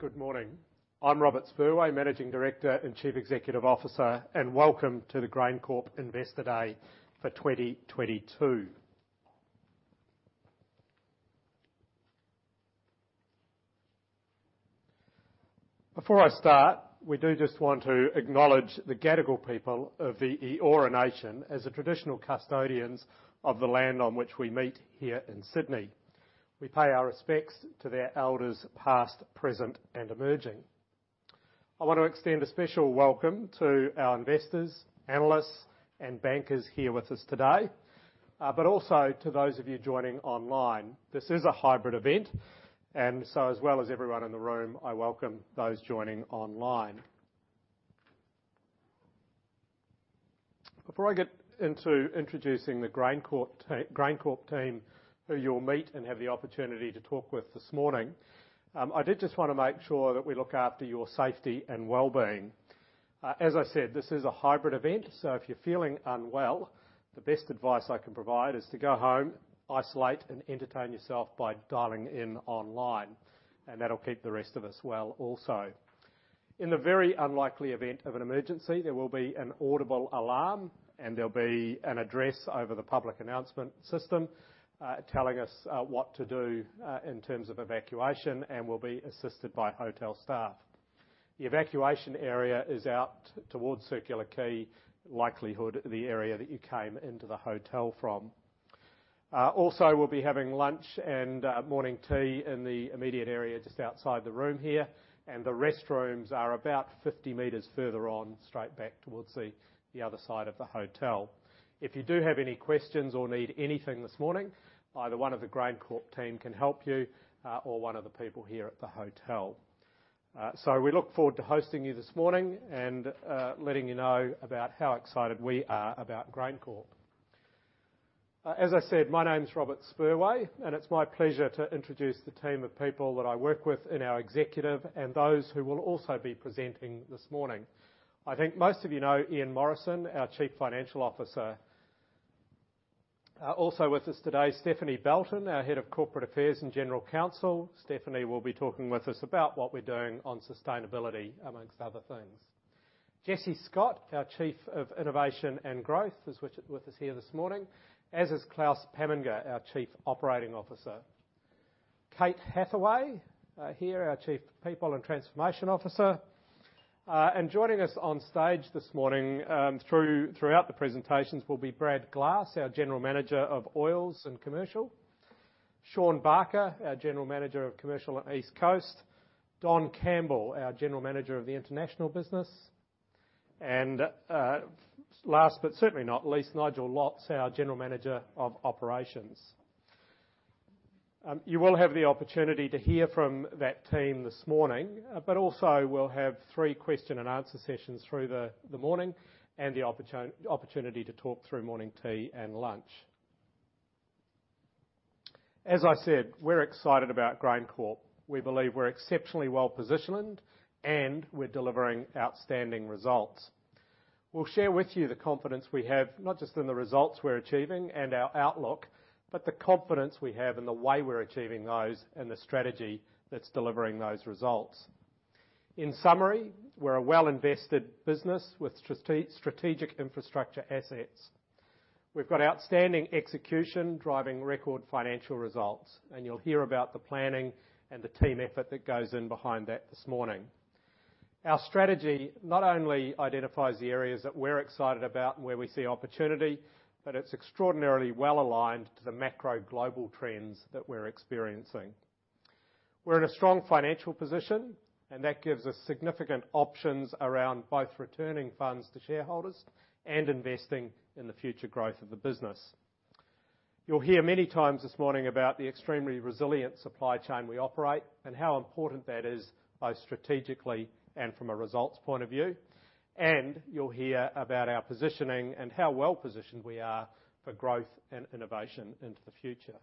Good morning. I'm Robert Spurway, Managing Director and Chief Executive Officer, and welcome to the GrainCorp Investor Day for 2022. Before I start, we do just want to acknowledge the Gadigal people of the Eora Nation as the traditional custodians of the land on which we meet here in Sydney. We pay our respects to their elders past, present, and emerging. I want to extend a special welcome to our investors, analysts, and bankers here with us today, but also to those of you joining online. This is a hybrid event, and so as well as everyone in the room, I welcome those joining online. Before I get into introducing the GrainCorp team who you'll meet and have the opportunity to talk with this morning, I did just wanna make sure that we look after your safety and wellbeing. As I said, this is a hybrid event, so if you're feeling unwell, the best advice I can provide is to go home, isolate, and entertain yourself by dialing in online, and that'll keep the rest of us well also. In the very unlikely event of an emergency, there will be an audible alarm and there'll be an address over the public announcement system, telling us what to do in terms of evacuation, and we'll be assisted by hotel staff. The evacuation area is out towards Circular Quay, likely the area that you came into the hotel from. Also, we'll be having lunch and morning tea in the immediate area just outside the room here, and the restrooms are about 50 meters further on straight back towards the other side of the hotel. If you do have any questions or need anything this morning, either one of the GrainCorp team can help you, or one of the people here at the hotel. We look forward to hosting you this morning and, letting you know about how excited we are about GrainCorp. As I said, my name's Robert Spurway, and it's my pleasure to introduce the team of people that I work with in our executive and those who will also be presenting this morning. I think most of you know Ian Morrison, our Chief Financial Officer. Also with us today, Stephanie Belton, our Head of Corporate Affairs and General Counsel. Stephanie will be talking with us about what we're doing on sustainability, among other things. Jesse Scott, our Chief of Innovation and Growth, is with us here this morning, as is Klaus Pamminger, our Chief Operating Officer. Cate Hathaway here, our Chief People and Transformation Officer. Joining us on stage this morning, throughout the presentations will be Brad Glass, our General Manager of Oils and Commercial. Sean Barker, our General Manager of Commercial at East Coast. Don Campbell, our General Manager of the International Business. Last but certainly not least, Nigel Lotz, our General Manager of Operations. You will have the opportunity to hear from that team this morning. Also we'll have three question and answer sessions through the morning and the opportunity to talk through morning tea and lunch. As I said, we're excited about GrainCorp. We believe we're exceptionally well-positioned, and we're delivering outstanding results. We'll share with you the confidence we have, not just in the results we're achieving and our outlook, but the confidence we have in the way we're achieving those and the strategy that's delivering those results. In summary, we're a well-invested business with strategic infrastructure assets. We've got outstanding execution driving record financial results, and you'll hear about the planning and the team effort that goes in behind that this morning. Our strategy not only identifies the areas that we're excited about and where we see opportunity, but it's extraordinarily well-aligned to the macro global trends that we're experiencing. We're in a strong financial position, and that gives us significant options around both returning funds to shareholders and investing in the future growth of the business. You'll hear many times this morning about the extremely resilient supply chain we operate and how important that is, both strategically and from a results point of view. You'll hear about our positioning and how well-positioned we are for growth and innovation into the future.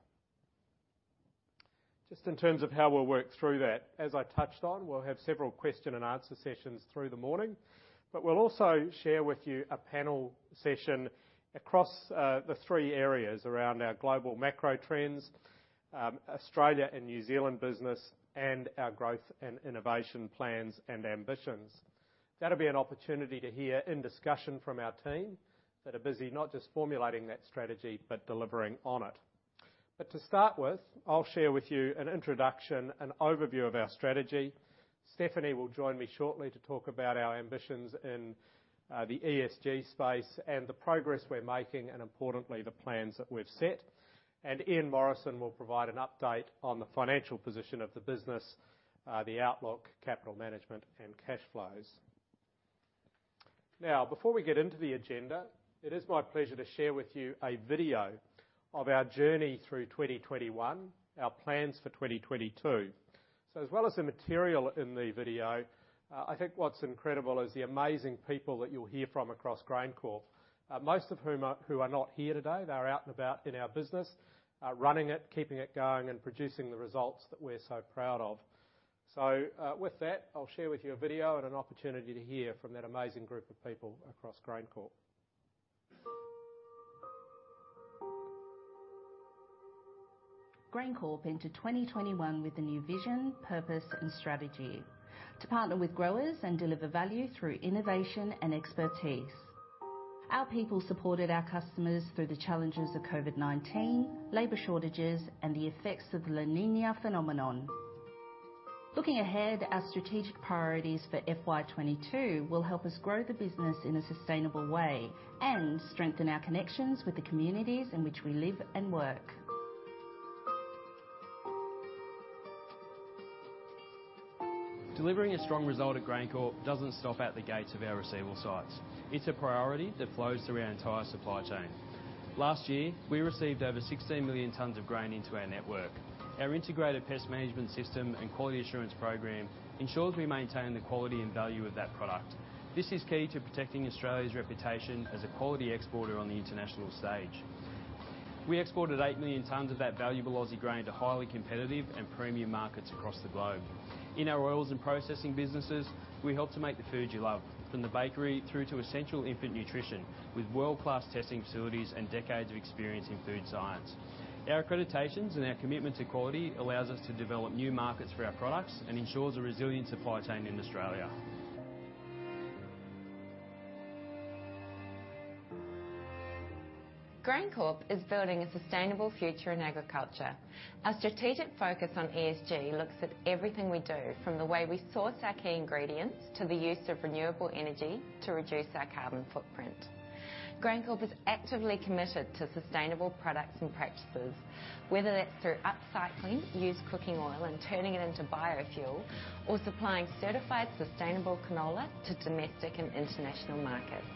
Just in terms of how we'll work through that, as I touched on, we'll have several question and answer sessions through the morning. We'll also share with you a panel session across the three areas around our global macro trends, Australia and New Zealand business, and our growth and innovation plans and ambitions. That'll be an opportunity to hear in discussion from our team that are busy not just formulating that strategy, but delivering on it. To start with, I'll share with you an introduction and overview of our strategy. Stephanie will join me shortly to talk about our ambitions in the ESG space and the progress we're making and importantly, the plans that we've set. Ian Morrison will provide an update on the financial position of the business, the outlook, capital management, and cash flows. Now, before we get into the agenda, it is my pleasure to share with you a video of our journey through 2021, our plans for 2022. As well as the material in the video, I think what's incredible is the amazing people that you'll hear from across GrainCorp, most of whom are not here today. They're out and about in our business, running it, keeping it going, and producing the results that we're so proud of. With that, I'll share with you a video and an opportunity to hear from that amazing group of people across GrainCorp. GrainCorp entered 2021 with a new vision, purpose, and strategy to partner with growers and deliver value through innovation and expertise. Our people supported our customers through the challenges of COVID-19, labor shortages, and the effects of the La Niña phenomenon. Looking ahead, our strategic priorities for FY 2022 will help us grow the business in a sustainable way and strengthen our connections with the communities in which we live and work. Delivering a strong result at GrainCorp doesn't stop at the gates of our receival sites. It's a priority that flows through our entire supply chain. Last year, we received over 16 million tons of grain into our network. Our integrated pest management system and quality assurance program ensures we maintain the quality and value of that product. This is key to protecting Australia's reputation as a quality exporter on the international stage. We exported 8 million tons of that valuable Aussie grain to highly competitive and premium markets across the globe. In our oils and processing businesses, we help to make the food you love, from the bakery through to essential infant nutrition with world-class testing facilities and decades of experience in food science. Our accreditations and our commitment to quality allows us to develop new markets for our products and ensures a resilient supply chain in Australia. GrainCorp is building a sustainable future in agriculture. Our strategic focus on ESG looks at everything we do, from the way we source our key ingredients to the use of renewable energy to reduce our carbon footprint. GrainCorp is actively committed to sustainable products and practices, whether that's through upcycling used cooking oil and turning it into biofuel or supplying certified sustainable canola to domestic and international markets.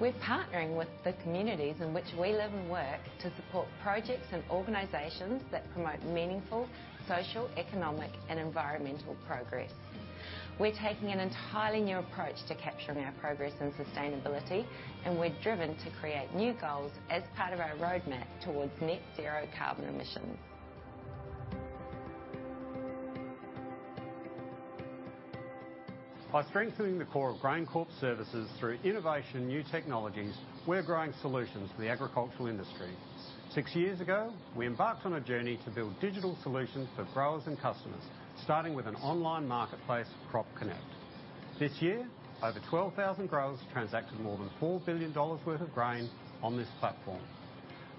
We're partnering with the communities in which we live and work to support projects and organizations that promote meaningful social, economic, and environmental progress. We're taking an entirely new approach to capturing our progress and sustainability, and we're driven to create new goals as part of our roadmap towards net zero carbon emissions. By strengthening the core of GrainCorp's services through innovation and new technologies, we're growing solutions for the agricultural industry. six years ago, we embarked on a journey to build digital solutions for growers and customers, starting with an online marketplace, CropConnect. This year, over 12,000 growers transacted more than 4 billion dollars worth of grain on this platform.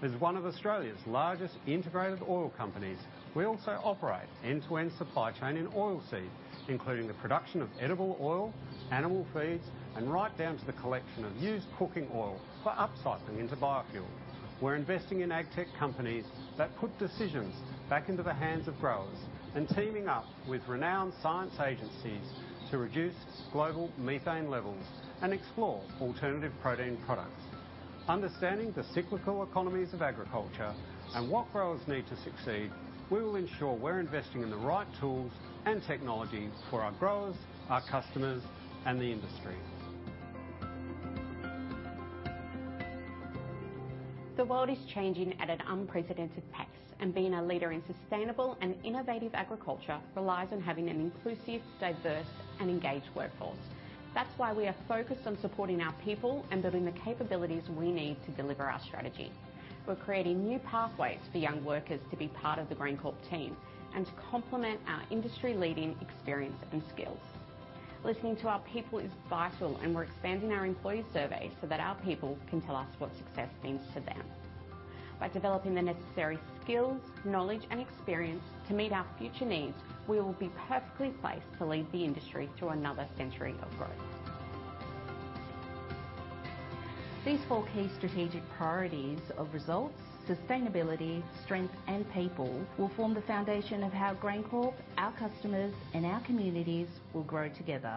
As one of Australia's largest integrated oil companies, we also operate end-to-end supply chain in oilseed, including the production of edible oil, animal feeds, and right down to the collection of used cooking oil for upcycling into biofuel. We're investing in ag tech companies that put decisions back into the hands of growers and teaming up with renowned science agencies to reduce global methane levels and explore alternative protein products. Understanding the cyclical economies of agriculture and what growers need to succeed, we will ensure we're investing in the right tools and technologies for our growers, our customers, and the industry. The world is changing at an unprecedented pace, and being a leader in sustainable and innovative agriculture relies on having an inclusive, diverse, and engaged workforce. That's why we are focused on supporting our people and building the capabilities we need to deliver our strategy. We're creating new pathways for young workers to be part of the GrainCorp team and to complement our industry-leading experience and skills. Listening to our people is vital, and we're expanding our employee survey so that our people can tell us what success means to them. By developing the necessary skills, knowledge, and experience to meet our future needs, we will be perfectly placed to lead the industry through another century of growth. These four key strategic priorities of results, sustainability, strength, and people will form the foundation of how GrainCorp, our customers, and our communities will grow together.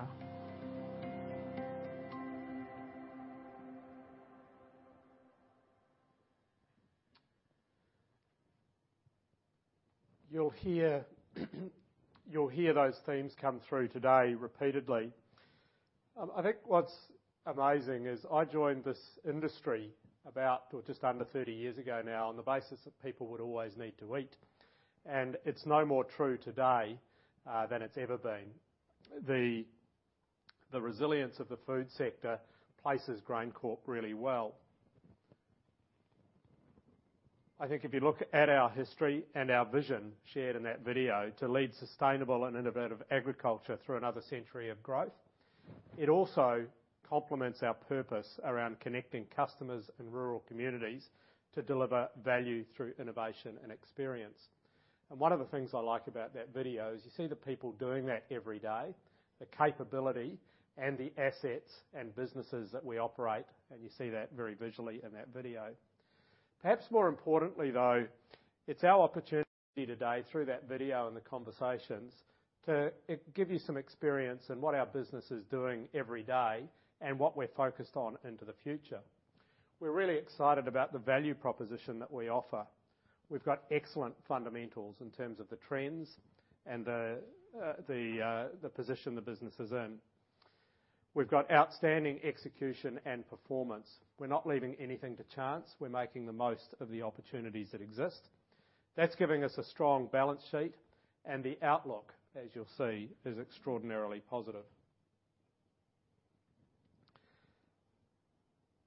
You'll hear those themes come through today repeatedly. I think what's amazing is I joined this industry about just under 30 years ago now on the basis that people would always need to eat, and it's no more true today than it's ever been. The resilience of the food sector places GrainCorp really well. I think if you look at our history and our vision shared in that video to lead sustainable and innovative agriculture through another century of growth, it also complements our purpose around connecting customers and rural communities to deliver value through innovation and experience. One of the things I like about that video is you see the people doing that every day, the capability and the assets and businesses that we operate, and you see that very visually in that video. Perhaps more importantly, though, it's our opportunity today through that video and the conversations to give you some experience in what our business is doing every day and what we're focused on into the future. We're really excited about the value proposition that we offer. We've got excellent fundamentals in terms of the trends and the position the business is in. We've got outstanding execution and performance. We're not leaving anything to chance. We're making the most of the opportunities that exist. That's giving us a strong balance sheet and the outlook, as you'll see, is extraordinarily positive.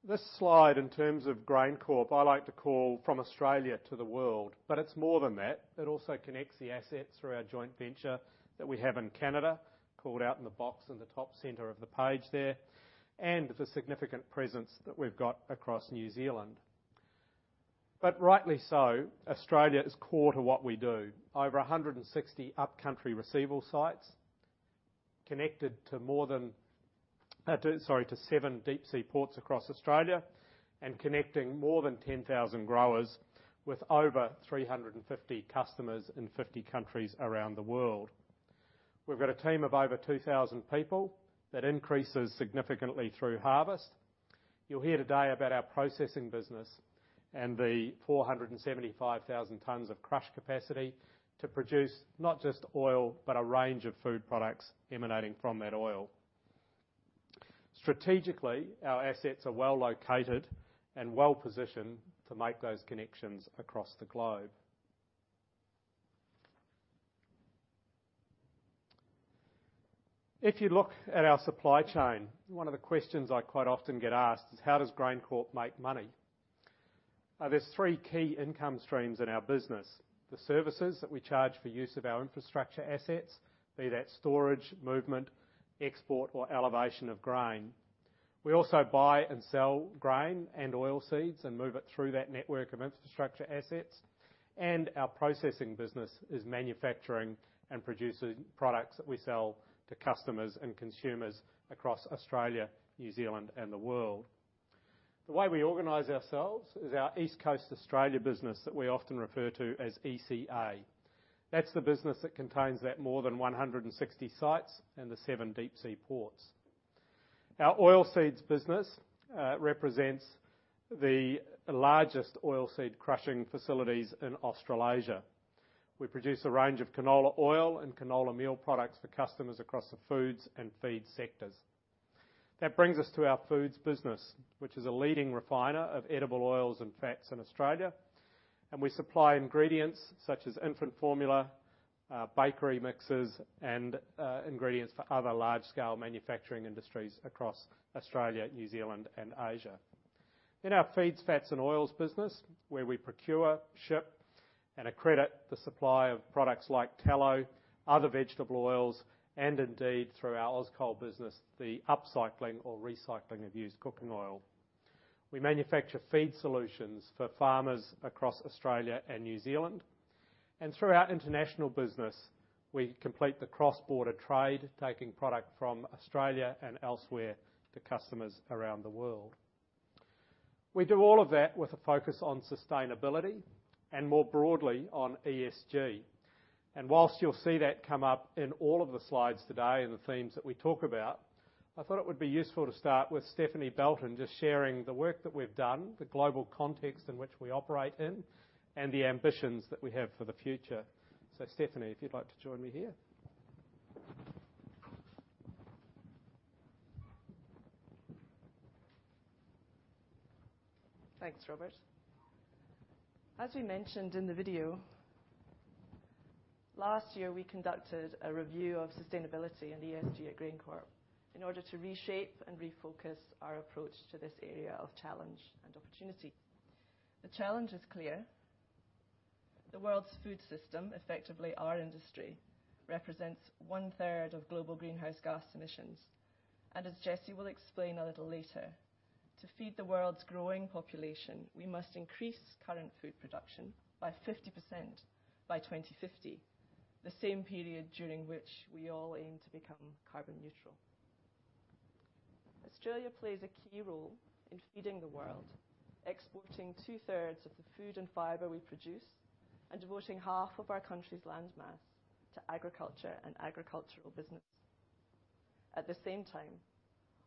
This slide in terms of GrainCorp, I like to call from Australia to the world, but it's more than that. It also connects the assets through our joint venture that we have in Canada, called out in the box in the top center of the page there, and the significant presence that we've got across New Zealand. Rightly so, Australia is core to what we do. Over 160 upcountry receival sites connected to more than seven deep-sea ports across Australia, and connecting more than 10,000 growers with over 350 customers in 50 countries around the world. We've got a team of over 2,000 people that increases significantly through harvest. You'll hear today about our processing business and the 475,000 tons of crush capacity to produce not just oil, but a range of food products emanating from that oil. Strategically, our assets are well located and well-positioned to make those connections across the globe. If you look at our supply chain, one of the questions I quite often get asked is: how does GrainCorp make money? There's three key income streams in our business. The services that we charge for use of our infrastructure assets, be that storage, movement, export or elevation of grain. We also buy and sell grain and oilseeds and move it through that network of infrastructure assets. Our processing business is manufacturing and producing products that we sell to customers and consumers across Australia, New Zealand, and the world. The way we organize ourselves is our East Coast Australia business that we often refer to as ECA. That's the business that contains more than 160 sites and the seven deep-sea ports. Our oilseeds business represents the largest oilseed crushing facilities in Australasia. We produce a range of canola oil and canola meal products for customers across the foods and feed sectors. That brings us to our foods business, which is a leading refiner of edible oils and fats in Australia, and we supply ingredients such as infant formula, bakery mixes, and ingredients for other large-scale manufacturing industries across Australia, New Zealand, and Asia. In our feeds, fats, and oils business, where we procure, ship, and accredit the supply of products like tallow, other vegetable oils, and indeed, through our Auscol business, the upcycling or recycling of used cooking oil. We manufacture feed solutions for farmers across Australia and New Zealand. Through our international business, we complete the cross-border trade, taking product from Australia and elsewhere to customers around the world. We do all of that with a focus on sustainability and more broadly on ESG. While you'll see that come up in all of the slides today and the themes that we talk about, I thought it would be useful to start with Stephanie Belton just sharing the work that we've done, the global context in which we operate in, and the ambitions that we have for the future. Stephanie, if you'd like to join me here. Thanks, Robert. As we mentioned in the video, last year, we conducted a review of sustainability and ESG at GrainCorp in order to reshape and refocus our approach to this area of challenge and opportunity. The challenge is clear: The world's food system, effectively our industry, represents one-third of global greenhouse gas emissions. As Jesse will explain a little later, to feed the world's growing population, we must increase current food production by 50% by 2050, the same period during which we all aim to become carbon neutral. Australia plays a key role in feeding the world, exporting two-thirds of the food and fiber we produce, and devoting half of our country's landmass to agriculture and agricultural business. At the same time,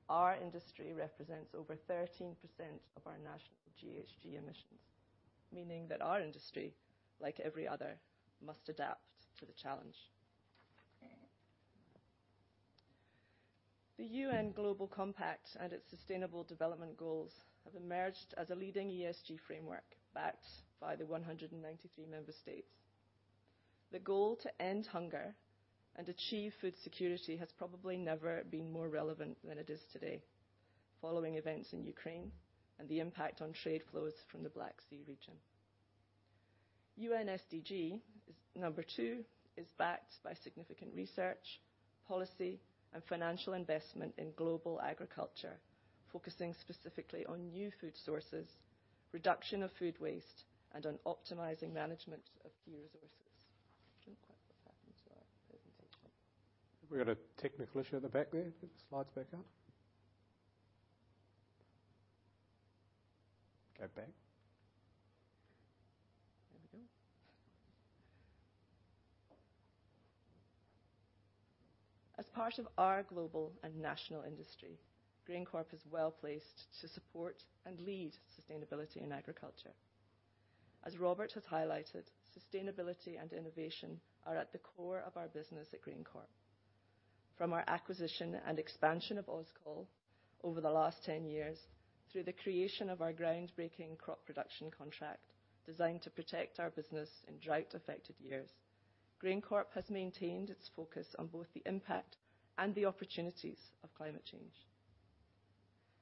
our industry represents over 13% of our national GHG emissions, meaning that our industry, like every other, must adapt to the challenge. The UN Global Compact and its Sustainable Development Goals have emerged as a leading ESG framework, backed by the 193 member states. The goal to end hunger and achieve food security has probably never been more relevant than it is today, following events in Ukraine and the impact on trade flows from the Black Sea region. UN SDG Number two is backed by significant research, policy, and financial investment in global agriculture, focusing specifically on new food sources, reduction of food waste, and on optimizing management of key resources. Don't know quite what's happened to our presentation. We've got a technical issue at the back there. Get the slides back up. Go back. There we go. As part of our global and national industry, GrainCorp is well placed to support and lead sustainability in agriculture. As Robert has highlighted, sustainability and innovation are at the core of our business at GrainCorp. From our acquisition and expansion of Auscol over the last 10 years through the creation of our groundbreaking crop production contract designed to protect our business in drought-affected years. GrainCorp has maintained its focus on both the impact and the opportunities of climate change.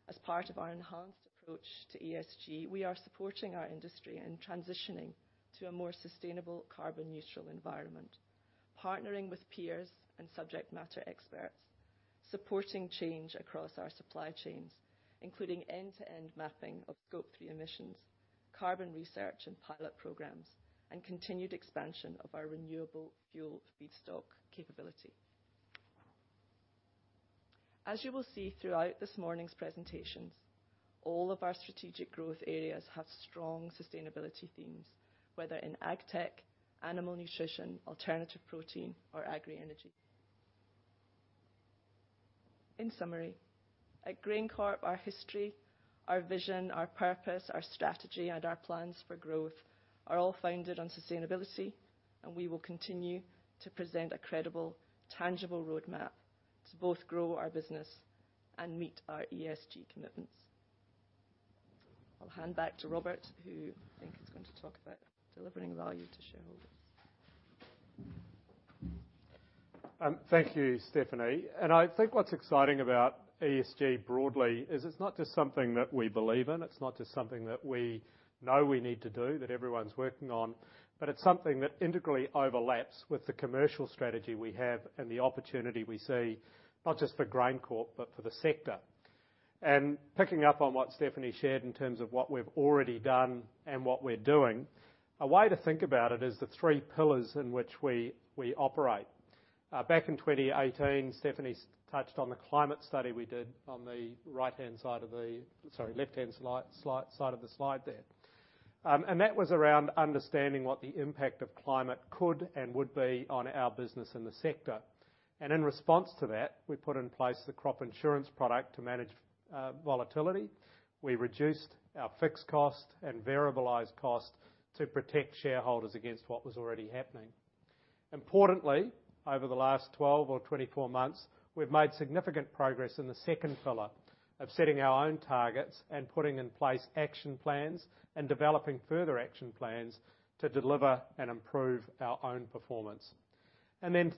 As part of our enhanced approach to ESG, we are supporting our industry in transitioning to a more sustainable carbon neutral environment, partnering with peers and subject matter experts, supporting change across our supply chains, including end-to-end mapping of Scope 3 emissions, carbon research and pilot programs, and continued expansion of our renewable fuel feedstock capability. As you will see throughout this morning's presentations, all of our strategic growth areas have strong sustainability themes, whether in ag tech, animal nutrition, alternative protein or agri energy. In summary, at GrainCorp, our history, our vision, our purpose, our strategy, and our plans for growth are all founded on sustainability, and we will continue to present a credible, tangible roadmap to both grow our business and meet our ESG commitments. I'll hand back to Robert, who I think is going to talk about delivering value to shareholders. Thank you, Stephanie. I think what's exciting about ESG broadly is it's not just something that we believe in, it's not just something that we know we need to do that everyone's working on, but it's something that integrally overlaps with the commercial strategy we have and the opportunity we see, not just for GrainCorp but for the sector. Picking up on what Stephanie shared in terms of what we've already done and what we're doing, a way to think about it is the three pillars in which we operate. Back in 2018, Stephanie's touched on the climate study we did on the right-hand side of the. Sorry, left-hand side of the slide there. That was around understanding what the impact of climate could and would be on our business in the sector. In response to that, we put in place the crop insurance product to manage volatility. We reduced our fixed cost and variabilized cost to protect shareholders against what was already happening. Importantly, over the last 12 or 24 months, we've made significant progress in the second pillar of setting our own targets and putting in place action plans and developing further action plans to deliver and improve our own performance.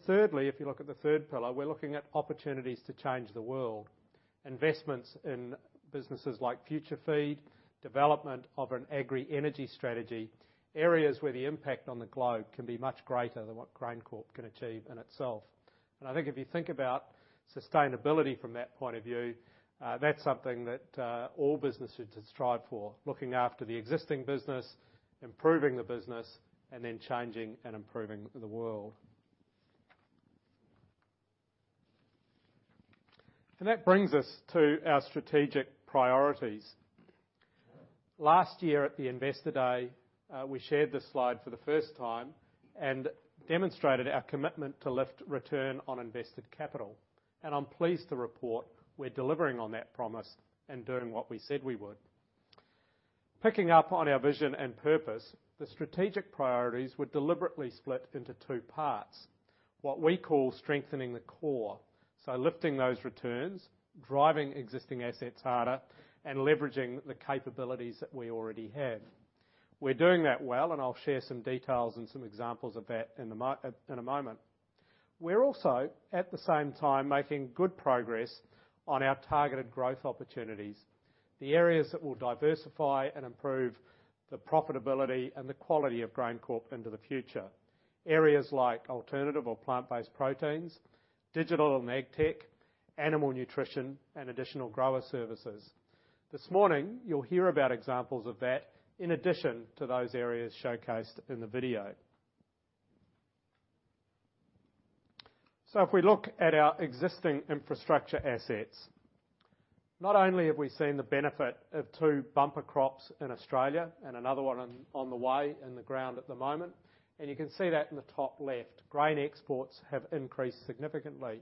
Thirdly, if you look at the third pillar, we're looking at opportunities to change the world. Investments in businesses like FutureFeed, development of an agri energy strategy, areas where the impact on the globe can be much greater than what GrainCorp can achieve in itself. I think if you think about sustainability from that point of view, that's something that all businesses strive for, looking after the existing business, improving the business, and then changing and improving the world. That brings us to our strategic priorities. Last year at the Investor Day, we shared this slide for the first time and demonstrated our commitment to lift return on invested capital. I'm pleased to report we're delivering on that promise and doing what we said we would. Picking up on our vision and purpose, the strategic priorities were deliberately split into two parts, what we call strengthening the core. Lifting those returns, driving existing assets harder, and leveraging the capabilities that we already have. We're doing that well, and I'll share some details and some examples of that in a moment. We're also, at the same time, making good progress on our targeted growth opportunities, the areas that will diversify and improve the profitability and the quality of GrainCorp into the future. Areas like alternative or plant-based proteins, digital and ag tech, animal nutrition, and additional grower services. This morning, you'll hear about examples of that in addition to those areas showcased in the video. If we look at our existing infrastructure assets, not only have we seen the benefit of two bumper crops in Australia and another one on the way in the ground at the moment, and you can see that in the top left. Grain exports have increased significantly.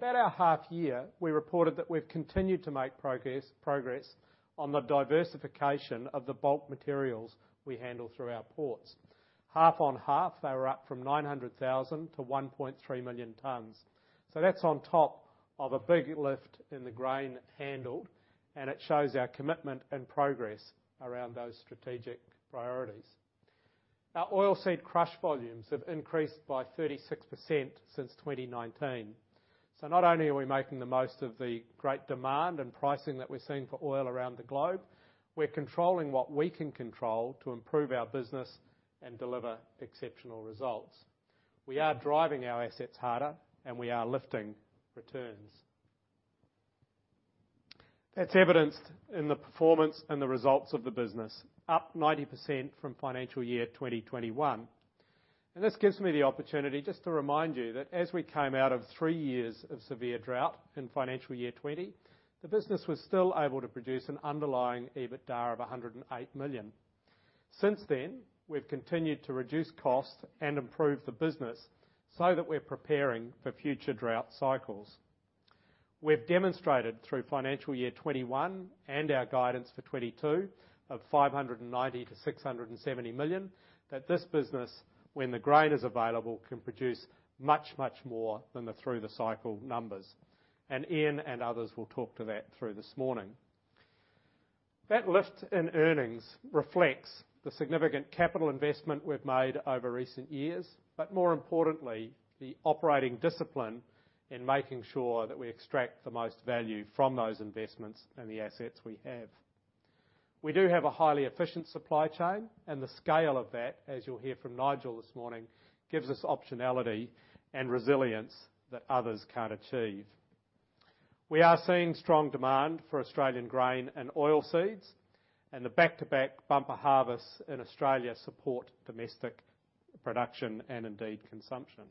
At our half year, we reported that we've continued to make progress on the diversification of the bulk materials we handle through our ports. Half on half, they were up from 900,000 tons-1.3 million tons. That's on top of a big lift in the grain handled, and it shows our commitment and progress around those strategic priorities. Our oilseed crush volumes have increased by 36% since 2019. Not only are we making the most of the great demand and pricing that we're seeing for oil around the globe, we're controlling what we can control to improve our business and deliver exceptional results. We are driving our assets harder, and we are lifting returns. That's evidenced in the performance and the results of the business, up 90% from financial year 2021. This gives me the opportunity just to remind you that as we came out of three years of severe drought in financial year 2020, the business was still able to produce an underlying EBITDA of 108 million. Since then, we've continued to reduce costs and improve the business so that we're preparing for future drought cycles. We've demonstrated through financial year 2021 and our guidance for 2022 of 590 million-670 million that this business, when the grain is available, can produce much, much more than the through-the-cycle numbers. Ian and others will talk to that through this morning. That lift in earnings reflects the significant capital investment we've made over recent years, but more importantly, the operating discipline in making sure that we extract the most value from those investments and the assets we have. We do have a highly efficient supply chain, and the scale of that, as you'll hear from Nigel this morning, gives us optionality and resilience that others can't achieve. We are seeing strong demand for Australian grain and oilseeds, and the back-to-back bumper harvests in Australia support domestic production and indeed consumption.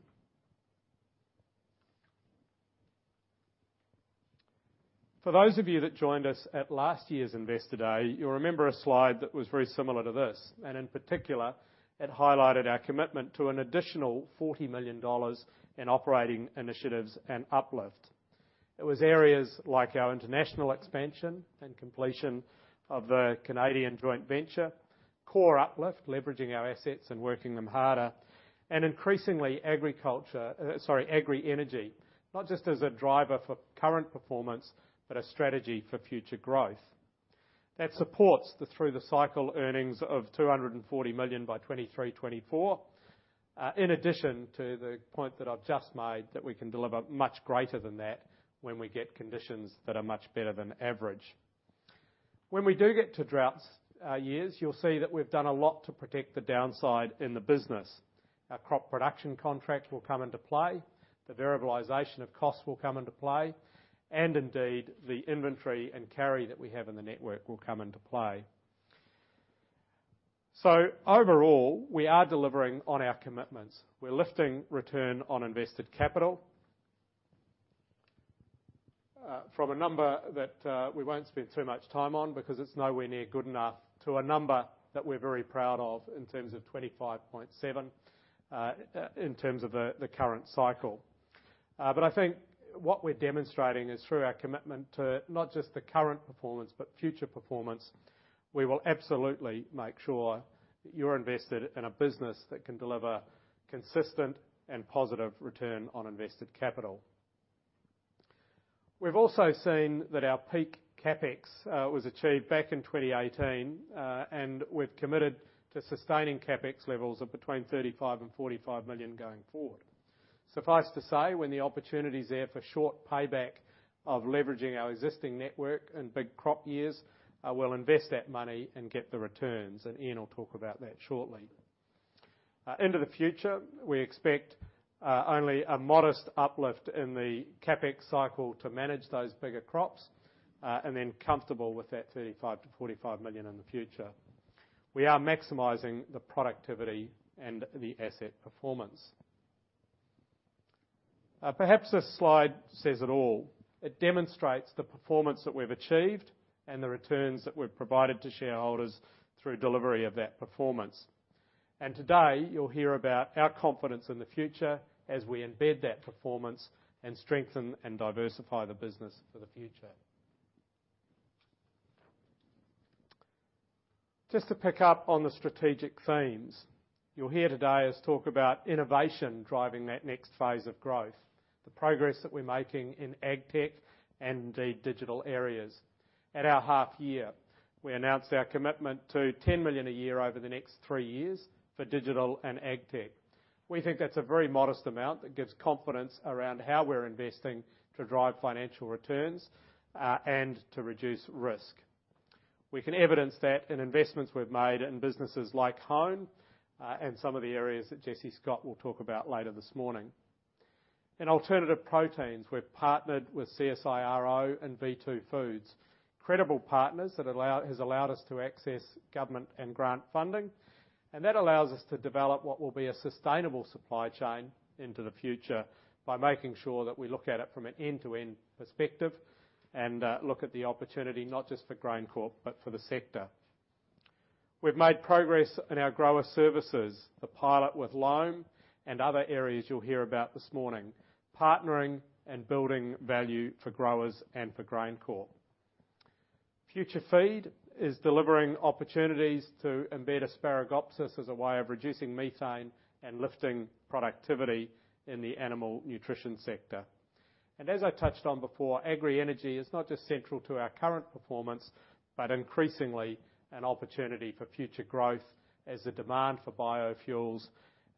For those of you that joined us at last year's Investor Day, you'll remember a slide that was very similar to this, and in particular, it highlighted our commitment to an additional 40 million dollars in operating initiatives and uplift. It was areas like our international expansion and completion of the Canadian joint venture, core uplift, leveraging our assets and working them harder, and increasingly agri-energy, not just as a driver for current performance, but a strategy for future growth. That supports the through-the-cycle earnings of 240 million by 2023, 2024, in addition to the point that I've just made that we can deliver much greater than that when we get conditions that are much better than average. When we do get to droughts, years, you'll see that we've done a lot to protect the downside in the business. Our crop production contract will come into play, the variabilization of costs will come into play, and indeed, the inventory and carry that we have in the network will come into play. Overall, we are delivering on our commitments. We're lifting return on invested capital from a number that we won't spend too much time on because it's nowhere near good enough to a number that we're very proud of in terms of 25.7% in terms of the current cycle. I think what we're demonstrating is through our commitment to not just the current performance, but future performance, we will absolutely make sure that you're invested in a business that can deliver consistent and positive return on invested capital. We've also seen that our peak CapEx was achieved back in 2018 and we've committed to sustaining CapEx levels of between 35 million and 45 million going forward. Suffice to say, when the opportunity is there for short payback of leveraging our existing network in big crop years, we'll invest that money and get the returns, and Ian will talk about that shortly. Into the future, we expect only a modest uplift in the CapEx cycle to manage those bigger crops, and then comfortable with that 35 million-45 million in the future. We are maximizing the productivity and the asset performance. Perhaps this slide says it all. It demonstrates the performance that we've achieved and the returns that we've provided to shareholders through delivery of that performance. Today, you'll hear about our confidence in the future as we embed that performance and strengthen and diversify the business for the future. Just to pick up on the strategic themes, you'll hear today us talk about innovation driving that next phase of growth, the progress that we're making in ag tech and the digital areas. At our half year, we announced our commitment to 10 million a year over the next three years for digital and ag tech. We think that's a very modest amount that gives confidence around how we're investing to drive financial returns, and to reduce risk. We can evidence that in investments we've made in businesses like Hone, and some of the areas that Jesse Scott will talk about later this morning. In alternative proteins, we've partnered with CSIRO and v2food, credible partners that allow, has allowed us to access government and grant funding. That allows us to develop what will be a sustainable supply chain into the future by making sure that we look at it from an end-to-end perspective and look at the opportunity not just for GrainCorp, but for the sector. We've made progress in our grower services, the pilot with Loam and other areas you'll hear about this morning. Partnering and building value for growers and for GrainCorp. FutureFeed is delivering opportunities to embed Asparagopsis as a way of reducing methane and lifting productivity in the animal nutrition sector. As I touched on before, agri-energy is not just central to our current performance, but increasingly an opportunity for future growth as the demand for biofuels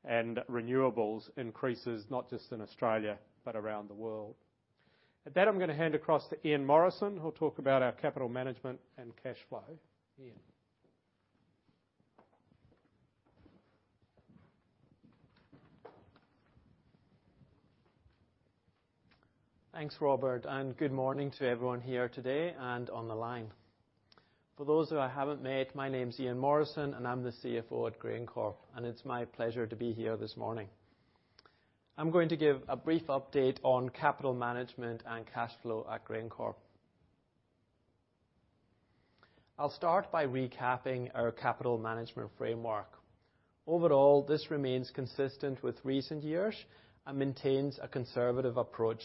and renewables increases, not just in Australia, but around the world. At that, I'm gonna hand across to Ian Morrison, who'll talk about our capital management and cash flow. Ian? Thanks Robert and good morning to everyone here today and on the line. For those who I haven't met, my name's Ian Morrison, and I'm the CFO at GrainCorp, and it's my pleasure to be here this morning. I'm going to give a brief update on capital management and cash flow at GrainCorp. I'll start by recapping our capital management framework. Overall, this remains consistent with recent years and maintains a conservative approach.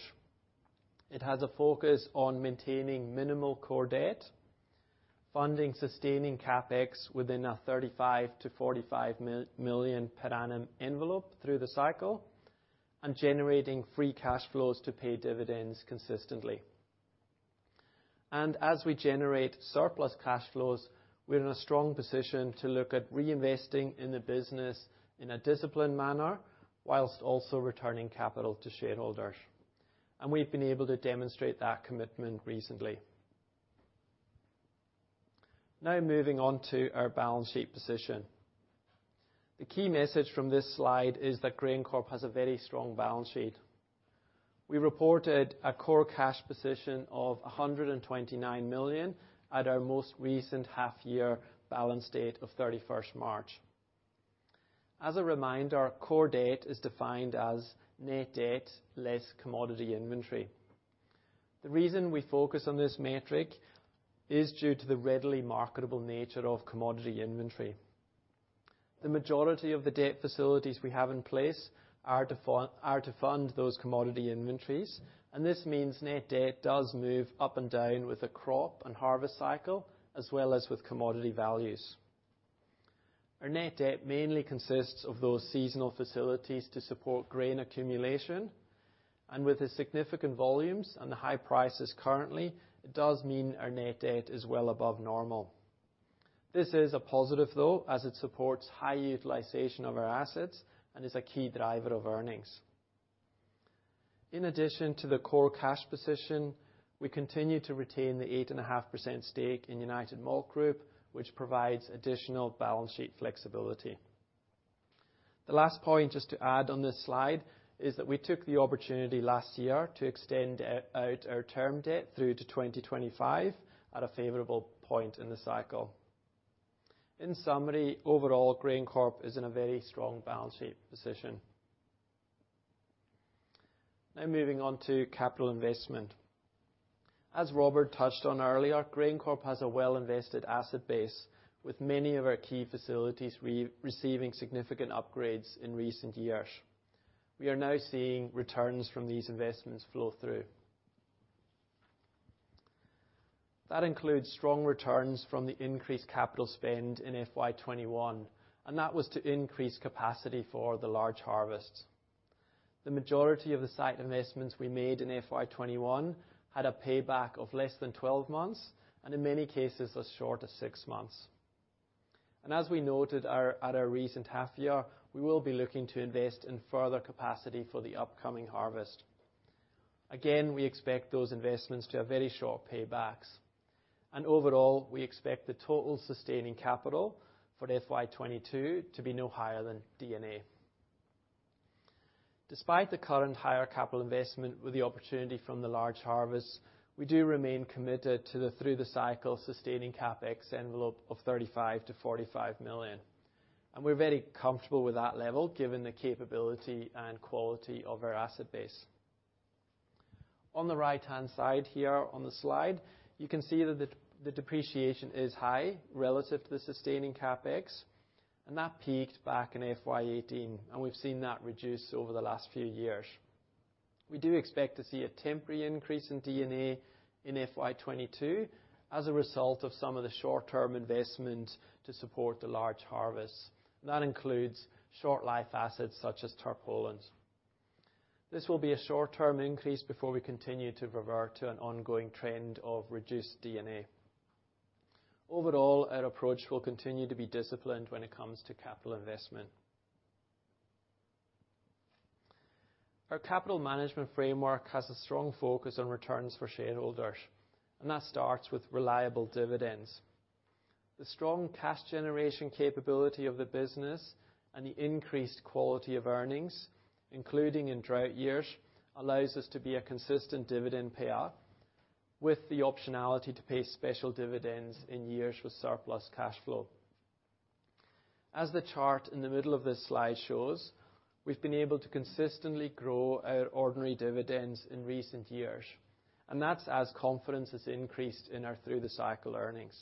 It has a focus on maintaining minimal core debt, funding sustaining CapEx within a 35 million-45 million per annum envelope through the cycle, generating free cash flows to pay dividends consistently. As we generate surplus cash flows, we're in a strong position to look at reinvesting in the business in a disciplined manner, while also returning capital to shareholders. We've been able to demonstrate that commitment recently. Now moving on to our balance sheet position. The key message from this slide is that GrainCorp has a very strong balance sheet. We reported a core cash position of 129 million at our most recent half year balance date of 31st March. As a reminder, core debt is defined as net debt less commodity inventory. The reason we focus on this metric is due to the readily marketable nature of commodity inventory. The majority of the debt facilities we have in place are to fund those commodity inventories, and this means net debt does move up and down with the crop and harvest cycle, as well as with commodity values. Our net debt mainly consists of those seasonal facilities to support grain accumulation, and with the significant volumes and the high prices currently, it does mean our net debt is well above normal. This is a positive though, as it supports high utilization of our assets and is a key driver of earnings. In addition to the core cash position, we continue to retain the 8.5% stake in United Malt Group, which provides additional balance sheet flexibility. The last point just to add on this slide is that we took the opportunity last year to extend out our term debt through to 2025 at a favorable point in the cycle. In summary, overall, GrainCorp is in a very strong balance sheet position. Now moving on to capital investment. As Robert touched on earlier, GrainCorp has a well invested asset base, with many of our key facilities receiving significant upgrades in recent years. We are now seeing returns from these investments flow through. That includes strong returns from the increased capital spend in FY 2021, and that was to increase capacity for the large harvest. The majority of the site investments we made in FY21 had a payback of less than 12 months, and in many cases, as short as six months. As we noted at our recent half year, we will be looking to invest in further capacity for the upcoming harvest. Again, we expect those investments to have very short paybacks. Overall, we expect the total sustaining capital for FY 2022 to be no higher than D&A. Despite the current higher capital investment with the opportunity from the large harvest, we do remain committed to the through-the-cycle sustaining CapEx envelope of 35 million-45 million. We're very comfortable with that level given the capability and quality of our asset base. On the right-hand side here on the slide, you can see that the depreciation is high relative to the sustaining CapEx, and that peaked back in FY 2018, and we've seen that reduce over the last few years. We do expect to see a temporary increase in D&A in FY 2022 as a result of some of the short-term investment to support the large harvest. That includes short-life assets such as tarpaulins. This will be a short-term increase before we continue to revert to an ongoing trend of reduced D&A. Overall, our approach will continue to be disciplined when it comes to capital investment. Our capital management framework has a strong focus on returns for shareholders, and that starts with reliable dividends. The strong cash generation capability of the business and the increased quality of earnings, including in drought years, allows us to be a consistent dividend payer, with the optionality to pay special dividends in years with surplus cash flow. As the chart in the middle of this slide shows, we've been able to consistently grow our ordinary dividends in recent years, and that's as confidence has increased in our through-the-cycle earnings.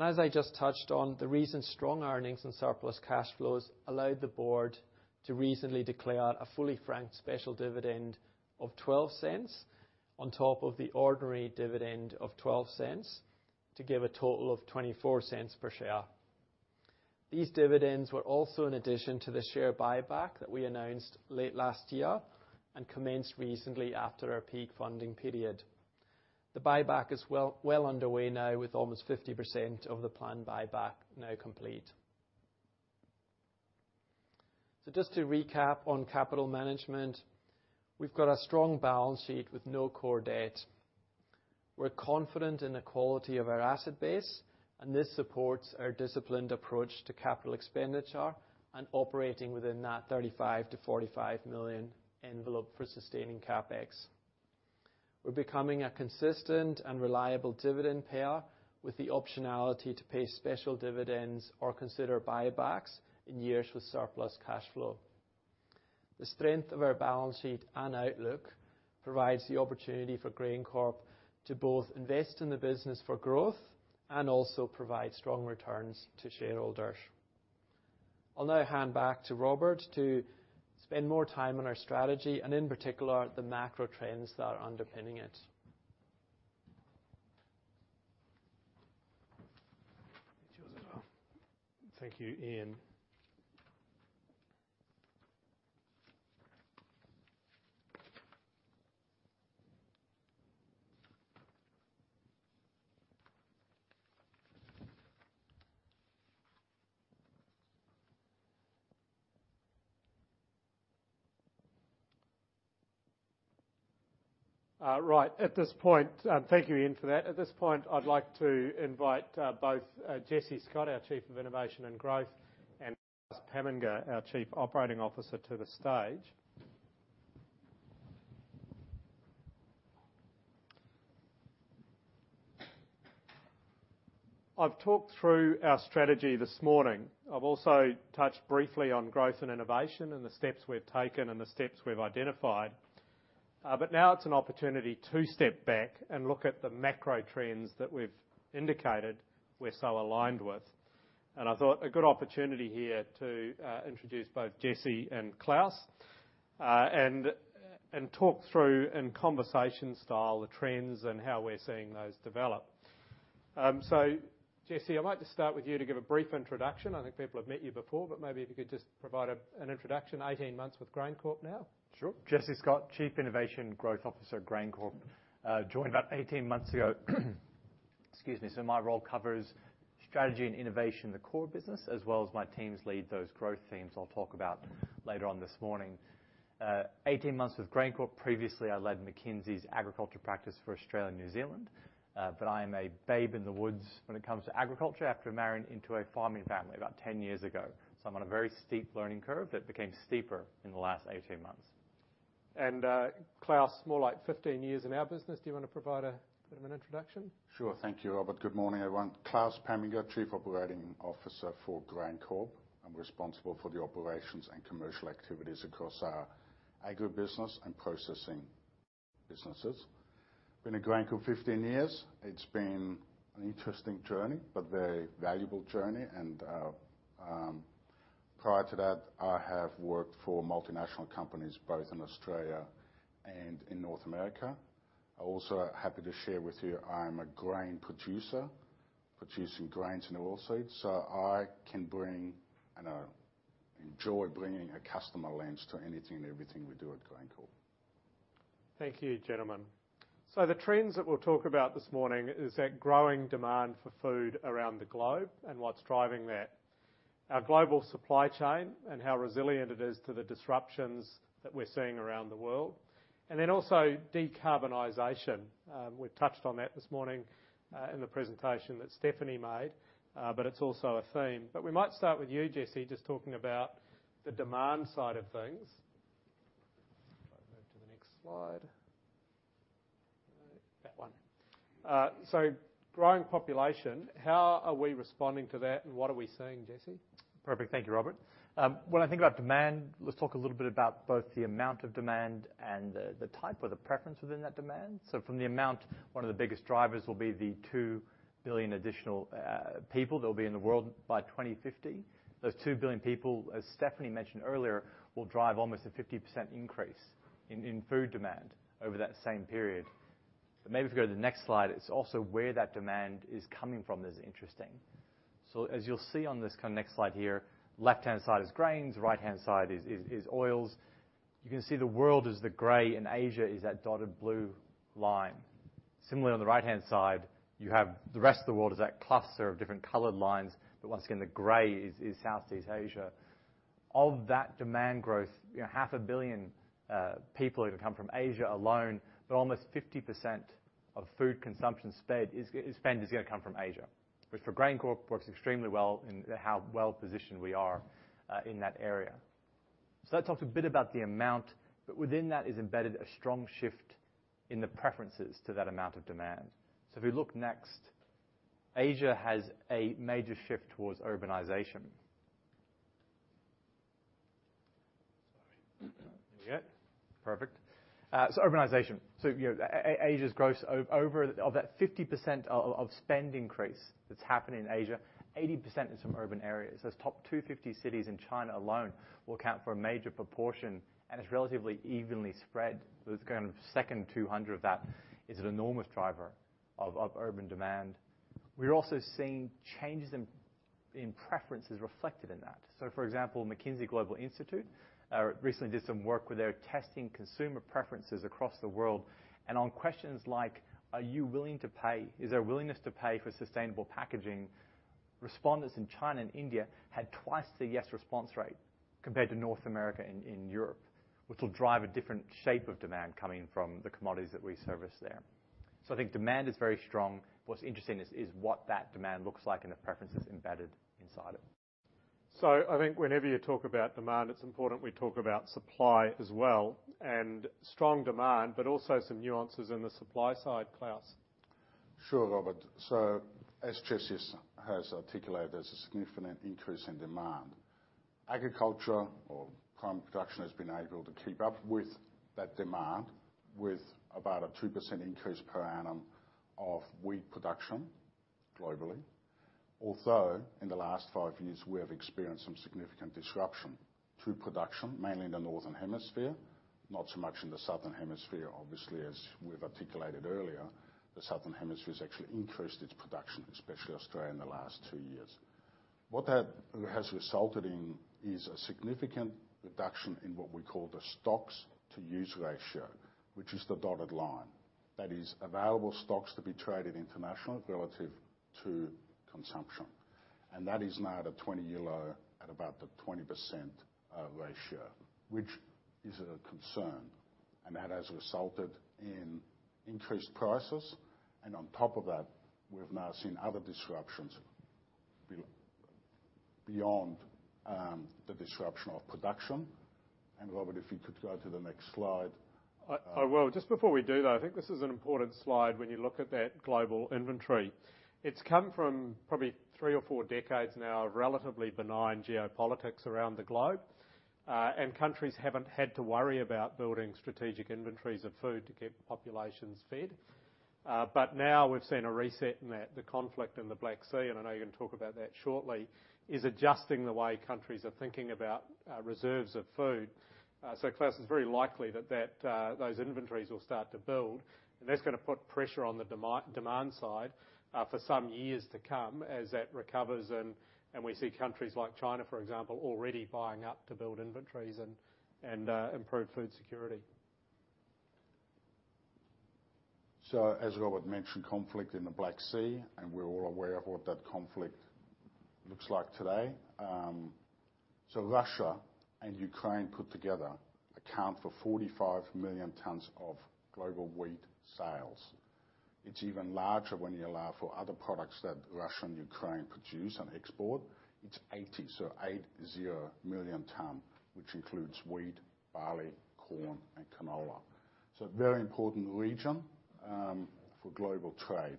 As I just touched on, the recent strong earnings and surplus cash flows allowed the board to recently declare a fully franked special dividend of 0.12 on top of the ordinary dividend of 0.12 to give a total of 0.24 per share. These dividends were also an addition to the share buyback that we announced late last year and commenced recently after our peak funding period. The buyback is well underway now with almost 50% of the planned buyback now complete. Just to recap on capital management, we've got a strong balance sheet with no core debt. We're confident in the quality of our asset base, and this supports our disciplined approach to capital expenditure and operating within that 35 million-45 million envelope for sustaining CapEx. We're becoming a consistent and reliable dividend payer with the optionality to pay special dividends or consider buybacks in years with surplus cash flow. The strength of our balance sheet and outlook provides the opportunity for GrainCorp to both invest in the business for growth and also provide strong returns to shareholders. I'll now hand back to Robert to spend more time on our strategy and in particular, the macro trends that are underpinning it. Thank you, Ian. At this point, thank you, Ian, for that. At this point, I'd like to invite both Jesse Scott, our Chief Innovation and Growth Officer, and Klaus Pamminger, our Chief Operating Officer, to the stage. I've talked through our strategy this morning. I've also touched briefly on growth and innovation and the steps we've taken and the steps we've identified. Now it's an opportunity to step back and look at the macro trends that we've indicated we're so aligned with. I thought a good opportunity here to introduce both Jesse and Klaus, and talk through in conversation style the trends and how we're seeing those develop. So Jesse, I'd like to start with you to give a brief introduction. I think people have met you before, but maybe if you could just provide an introduction. 18 months with GrainCorp now. Sure. Jesse Scott, Chief Innovation and Growth Officer at GrainCorp. Joined about 18 months ago. Excuse me. My role covers strategy and innovation, the core business, as well as my teams lead those growth themes I'll talk about later on this morning. 18 months with GrainCorp. Previously, I led McKinsey's agriculture practice for Australia and New Zealand, but I am a babe in the woods when it comes to agriculture after marrying into a farming family about 10 years ago. I'm on a very steep learning curve that became steeper in the last 18 months. Klaus, more like 15 years in our business. Do you wanna provide a bit of an introduction? Sure. Thank you, Robert. Good morning, everyone. Klaus Pamminger, Chief Operating Officer for GrainCorp. I'm responsible for the operations and commercial activities across our agribusiness and processing businesses. Been at GrainCorp 15 years. It's been an interesting journey but very valuable journey. Prior to that, I have worked for multinational companies both in Australia and in North America. I also happy to share with you, I'm a grain producer, producing grains and oilseeds, so I can bring and enjoy bringing a customer lens to anything and everything we do at GrainCorp. Thank you, gentlemen. The trends that we'll talk about this morning is that growing demand for food around the globe and what's driving that. Our global supply chain and how resilient it is to the disruptions that we're seeing around the world. Then also decarbonization. We've touched on that this morning, in the presentation that Stephanie made, but it's also a theme. We might start with you, Jesse, just talking about the demand side of things. If I move to the next slide. That one. Growing population, how are we responding to that, and what are we seeing, Jesse? Perfect. Thank you, Robert. When I think about demand, let's talk a little bit about both the amount of demand and the type or the preference within that demand. From the amount, one of the biggest drivers will be the 2 billion additional people that'll be in the world by 2050. Those 2 billion people, as Stephanie mentioned earlier, will drive almost a 50% increase in food demand over that same period. Maybe if we go to the next slide, it's also where that demand is coming from that's interesting. As you'll see on this next slide here, left-hand side is grains, right-hand side is oils. You can see the world is the gray and Asia is that dotted blue line. Similarly on the right-hand side, you have the rest of the world is that cluster of different colored lines, but once again the gray is Southeast Asia. Of that demand growth, you know, 500 million people are gonna come from Asia alone, but almost 50% of food consumption spend is gonna come from Asia. Which for GrainCorp works extremely well in how well-positioned we are in that area. Let's talk a bit about the amount, but within that is embedded a strong shift in the preferences to that amount of demand. If we look next, Asia has a major shift towards urbanization. Urbanization. You know, of that 50% of spend increase that's happened in Asia, 80% is from urban areas. Those top 250 cities in China alone will account for a major proportion, and it's relatively evenly spread. Those kind of second 200 of that is an enormous driver of urban demand. We're also seeing changes in preferences reflected in that. For example, McKinsey Global Institute recently did some work where they were testing consumer preferences across the world. On questions like, Are you willing to pay? Is there a willingness to pay for sustainable packaging? Respondents in China and India had twice the yes response rate compared to North America and Europe, which will drive a different shape of demand coming from the commodities that we service there. I think demand is very strong. What's interesting is what that demand looks like and the preferences embedded inside it. I think whenever you talk about demand, it's important we talk about supply as well, and strong demand, but also some nuances in the supply side, Klaus. Sure, Robert. As Jesse has articulated, there's a significant increase in demand. Agriculture or farm production has been able to keep up with that demand with about a 2% increase per annum of wheat production globally. Although, in the last five years, we have experienced some significant disruption to production, mainly in the Northern Hemisphere. Not so much in the Southern Hemisphere, obviously, as we've articulated earlier, the Southern Hemisphere's actually increased its production, especially Australia, in the last two years. What that has resulted in is a significant reduction in what we call the stocks to use ratio, which is the dotted line. That is available stocks to be traded internationally relative to consumption. That is now at a 20-year low at about the 20%, ratio, which is a concern. That has resulted in increased prices, and on top of that, we've now seen other disruptions beyond the disruption of production. Robert, if you could go to the next slide. I will. Just before we do, though, I think this is an important slide when you look at that global inventory. It's come from probably three or four decades now of relatively benign geopolitics around the globe. Countries haven't had to worry about building strategic inventories of food to keep populations fed. Now we've seen a reset in that the conflict in the Black Sea, and I know you're gonna talk about that shortly, is adjusting the way countries are thinking about reserves of food. Klaus, it's very likely that those inventories will start to build, and that's gonna put pressure on the demand side for some years to come as that recovers and we see countries like China, for example, already buying up to build inventories and improve food security. As Robert mentioned, conflict in the Black Sea, and we're all aware of what that conflict looks like today. Russia and Ukraine put together account for 45 million tons of global wheat sales. It's even larger when you allow for other products that Russia and Ukraine produce and export. It's 80 million tons, which includes wheat, barley, corn, and canola. A very important region for global trade.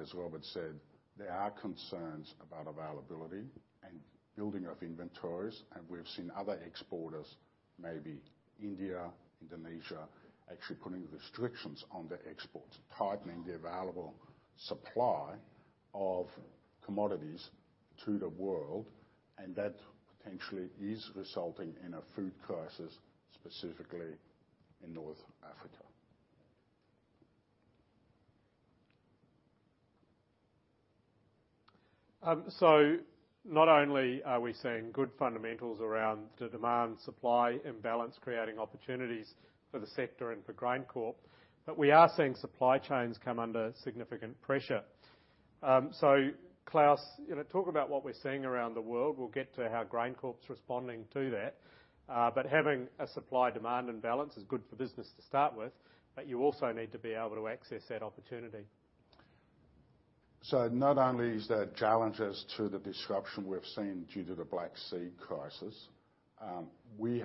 As Robert said, there are concerns about availability and building of inventories, and we've seen other exporters, maybe India, Indonesia, actually putting restrictions on their exports, tightening the available supply of commodities to the world, and that potentially is resulting in a food crisis, specifically in North Africa. Not only are we seeing good fundamentals around the demand, supply, and balance creating opportunities for the sector and for GrainCorp, but we are seeing supply chains come under significant pressure. Klaus, you know, talk about what we're seeing around the world. We'll get to how GrainCorp's responding to that. Having a supply, demand, and balance is good for business to start with, but you also need to be able to access that opportunity. Not only is there challenges to the disruption we've seen due to the Black Sea crisis, we,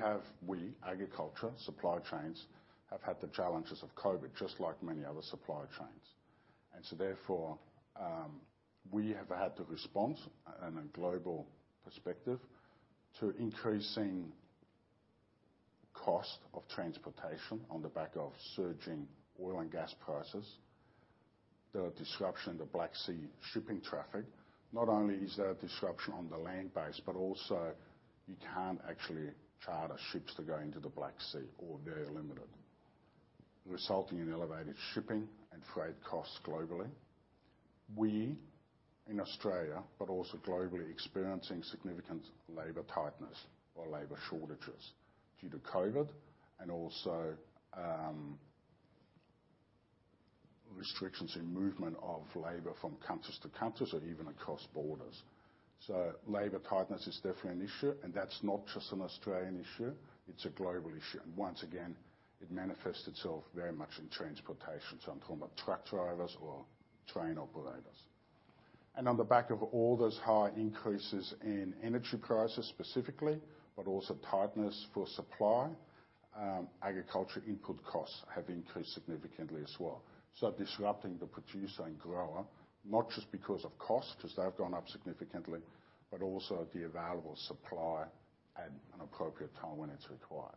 agriculture, supply chains, have had the challenges of COVID just like many other supply chains. We have had to respond on a global perspective to increasing cost of transportation on the back of surging oil and gas prices, the disruption of the Black Sea shipping traffic. Not only is there a disruption on the land base, but also you can't actually charter ships to go into the Black Sea or they're limited, resulting in elevated shipping and freight costs globally. We, in Australia, but also globally, are experiencing significant labor tightness or labor shortages due to COVID and also, restrictions in movement of labor from countries to countries or even across borders. Labor tightness is definitely an issue, and that's not just an Australian issue, it's a global issue. Once again, it manifests itself very much in transportation, so I'm talking about truck drivers or train operators. On the back of all those high increases in energy prices specifically, but also tightness for supply, agriculture input costs have increased significantly as well. Disrupting the producer and grower, not just because of cost, 'cause they've gone up significantly, but also the available supply at an appropriate time when it's required.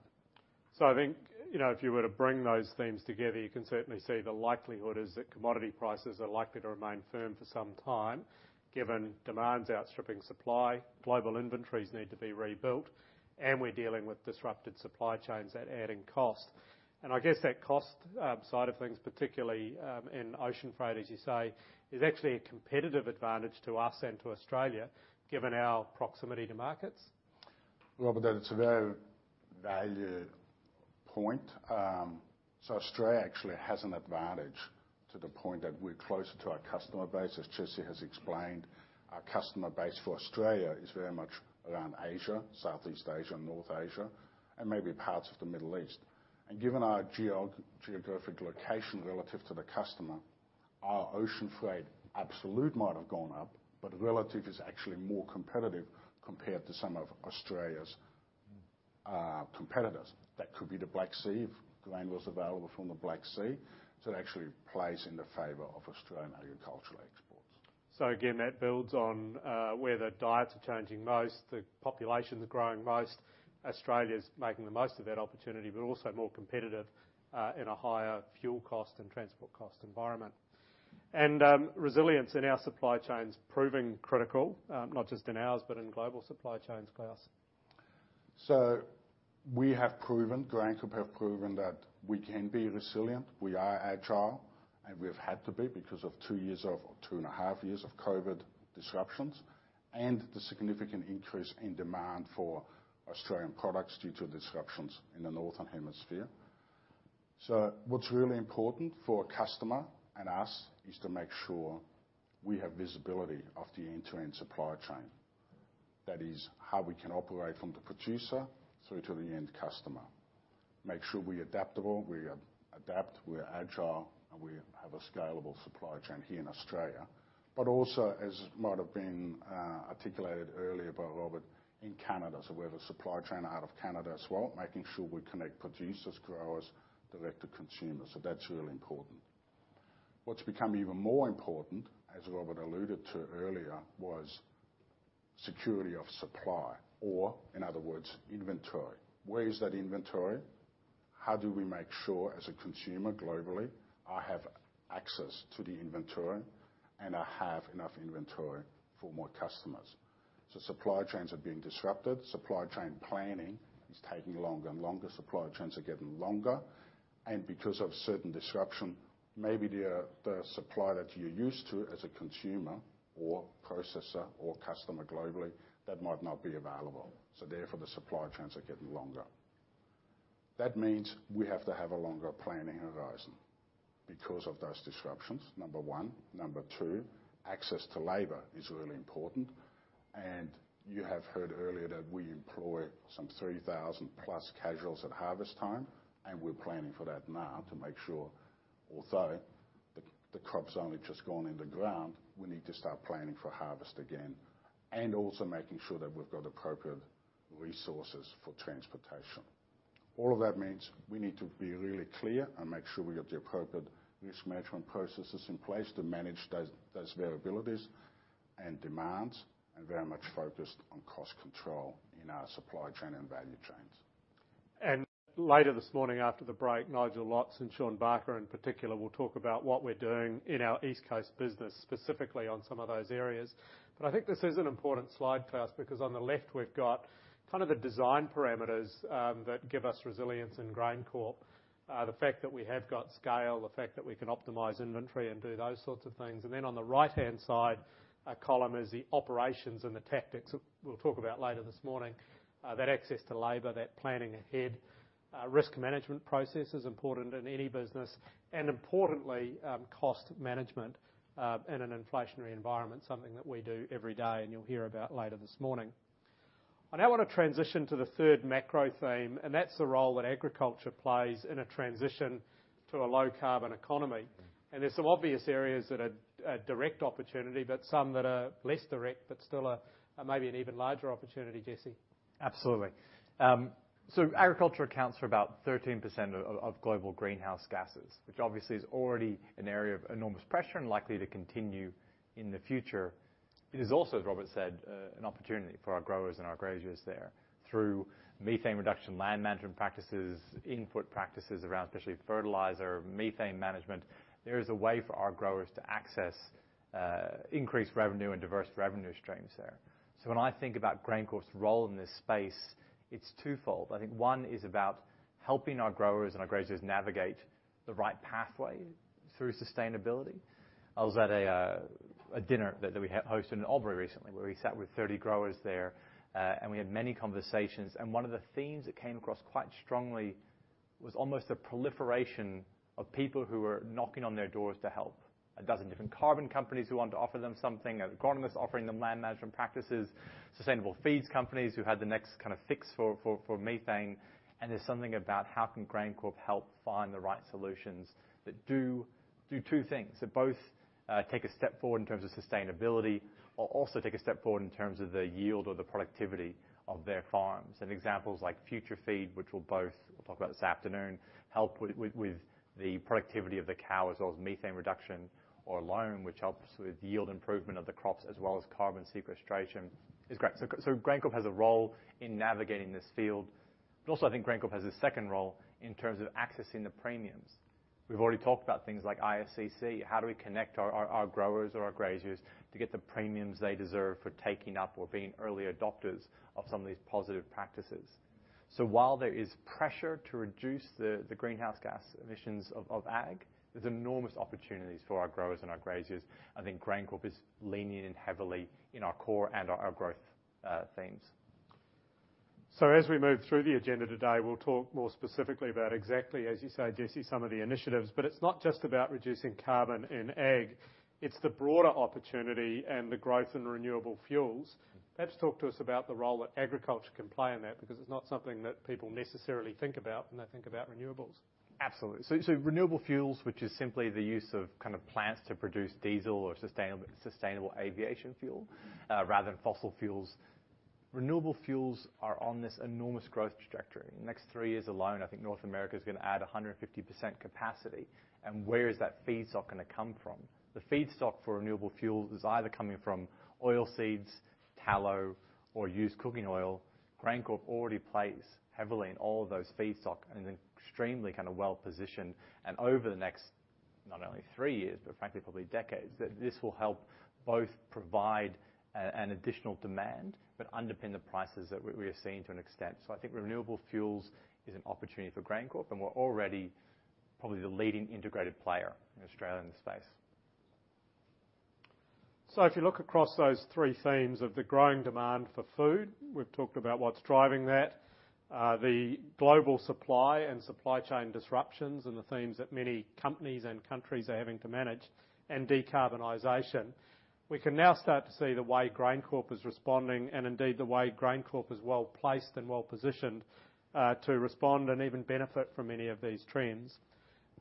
I think, you know, if you were to bring those themes together, you can certainly see the likelihood is that commodity prices are likely to remain firm for some time, given demand's outstripping supply, global inventories need to be rebuilt, and we're dealing with disrupted supply chains that add in cost. I guess that cost, side of things, particularly, in ocean freight, as you say, is actually a competitive advantage to us and to Australia, given our proximity to markets. Robert, that's a very valid point. Australia actually has an advantage to the point that we're closer to our customer base. As Jesse has explained, our customer base for Australia is very much around Asia, Southeast Asia, North Asia, and maybe parts of the Middle East. Given our geographic location relative to the customer, our ocean freight absolute might have gone up, but relative is actually more competitive compared to some of Australia's competitors. That could be the Black Sea, if grain was available from the Black Sea. It actually plays in the favor of Australian agricultural exports. Again, that builds on where the diets are changing most, the population's growing most. Australia's making the most of that opportunity, but also more competitive in a higher fuel cost and transport cost environment. Resilience in our supply chains proving critical, not just in ours, but in global supply chains, Klaus. We have proven, GrainCorp have proven that we can be resilient, we are agile, and we've had to be because of 2.5 years of COVID disruptions and the significant increase in demand for Australian products due to disruptions in the Northern Hemisphere. What's really important for a customer and us is to make sure we have visibility of the end-to-end supply chain. That is, how we can operate from the producer through to the end customer. Make sure we adaptable, we adapt, we're agile, and we have a scalable supply chain here in Australia. But also, as might have been articulated earlier by Robert, in Canada. We have a supply chain out of Canada as well, making sure we connect producers, growers, direct to consumers. That's really important. What's become even more important, as Robert alluded to earlier, was security of supply, or in other words, inventory. Where is that inventory? How do we make sure as a consumer globally, I have access to the inventory and I have enough inventory for more customers? Supply chains are being disrupted, supply chain planning is taking longer and longer. Supply chains are getting longer. Because of certain disruption, maybe the supply that you're used to as a consumer or processor or customer globally, that might not be available. Therefore, the supply chains are getting longer. That means we have to have a longer planning horizon because of those disruptions, number one. Number two, access to labor is really important. You have heard earlier that we employ some 3,000+ casuals at harvest time, and we're planning for that now to make sure, although the crop's only just gone in the ground, we need to start planning for harvest again and also making sure that we've got appropriate resources for transportation. All of that means we need to be really clear and make sure we've got the appropriate risk management processes in place to manage those variabilities and demands, and very much focused on cost control in our supply chain and value chains. Later this morning after the break, Nigel Lotz and Sean Barker, in particular, will talk about what we're doing in our East Coast business, specifically on some of those areas. I think this is an important slide, Klaus, because on the left we've got kind of the design parameters that give us resilience in GrainCorp. The fact that we have got scale, the fact that we can optimize inventory and do those sorts of things. Then on the right-hand side, a column is the operations and the tactics that we'll talk about later this morning. That access to labor, that planning ahead. Risk management process is important in any business. Importantly, cost management in an inflationary environment, something that we do every day and you'll hear about later this morning. I now wanna transition to the third macro theme, and that's the role that agriculture plays in a transition to a low carbon economy. There's some obvious areas that are direct opportunity, but some that are less direct, but still a maybe an even larger opportunity, Jesse. Absolutely. Agriculture accounts for about 13% of global greenhouse gases, which obviously is already an area of enormous pressure and likely to continue in the future. It is also, as Robert said, an opportunity for our growers and our graziers there. Through methane reduction, land management practices, input practices around especially fertilizer, methane management, there is a way for our growers to access increased revenue and diverse revenue streams there. When I think about GrainCorp's role in this space, it's twofold. I think one is about helping our growers and our graziers navigate the right pathway through sustainability. I was at a dinner that we hosted in Albury recently, where we sat with 30 growers there, and we had many conversations, and one of the themes that came across quite strongly was almost a proliferation of people who were knocking on their doors to help. 12 different carbon companies who wanted to offer them something, agronomists offering them land management practices, sustainable feeds companies who had the next kinda fix for methane. There's something about how can GrainCorp help find the right solutions that do two things, that both take a step forward in terms of sustainability or also take a step forward in terms of the yield or the productivity of their farms. Examples like FutureFeed, which we'll talk about this afternoon, help with the productivity of the cow as well as methane reduction or Loam Bio, which helps with yield improvement of the crops as well as carbon sequestration is great. GrainCorp has a role in navigating this field. I think GrainCorp has a second role in terms of accessing the premiums. We've already talked about things like ISCC. How do we connect our growers or our graziers to get the premiums they deserve for taking up or being early adopters of some of these positive practices? While there is pressure to reduce the greenhouse gas emissions of ag, there's enormous opportunities for our growers and our graziers. I think GrainCorp is leaning in heavily in our core and our growth themes. As we move through the agenda today, we'll talk more specifically about exactly, as you say, Jesse, some of the initiatives. It's not just about reducing carbon in ag, it's the broader opportunity and the growth in renewable fuels. Mm-hmm. Perhaps talk to us about the role that agriculture can play in that, because it's not something that people necessarily think about when they think about renewables. Absolutely. Renewable fuels, which is simply the use of kind of plants to produce diesel or sustainable aviation fuel, rather than fossil fuels. Renewable fuels are on this enormous growth trajectory. In the next three years alone, I think North America's gonna add 150% capacity, and where is that feedstock gonna come from? The feedstock for renewable fuels is either coming from oilseeds, tallow, or used cooking oil. GrainCorp already plays heavily in all of those feedstock and extremely kinda well positioned. Over the next not only three years, but frankly, probably decades, that this will help both provide an additional demand, but underpin the prices that we have seen to an extent. I think renewable fuels is an opportunity for GrainCorp, and we're already probably the leading integrated player in Australia in the space. If you look across those three themes of the growing demand for food, we've talked about what's driving that. The global supply and supply chain disruptions and the themes that many companies and countries are having to manage, and decarbonization. We can now start to see the way GrainCorp is responding, and indeed, the way GrainCorp is well-placed and well-positioned, to respond and even benefit from many of these trends.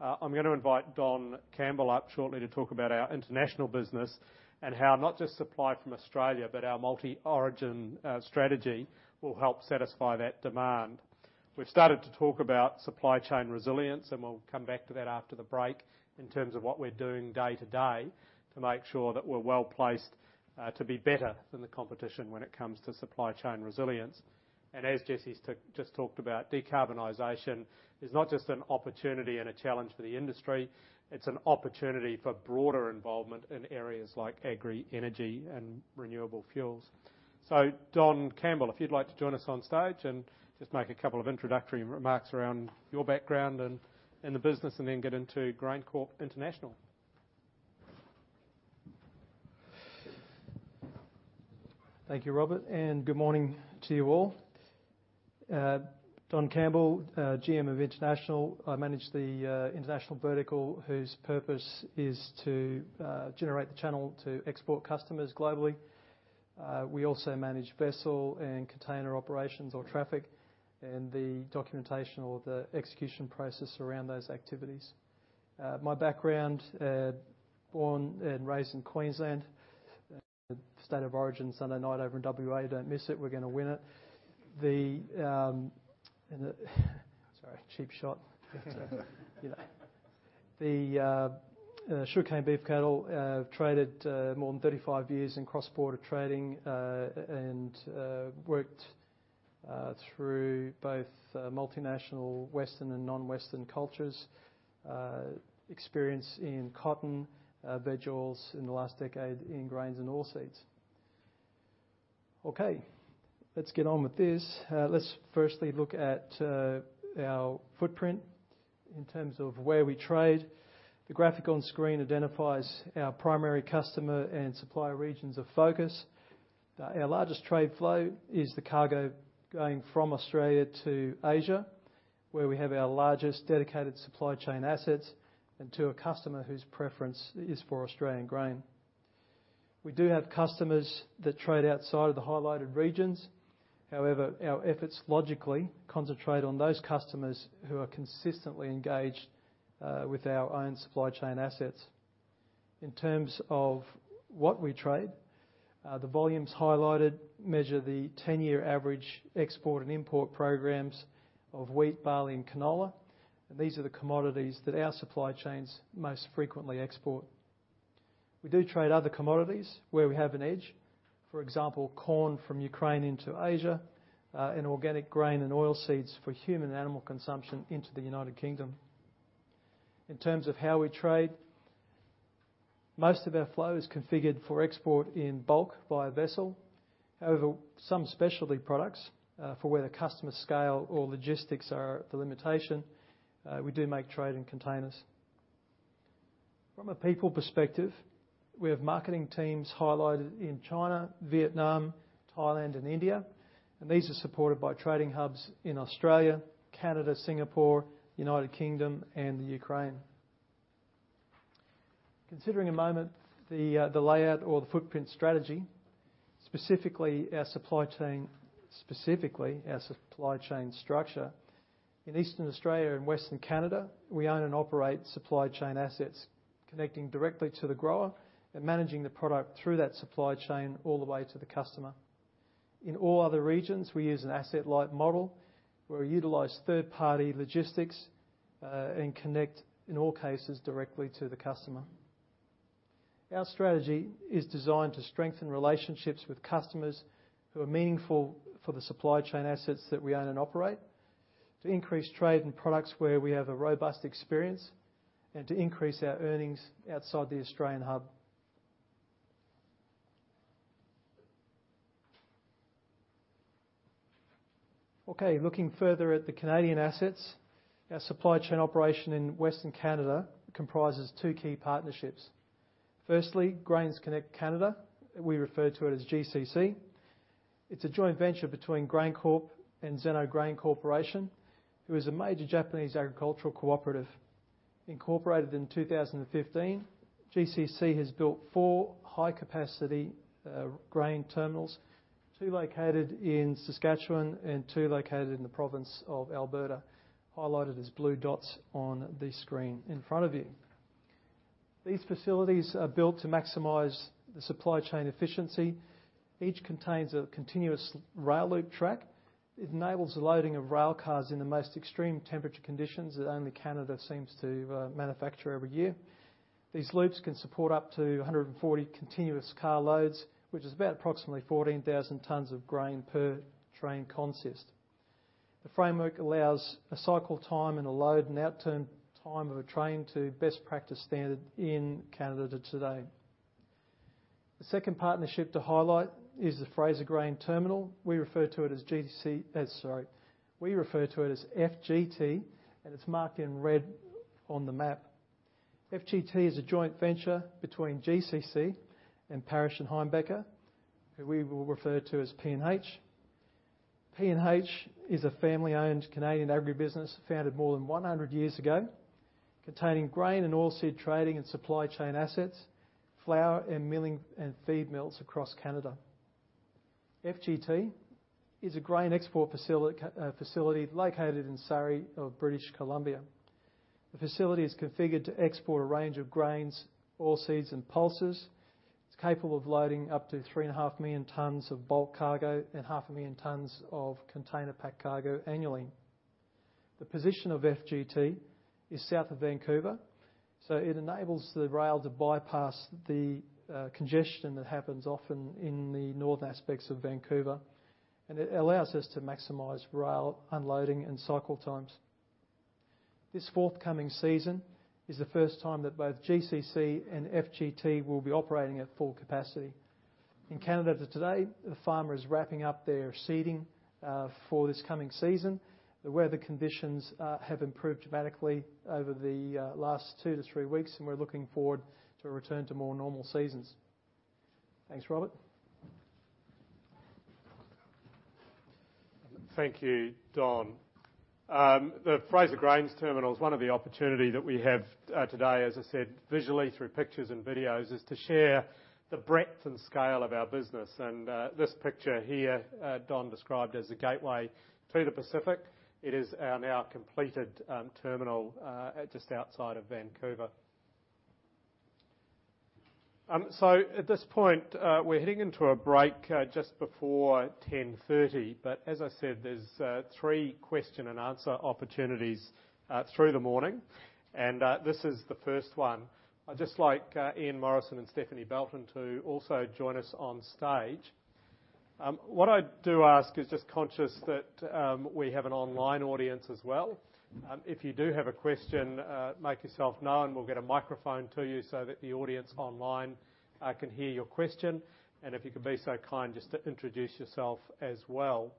I'm gonna invite Don Campbell up shortly to talk about our international business and how not just supply from Australia, but our multi-origin, strategy will help satisfy that demand. We've started to talk about supply chain resilience, and we'll come back to that after the break in terms of what we're doing day to day to make sure that we're well-placed, to be better than the competition when it comes to supply chain resilience. As Jesse's just talked about, decarbonization is not just an opportunity and a challenge for the industry. It's an opportunity for broader involvement in areas like agri energy and renewable fuels. Don Campbell, if you'd like to join us on stage and just make a couple of introductory remarks around your background and the business, and then get into GrainCorp International. Thank you, Robert, and good morning to you all. Don Campbell, GM of International. I manage the international vertical, whose purpose is to generate the channel to export customers globally. We also manage vessel and container operations or traffic and the documentation or the execution process around those activities. My background, born and raised in Queensland. State of Origin Sunday night over in WA. Don't miss it. We're gonna win it. Sorry, cheap shot. Sugarcane, beef cattle, traded more than 35 years in cross-border trading, and worked through both multinational Western and non-Western cultures. Experience in cotton, veg oils. In the last decade, in grains and oilseeds. Okay, let's get on with this. Let's firstly look at our footprint in terms of where we trade. The graphic on screen identifies our primary customer and supplier regions of focus. Our largest trade flow is the cargo going from Australia to Asia, where we have our largest dedicated supply chain assets and to a customer whose preference is for Australian grain. We do have customers that trade outside of the highlighted regions. However, our efforts logically concentrate on those customers who are consistently engaged with our own supply chain assets. In terms of what we trade, the volumes highlighted measure the 10 year average export and import programs of wheat, barley, and canola, and these are the commodities that our supply chains most frequently export. We do trade other commodities where we have an edge. For example, corn from Ukraine into Asia, and organic grain and oilseeds for human and animal consumption into the United Kingdom. In terms of how we trade, most of our flow is configured for export in bulk via vessel. However, some specialty products, for where the customer scale or logistics are the limitation, we do make trade in containers. From a people perspective, we have marketing teams highlighted in China, Vietnam, Thailand, and India, and these are supported by trading hubs in Australia, Canada, Singapore, United Kingdom, and Ukraine. Considering for a moment the layout or the footprint strategy, specifically our supply chain structure. In Eastern Australia and Western Canada, we own and operate supply chain assets, connecting directly to the grower and managing the product through that supply chain all the way to the customer. In all other regions, we use an asset-light model where we utilize third-party logistics, and connect, in all cases, directly to the customer. Our strategy is designed to strengthen relationships with customers who are meaningful for the supply chain assets that we own and operate, to increase trade in products where we have a robust experience, and to increase our earnings outside the Australian hub. Okay, looking further at the Canadian assets, our supply chain operation in Western Canada comprises two key partnerships. Firstly, GrainsConnect Canada, we refer to it as GCC. It's a joint venture between GrainCorp and Zen-Noh Grain Corporation, who is a major Japanese agricultural cooperative. Incorporated in 2015, GCC has built four high-capacity grain terminals, two located in Saskatchewan and two located in the province of Alberta, highlighted as blue dots on the screen in front of you. These facilities are built to maximize the supply chain efficiency. Each contains a continuous rail loop track. It enables the loading of rail cars in the most extreme temperature conditions that only Canada seems to manufacture every year. These loops can support up to 140 continuous car loads, which is about approximately 14,000 tons of grain per train consist. The framework allows a cycle time and a load and outturn time of a train to best practice standard in Canada today. The second partnership to highlight is the Fraser Grain Terminal. We refer to it as FGT, and it's marked in red on the map. FGT is a joint venture between GCC and Parrish and Heimbecker, who we will refer to as P&H. P&H is a family-owned Canadian agribusiness founded more than 100 years ago, containing grain and oilseed trading and supply chain assets, flour and milling and feed mills across Canada. FGT is a grain export facility located in Surrey of British Columbia. The facility is configured to export a range of grains, oilseeds, and pulses. It's capable of loading up to 3.5 million tons of bulk cargo and 0.5 million tons of container packed cargo annually. The position of FGT is south of Vancouver, so it enables the rail to bypass the congestion that happens often in the north aspects of Vancouver, and it allows us to maximize rail unloading and cycle times. This forthcoming season is the first time that both GCC and FGT will be operating at full capacity. In Canada to date, the farmer is wrapping up their seeding for this coming season. The weather conditions have improved dramatically over the last two to three weeks, and we're looking forward to a return to more normal seasons. Thanks, Robert. Thank you, Don. The Fraser Grain Terminal is one of the opportunity that we have today, as I said, visually through pictures and videos, is to share the breadth and scale of our business. This picture here, Don described as a gateway to the Pacific. It is our now completed terminal just outside of Vancouver. At this point, we're heading into a break just before 10:30 A.M. As I said, there's three question and answer opportunities through the morning, and this is the first one. I'd just like Ian Morrison and Stephanie Belton to also join us on stage. What I do ask is just conscious that we have an online audience as well. If you do have a question, make yourself known. We'll get a microphone to you so that the audience online can hear your question. If you could be so kind just to introduce yourself as well.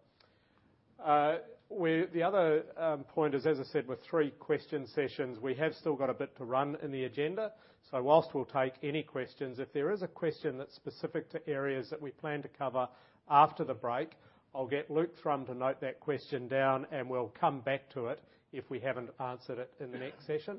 The other point is, as I said, with three question sessions, we have still got a bit to run in the agenda. While we'll take any questions, if there is a question that's specific to areas that we plan to cover after the break, I'll get Luke Thrum to note that question down, and we'll come back to it if we haven't answered it in the next session.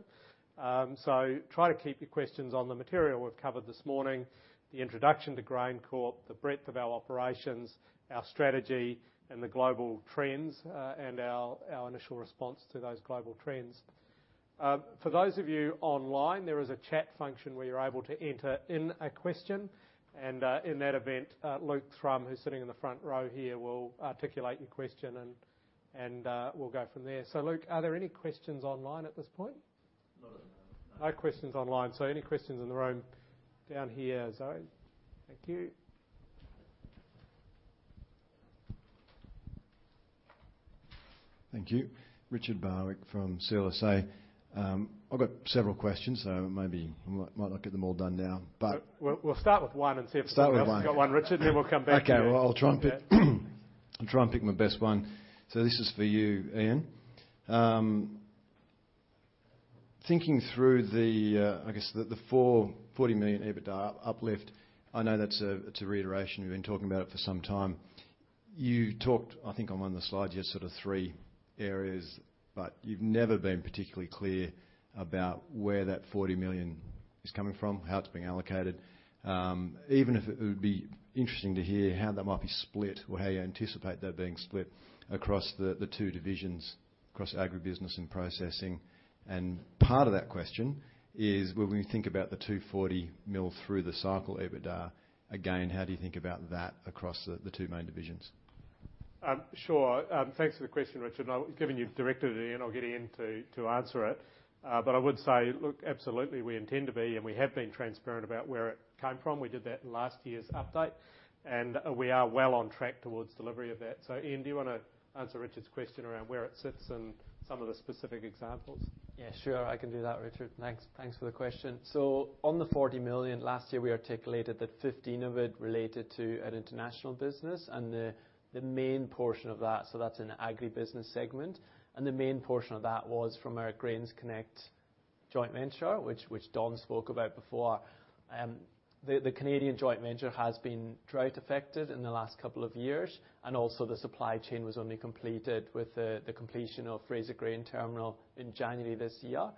Try to keep your questions on the material we've covered this morning, the introduction to GrainCorp, the breadth of our operations, our strategy and the global trends, and our initial response to those global trends. For those of you online, there is a chat function where you're able to enter in a question. In that event, Luke Thrum, who's sitting in the front row here, will articulate your question and we'll go from there. Luke, are there any questions online at this point? Not at the moment, no. No questions online. Any questions in the room down here. Zoe? Thank you. Thank you. Richard Barwick from CLSA. I've got several questions, so maybe I might not get them all done now, but. We'll start with one and see if. Start with one. Someone else has got one, Richard, then we'll come back to you. Well, I'll try and pick my best one. This is for you, Ian. Thinking through the 440 million EBITDA uplift, I know that's a, it's a reiteration, we've been talking about it for some time. You talked, I think on one of the slides, you had sort of three areas, but you've never been particularly clear about where that 40 million is coming from, how it's being allocated. It would be interesting to hear how that might be split or how you anticipate that being split across the two divisions, across agribusiness and processing. Part of that question is when we think about the 240 million through the cycle EBITDA, again, how do you think about that across the two main divisions? Sure. Thanks for the question, Richard. Now, given you've directed at Ian, I'll get Ian to answer it. But I would say, look, absolutely we intend to be, and we have been transparent about where it came from. We did that in last year's update, and we are well on track towards delivery of that. Ian, do you wanna answer Richard's question around where it sits and some of the specific examples? Yeah, sure. I can do that, Richard. Thanks for the question. On the 40 million, last year, we articulated that 15 million of it related to our international business and the main portion of that, so that's in the agribusiness segment, and the main portion of that was from our GrainsConnect joint venture, which Don spoke about before. The Canadian joint venture has been drought affected in the last couple of years, and also the supply chain was only completed with the completion of Fraser Grain Terminal in January this year.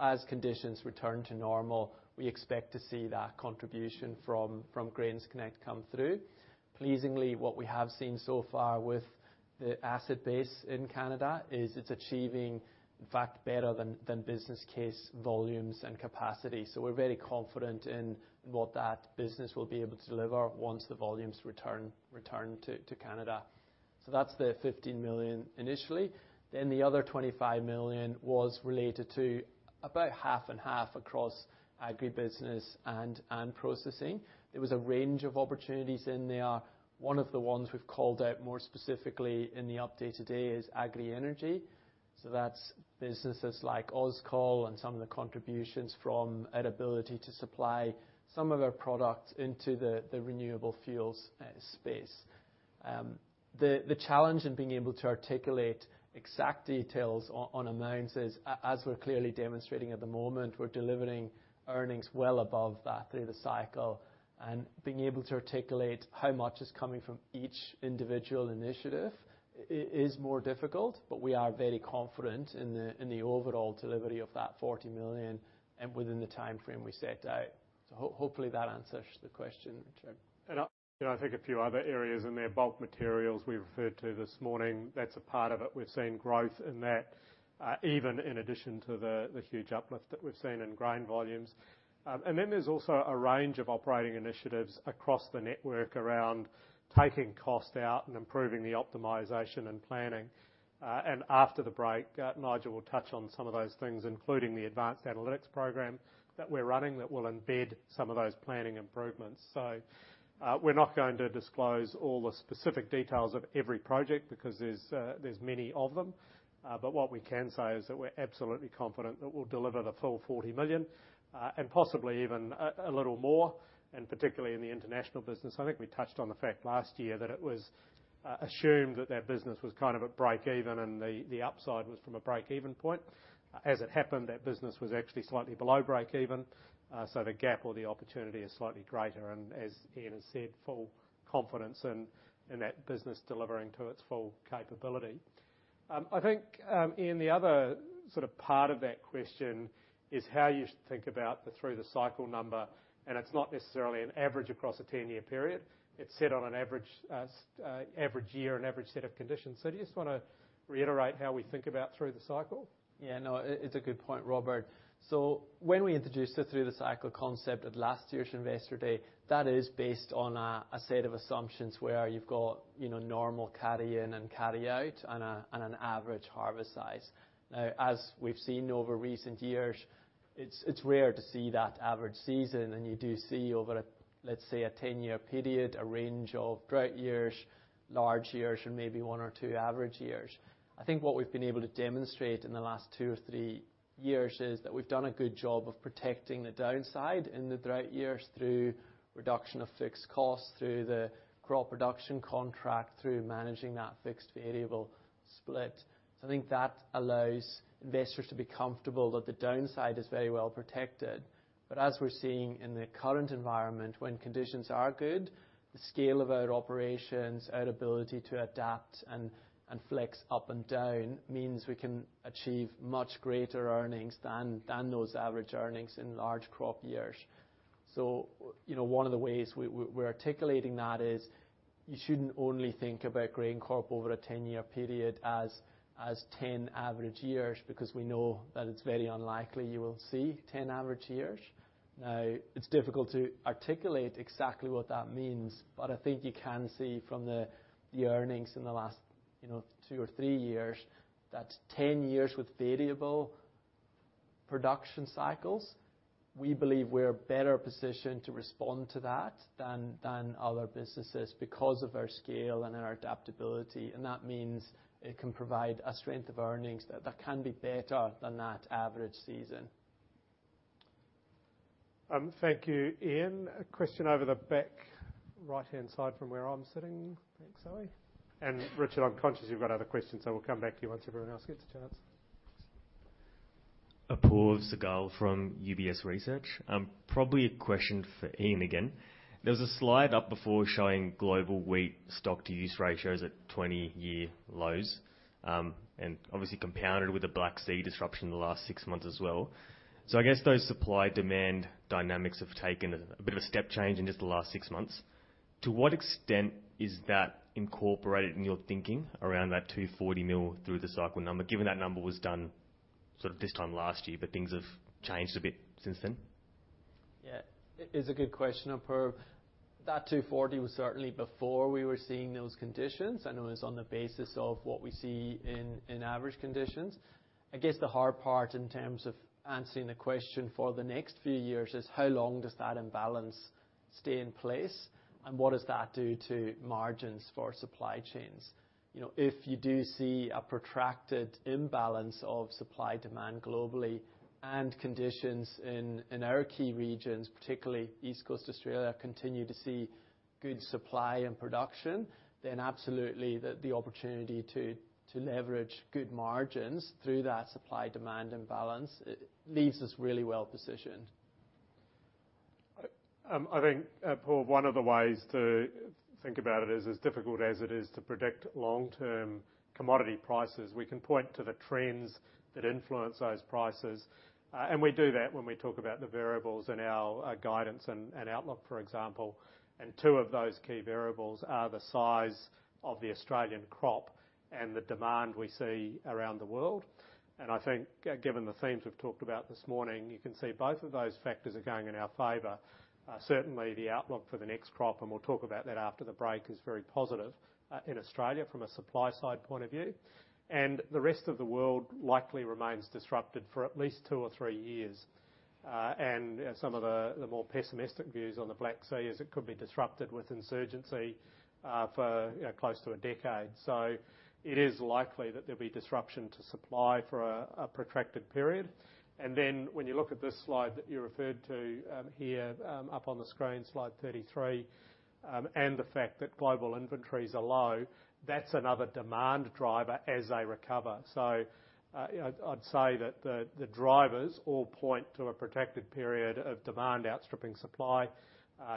As conditions return to normal, we expect to see that contribution from GrainsConnect come through. Pleasingly, what we have seen so far with the asset base in Canada is it's achieving in fact better than business case volumes and capacity. We're very confident in what that business will be able to deliver once the volumes return to Canada. That's the 15 million initially, then the other 25 million was related to about half and half across agribusiness and processing. It was a range of opportunities in there. One of the ones we've called out more specifically in the update today is agri-energy. That's businesses like Auscol and some of the contributions from our ability to supply some of our products into the renewable fuels space. The challenge in being able to articulate exact details on amounts is, as we're clearly demonstrating at the moment, we're delivering earnings well above that through the cycle, and being able to articulate how much is coming from each individual initiative is more difficult. But we are very confident in the overall delivery of that 40 million and within the timeframe we set out. Hopefully that answers the question, Richard. You know, I think a few other areas in there, bulk materials we referred to this morning, that's a part of it. We've seen growth in that, even in addition to the huge uplift that we've seen in grain volumes. Then there's also a range of operating initiatives across the network around taking cost out and improving the optimization and planning. After the break, Nigel will touch on some of those things, including the advanced analytics program that we're running that will embed some of those planning improvements. We're not going to disclose all the specific details of every project because there's many of them. What we can say is that we're absolutely confident that we'll deliver the full 40 million, and possibly even a little more, and particularly in the international business. I think we touched on the fact last year that it was assumed that that business was kind of at breakeven and the upside was from a breakeven point. As it happened, that business was actually slightly below breakeven. So the gap or the opportunity is slightly greater, and as Ian has said, full confidence in that business delivering to its full capability. I think, Ian, the other sort of part of that question is how you think about the through the cycle number, and it's not necessarily an average across a 10-year period. It's set on an average year and average set of conditions. Do you just wanna reiterate how we think about through the cycle? Yeah, no, it's a good point, Robert. When we introduced the through-the-cycle concept at last year's Investor Day, that is based on a set of assumptions where you've got, you know, normal carry in and carry out on an average harvest size. As we've seen over recent years, it's rare to see that average season, and you do see over, let's say, a 10-year period, a range of drought years, large years, and maybe one or two average years. I think what we've been able to demonstrate in the last two or three years is that we've done a good job of protecting the downside in the drought years through reduction of fixed costs, through the crop production contract, through managing that fixed variable split. I think that allows investors to be comfortable that the downside is very well protected. As we're seeing in the current environment, when conditions are good, the scale of our operations, our ability to adapt and flex up and down means we can achieve much greater earnings than those average earnings in large crop years. You know, one of the ways we're articulating that is you shouldn't only think about GrainCorp over a ten-year period as ten average years because we know that it's very unlikely you will see ten average years. Now, it's difficult to articulate exactly what that means, but I think you can see from the earnings in the last, you know, two or three years that 10 years with variable production cycles, we believe we're better positioned to respond to that than other businesses because of our scale and our adaptability, and that means it can provide a strength of earnings that can be better than that average season. Thank you Ian. A question over the back right-hand side from where I'm sitting. Thanks Zoe. Richard, I'm conscious you've got other questions, so we'll come back to you once everyone else gets a chance. Apoorv Sehgal from UBS Research. Probably a question for Ian again. There was a slide up before showing global wheat stock-to-use ratios at 20-year lows, and obviously compounded with the Black Sea disruption in the last six months as well. I guess those supply-demand dynamics have taken a bit of a step change in just the last six months. To what extent is that incorporated in your thinking around that 240 million through the cycle number, given that number was done sort of this time last year, but things have changed a bit since then? Yeah. It is a good question, Apoorv. That 2.40 was certainly before we were seeing those conditions, and it was on the basis of what we see in average conditions. I guess the hard part in terms of answering the question for the next few years is how long does that imbalance stay in place, and what does that do to margins for supply chains? You know, if you do see a protracted imbalance of supply demand globally and conditions in our key regions, particularly East Coast Australia, continue to see good supply and production, then absolutely the opportunity to leverage good margins through that supply demand imbalance leaves us really well positioned. I think, Apoorv, one of the ways to think about it is as difficult as it is to predict long-term commodity prices. We can point to the trends that influence those prices. We do that when we talk about the variables in our guidance and outlook, for example. Two of those key variables are the size of the Australian crop and the demand we see around the world. I think, given the themes we've talked about this morning, you can see both of those factors are going in our favor. Certainly the outlook for the next crop, and we'll talk about that after the break, is very positive in Australia from a supply side point of view. The rest of the world likely remains disrupted for at least two or three years. Some of the more pessimistic views on the Black Sea is it could be disrupted with insurgency, you know, for close to a decade. It is likely that there'll be disruption to supply for a protracted period. When you look at this slide that you referred to, here, up on the screen, slide 33, and the fact that global inventories are low, that's another demand driver as they recover. You know, I'd say that the drivers all point to a protracted period of demand outstripping supply.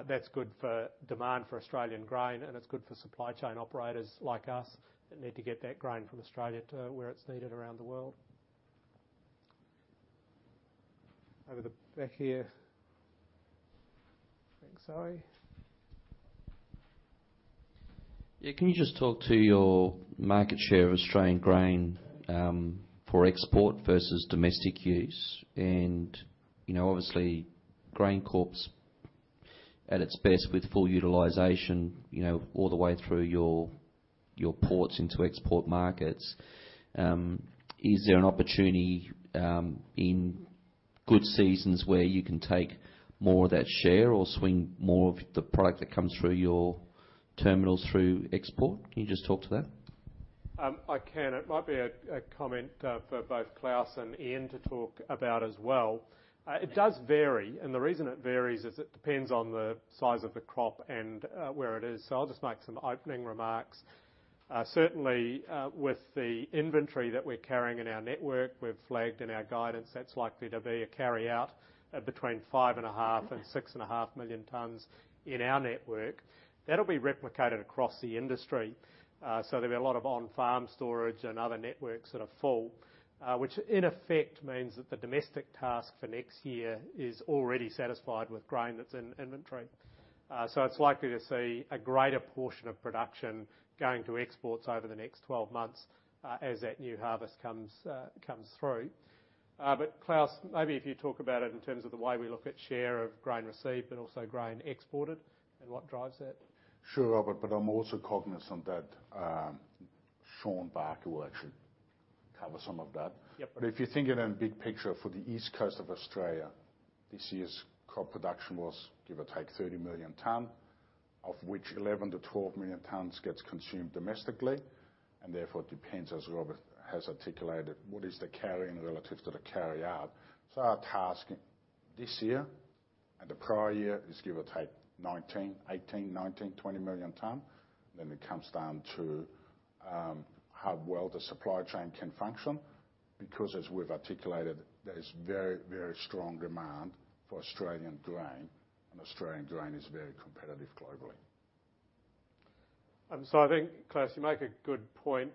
That's good for demand for Australian grain, and it's good for supply chain operators like us that need to get that grain from Australia to where it's needed around the world. Over the back here. Thanks, Zoe. Yeah, can you just talk to your market share of Australian grain for export versus domestic use? You know, obviously, GrainCorp's at its best with full utilization, you know, all the way through your ports into export markets. Is there an opportunity in good seasons where you can take more of that share or swing more of the product that comes through your terminals through export? Can you just talk to that? I can. It might be a comment for both Klaus and Ian to talk about as well. It does vary, and the reason it varies is it depends on the size of the crop and where it is. I'll just make some opening remarks. Certainly, with the inventory that we're carrying in our network, we've flagged in our guidance that's likely to be a carryout between 5.5 million tons-6.5 million tons in our network. That'll be replicated across the industry. There'll be a lot of on-farm storage and other networks that are full, which in effect means that the domestic task for next year is already satisfied with grain that's in inventory. It's likely to see a greater portion of production going to exports over the next 12 months, as that new harvest comes through. Klaus, maybe if you talk about it in terms of the way we look at share of grain received but also grain exported and what drives that. Sure, Robert, but I'm also cognizant that, Sean Barker will actually cover some of that. Yep. If you think it in big picture for the east coast of Australia, this year's crop production was, give or take, 30 million tons, of which 11 million tons-12 million tons gets consumed domestically, and therefore depends, as Robert has articulated, what is the carry in relative to the carryout. Our task this year and the prior year is give or take 19, 18, 19, 20 million tons. It comes down to how well the supply chain can function, because as we've articulated, there's very, very strong demand for Australian grain, and Australian grain is very competitive globally. I think, Klaus, you make a good point.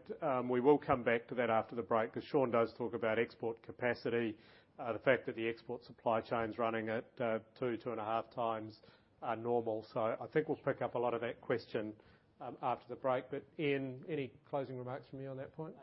We will come back to that after the break because Sean does talk about export capacity, the fact that the export supply chain's running at 2.5x normal. I think we'll pick up a lot of that question after the break. Ian, any closing remarks from you on that point?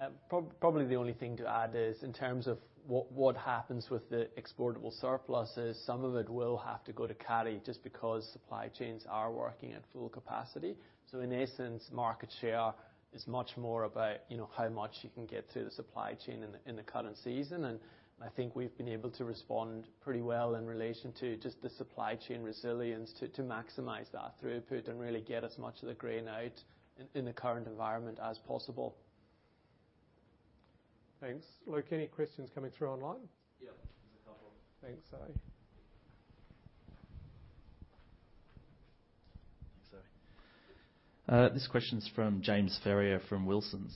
Probably the only thing to add is in terms of what happens with the exportable surpluses, some of it will have to go to carry just because supply chains are working at full capacity. In essence, market share is much more about, you know, how much you can get through the supply chain in the current season. I think we've been able to respond pretty well in relation to just the supply chain resilience to maximize that throughput and really get as much of the grain out in the current environment as possible. Thanks. Luke, any questions coming through online? Yeah. There's a couple. Thanks, Zoe. Zoe? This question's from James Ferrier from Wilsons.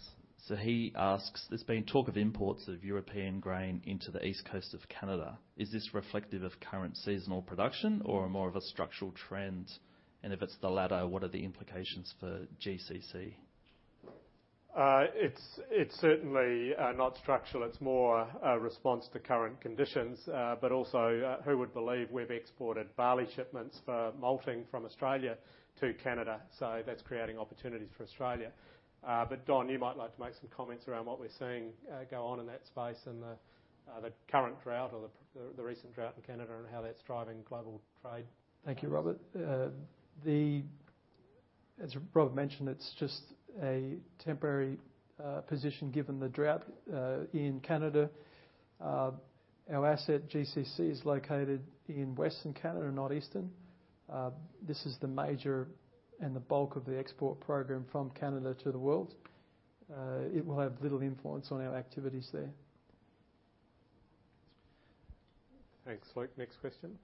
He asks, there's been talk of imports of European grain into the east coast of Canada. Is this reflective of current seasonal production or more of a structural trend? And if it's the latter, what are the implications for GCC? It's certainly not structural. It's more a response to current conditions. Who would believe we've exported barley shipments for malting from Australia to Canada? That's creating opportunities for Australia. Don, you might like to make some comments around what we're seeing go on in that space and the current drought or the recent drought in Canada and how that's driving global trade. Thank you, Robert. As Robert mentioned, it's just a temporary position given the drought in Canada. Our asset GCC is located in western Canada, not eastern. This is the major and the bulk of the export program from Canada to the world. It will have little influence on our activities there. Thanks, Luke. Next question.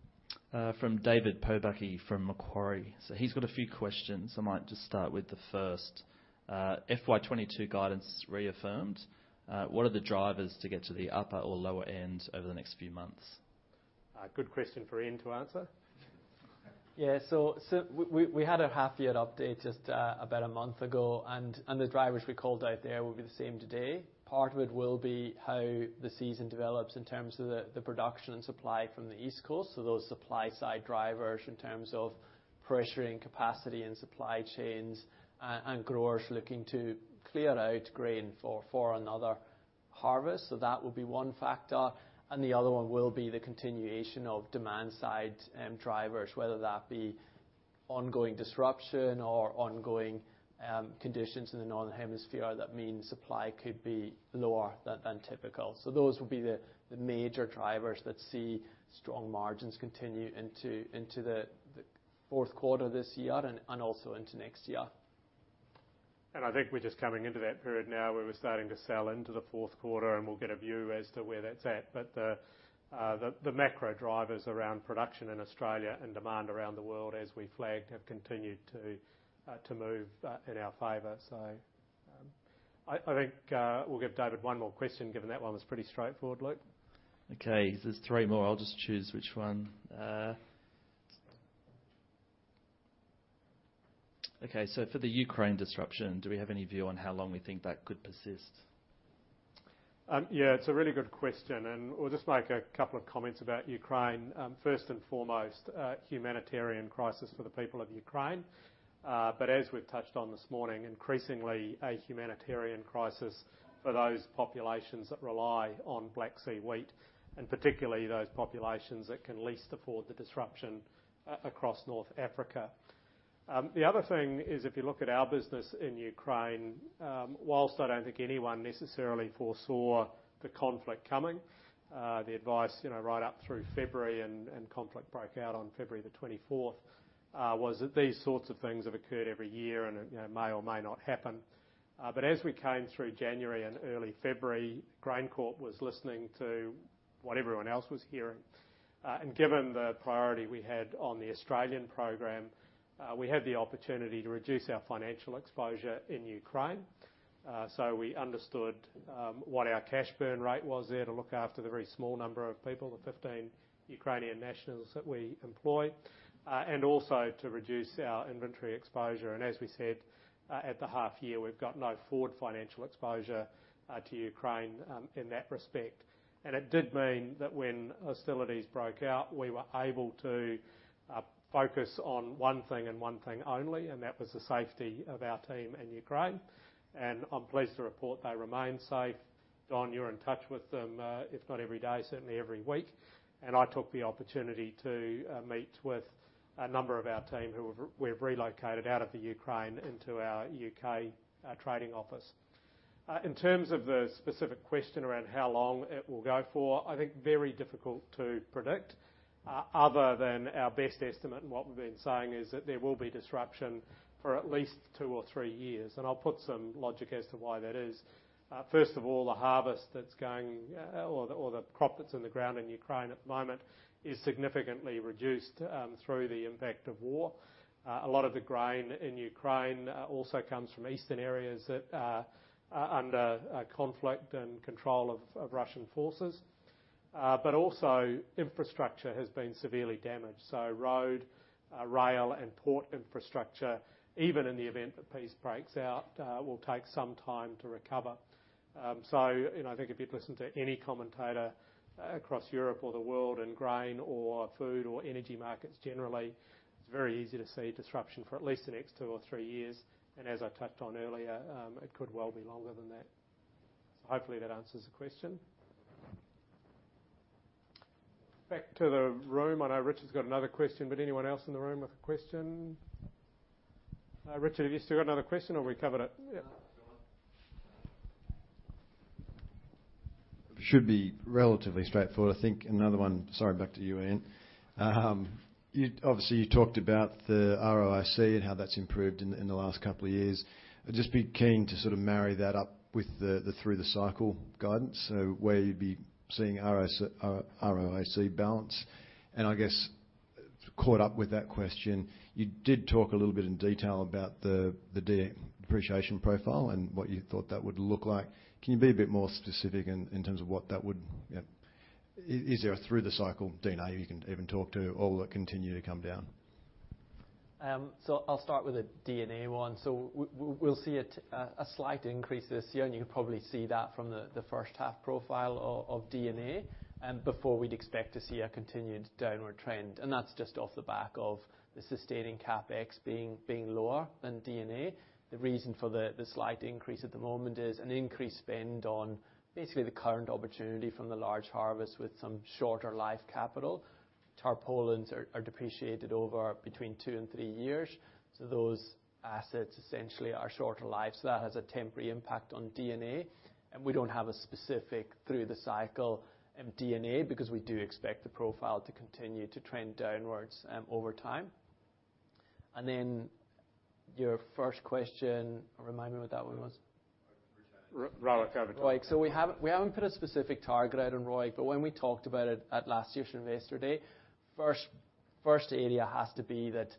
From David Pobucky from Macquarie. He's got a few questions. I might just start with the first. FY 2022 guidance reaffirmed, what are the drivers to get to the upper or lower end over the next few months? Good question for Ian to answer. Yeah, we had a half year update just about a month ago, and the drivers we called out there will be the same today. Part of it will be how the season develops in terms of the production and supply from the East Coast. Those supply side drivers in terms of pressuring capacity and supply chains and growers looking to clear out grain for another harvest. That will be one factor, and the other one will be the continuation of demand side and drivers, whether that be ongoing disruption or ongoing conditions in the Northern Hemisphere that mean supply could be lower than typical. Those will be the major drivers that see strong margins continue into the fourth quarter this year and also into next year. I think we're just coming into that period now where we're starting to sell into the fourth quarter, and we'll get a view as to where that's at. The macro drivers around production in Australia and demand around the world, as we flagged, have continued to move in our favor. I think we'll give David one more question, given that one was pretty straightforward, Luke. Okay. There's 3 more. I'll just choose which one. Okay, for the Ukraine disruption, do we have any view on how long we think that could persist? It's a really good question, and we'll just make a couple of comments about Ukraine. First and foremost, a humanitarian crisis for the people of Ukraine. As we've touched on this morning, increasingly a humanitarian crisis for those populations that rely on Black Sea wheat, and particularly those populations that can least afford the disruption across North Africa. The other thing is, if you look at our business in Ukraine, while I don't think anyone necessarily foresaw the conflict coming, the advice, you know, right up through February and conflict broke out on February 24, was that these sorts of things have occurred every year and, you know, may or may not happen. As we came through January and early February, GrainCorp was listening to what everyone else was hearing. Given the priority we had on the Australian program, we had the opportunity to reduce our financial exposure in Ukraine. We understood what our cash burn rate was there to look after the very small number of people, the 15 Ukrainian nationals that we employ, and also to reduce our inventory exposure. As we said, at the half year, we've got no forward financial exposure to Ukraine in that respect. It did mean that when hostilities broke out, we were able to focus on one thing and one thing only, and that was the safety of our team in Ukraine. I'm pleased to report they remain safe. Don, you're in touch with them, if not every day, certainly every week. I took the opportunity to meet with a number of our team who we've relocated out of the Ukraine into our UK trading office. In terms of the specific question around how long it will go for, I think very difficult to predict other than our best estimate. What we've been saying is that there will be disruption for at least two or three years, and I'll put some logic as to why that is. First of all, the harvest that's going or the crop that's in the ground in Ukraine at the moment is significantly reduced through the impact of war. A lot of the grain in Ukraine also comes from eastern areas that are under conflict and control of Russian forces. But also infrastructure has been severely damaged. Road, rail and port infrastructure, even in the event that peace breaks out, will take some time to recover. You know, I think if you'd listen to any commentator across Europe or the world in grain or food or energy markets generally, it's very easy to see disruption for at least the next two or three years. As I touched on earlier, it could well be longer than that. Hopefully that answers the question. Back to the room. I know Richard's got another question, but anyone else in the room with a question? Richard, have you still got another question, or we covered it? Yeah. Sure. Should be relatively straightforward, I think. Another one, sorry, back to you, Ian. You obviously talked about the ROIC and how that's improved in the last couple of years. I'd just be keen to sort of marry that up with the through the cycle guidance. Where you'd be seeing ROIC balance. I guess coupled with that question, you did talk a little bit in detail about the depreciation profile and what you thought that would look like. Can you be a bit more specific in terms of what that would look like? Is there a through the cycle D&A you can even talk to, or will it continue to come down? I'll start with the D&A one. We'll see a slight increase this year, and you can probably see that from the first half profile of D&A before we'd expect to see a continued downward trend. That's just off the back of the sustaining CapEx being lower than D&A. The reason for the slight increase at the moment is an increased spend on basically the current opportunity from the large harvest with some shorter life capital. Tarpaulins are depreciated over between two and three years. Those assets essentially are shorter life, so that has a temporary impact on D&A. We don't have a specific through the cycle D&A because we do expect the profile to continue to trend downwards over time. Then your first question, remind me what that one was. ROIC. Right. We haven't put a specific target out on ROIC, but when we talked about it at last year's Investor Day, first area has to be that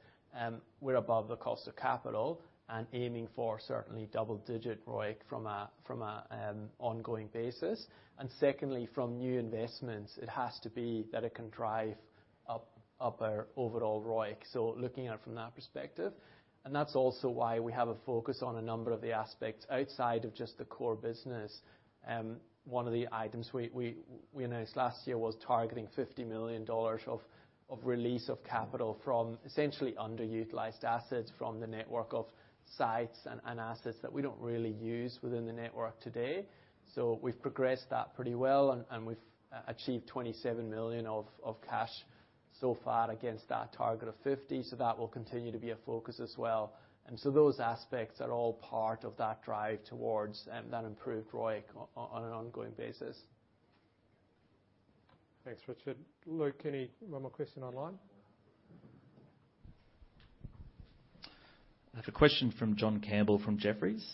we're above the cost of capital and aiming for certainly double-digit ROIC from an ongoing basis. Secondly, from new investments, it has to be that it can drive up our overall ROIC. Looking at it from that perspective. That's also why we have a focus on a number of the aspects outside of just the core business. One of the items we announced last year was targeting 50 million dollars of release of capital from essentially underutilized assets from the network of sites and assets that we don't really use within the network today. We've progressed that pretty well, and we've achieved 27 million of cash. So far against that target of 50, that will continue to be a focus as well. Those aspects are all part of that drive towards that improved ROIC on an ongoing basis. Thanks, Richard. Luke, any one more question online? I have a question from John Campbell from Jefferies.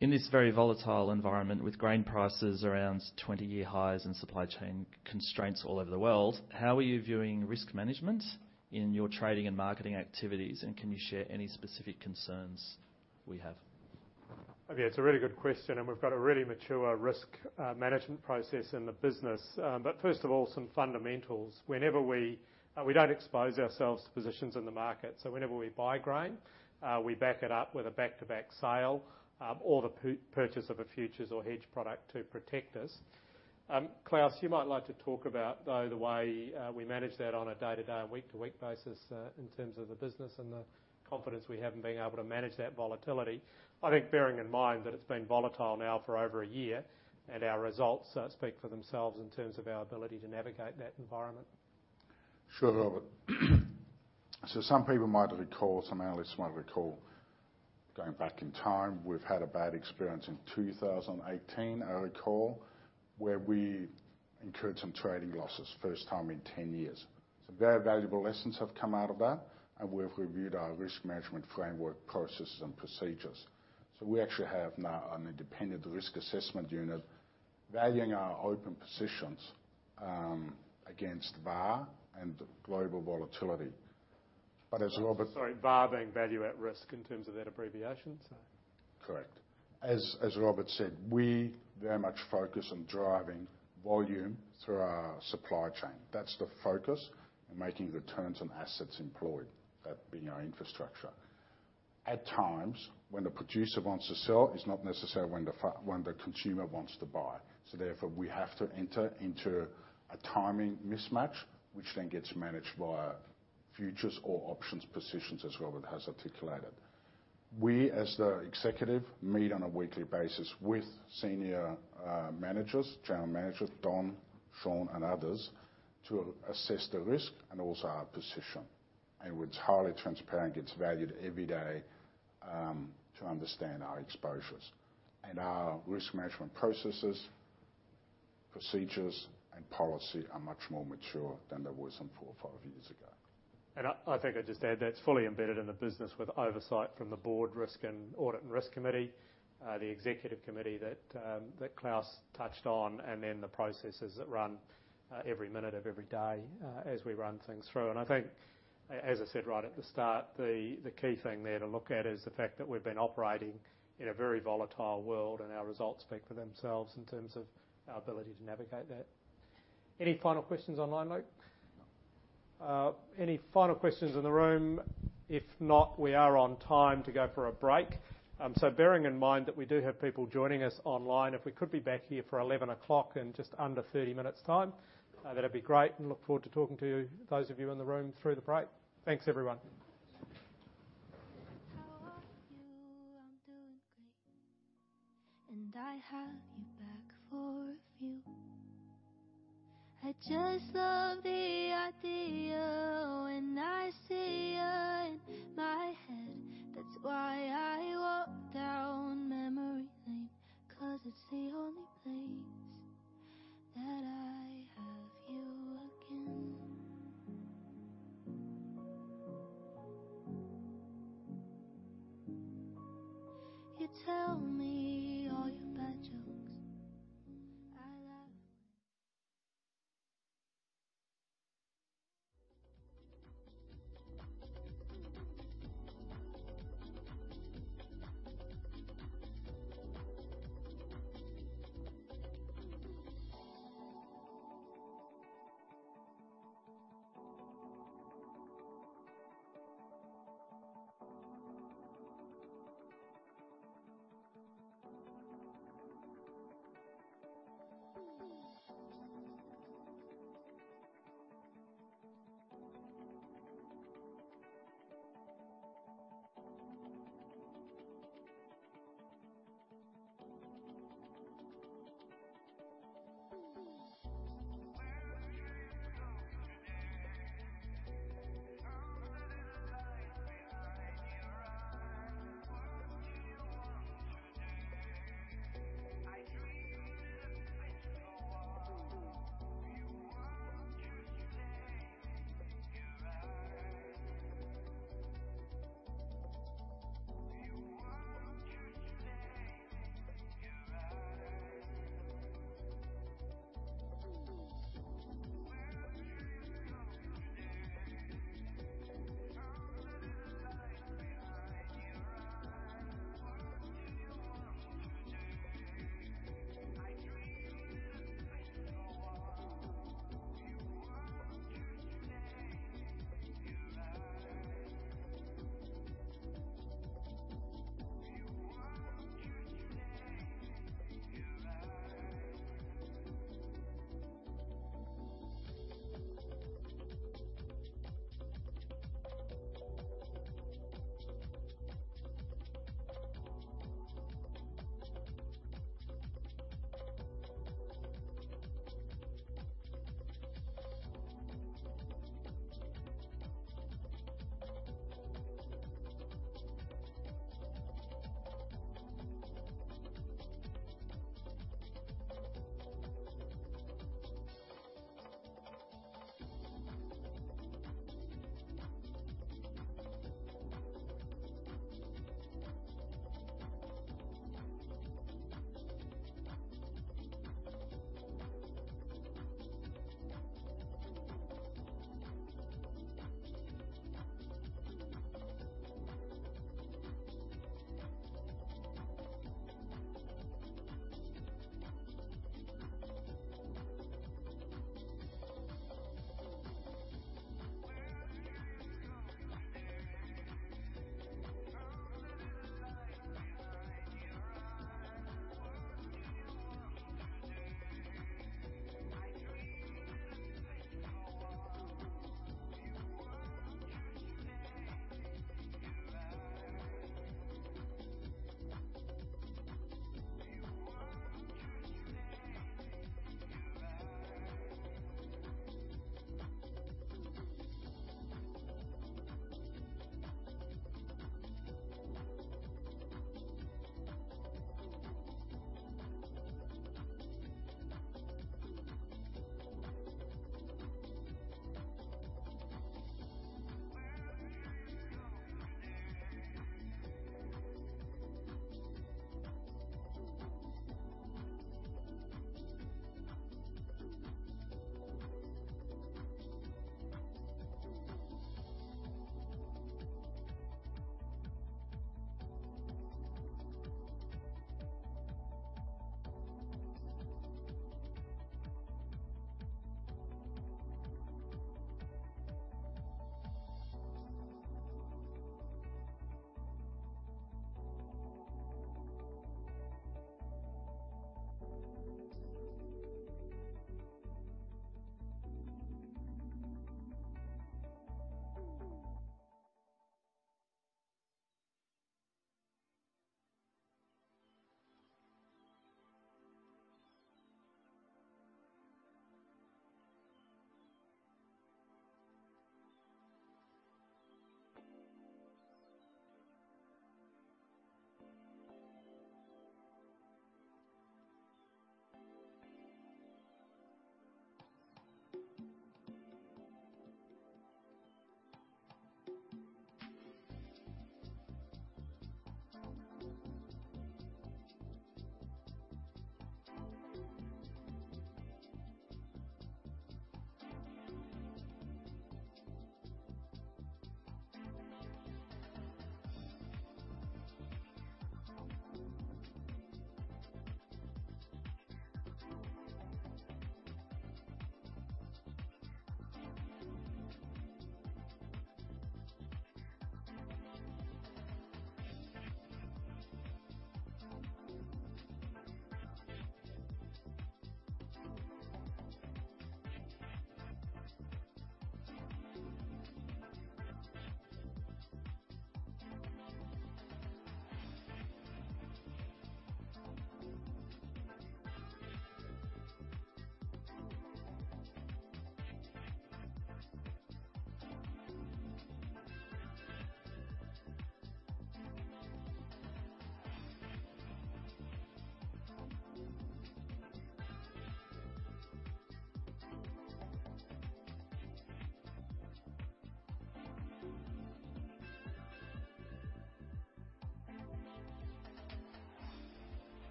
In this very volatile environment with grain prices around 20-year highs and supply chain constraints all over the world, how are you viewing risk management in your trading and marketing activities, and can you share any specific concerns we have? Okay, it's a really good question, and we've got a really mature risk management process in the business. First of all, some fundamentals. We don't expose ourselves to positions in the market. Whenever we buy grain, we back it up with a back-to-back sale, or the purchase of a futures or hedge product to protect us. Klaus, you might like to talk about, though, the way we manage that on a day-to-day and week-to-week basis, in terms of the business and the confidence we have in being able to manage that volatility. I think bearing in mind that it's been volatile now for over a year, and our results speak for themselves in terms of our ability to navigate that environment. Sure, Robert. Some people might recall, some analysts might recall, going back in time, we've had a bad experience in 2018, I recall, where we incurred some trading losses, first time in 10 years. Some very valuable lessons have come out of that, and we've reviewed our risk management framework, processes, and procedures. We actually have now an independent risk assessment unit valuing our open positions against VAR and global volatility. As Robert- Sorry, VAR being value at risk in terms of that abbreviation. Correct. As Robert said, we very much focus on driving volume through our supply chain. That's the focus in making returns on assets employed, that being our infrastructure. At times, when the producer wants to sell, it's not necessarily when the consumer wants to buy. Therefore, we have to enter into a timing mismatch, which then gets managed via futures or options positions, as Robert has articulated. We, as the executive, meet on a weekly basis with senior managers, general managers, Don, Sean, and others, to assess the risk and also our position. It's highly transparent. It's valued every day to understand our exposures. Our risk management processes, procedures, and policy are much more mature than they were some four or five years ago. I think I'd just add that it's fully embedded in the business with oversight from the board risk and audit and risk committee, the executive committee that Klaus touched on, and then the processes that run every minute of every day as we run things through. I think, as I said right at the start, the key thing there to look at is the fact that we've been operating in a very volatile world, and our results speak for themselves in terms of our ability to navigate that. Any final questions online, Luke? No. Any final questions in the room? If not, we are on time to go for a break. Bearing in mind that we do have people joining us online, if we could be back here for 11 o'clock in just under 30 minutes' time, that'd be great. Look forward to talking to you, those of you in the room, through the break. Thanks, everyone. How are you? I'm doing great. I have you back for a few. I just love the idea when I see you in my head. That's why I walk down memory lane, 'cause it's the only place that I have you again. You tell me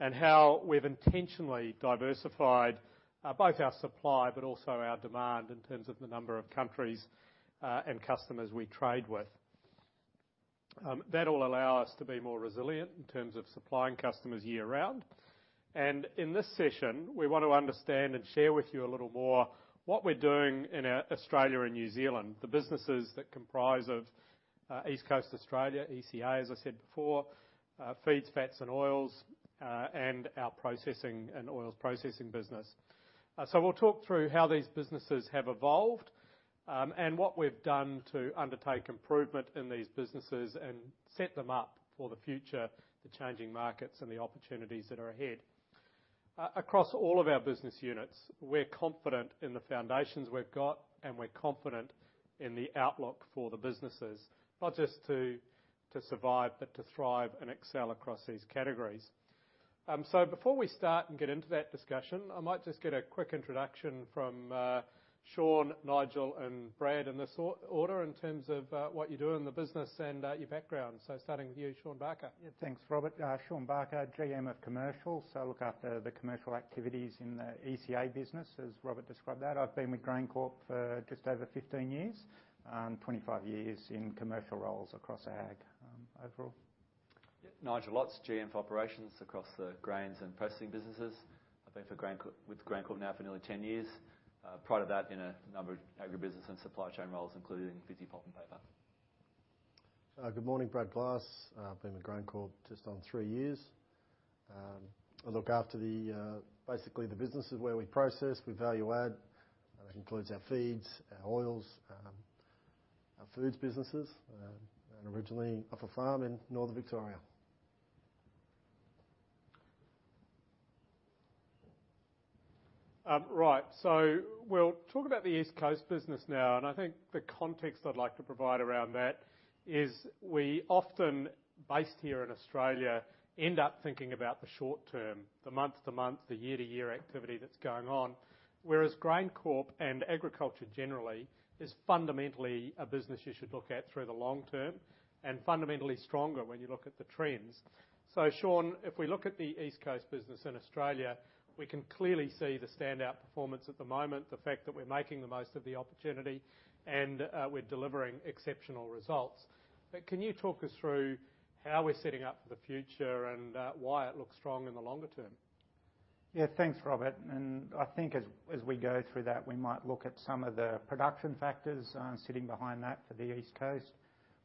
and how we've intentionally diversified both our supply but also our demand in terms of the number of countries and customers we trade with. That will allow us to be more resilient in terms of supplying customers year-round. In this session, we want to understand and share with you a little more what we're doing in Australia and New Zealand. The businesses that comprise of East Coast Australia, ECA, as I said before, Feeds, Fats and Oils, and our Processing and Oils Processing business. We'll talk through how these businesses have evolved, and what we've done to undertake improvement in these businesses and set them up for the future, the changing markets and the opportunities that are ahead. Across all of our business units, we're confident in the foundations we've got, and we're confident in the outlook for the businesses, not just to survive, but to thrive and excel across these categories. Before we start and get into that discussion, I might just get a quick introduction from Sean, Nigel, and Brad in this order, in terms of what you do in the business and your background. Starting with you, Sean Barker. Thanks, Robert. Sean Barker, GM of Commercial. I look after the commercial activities in the ECA business, as Robert described that. I've been with GrainCorp for just over 15 years, 25 years in commercial roles across ag, overall. Nigel Lotz, GM for operations across the grains and processing businesses. I've been with GrainCorp now for nearly 10 years. Prior to that, in a number of agribusiness and supply chain roles, including Visy Pulp & Paper. Good morning. Brad Glass. Been with GrainCorp just on three years. I look after basically the businesses where we process, we value add. That includes our feeds, our oils, our foods businesses, and originally from a farm in northern Victoria. Right. We'll talk about the East Coast business now, and I think the context I'd like to provide around that is we often, based here in Australia, end up thinking about the short term, the month to month, the year-to-year activity that's going on. Whereas GrainCorp and agriculture generally is fundamentally a business you should look at through the long term and fundamentally stronger when you look at the trends. Sean, if we look at the East Coast business in Australia, we can clearly see the standout performance at the moment, the fact that we're making the most of the opportunity and, we're delivering exceptional results. Can you talk us through how we're setting up for the future and, why it looks strong in the longer term? Yeah. Thanks, Robert. I think as we go through that, we might look at some of the production factors sitting behind that for the East Coast.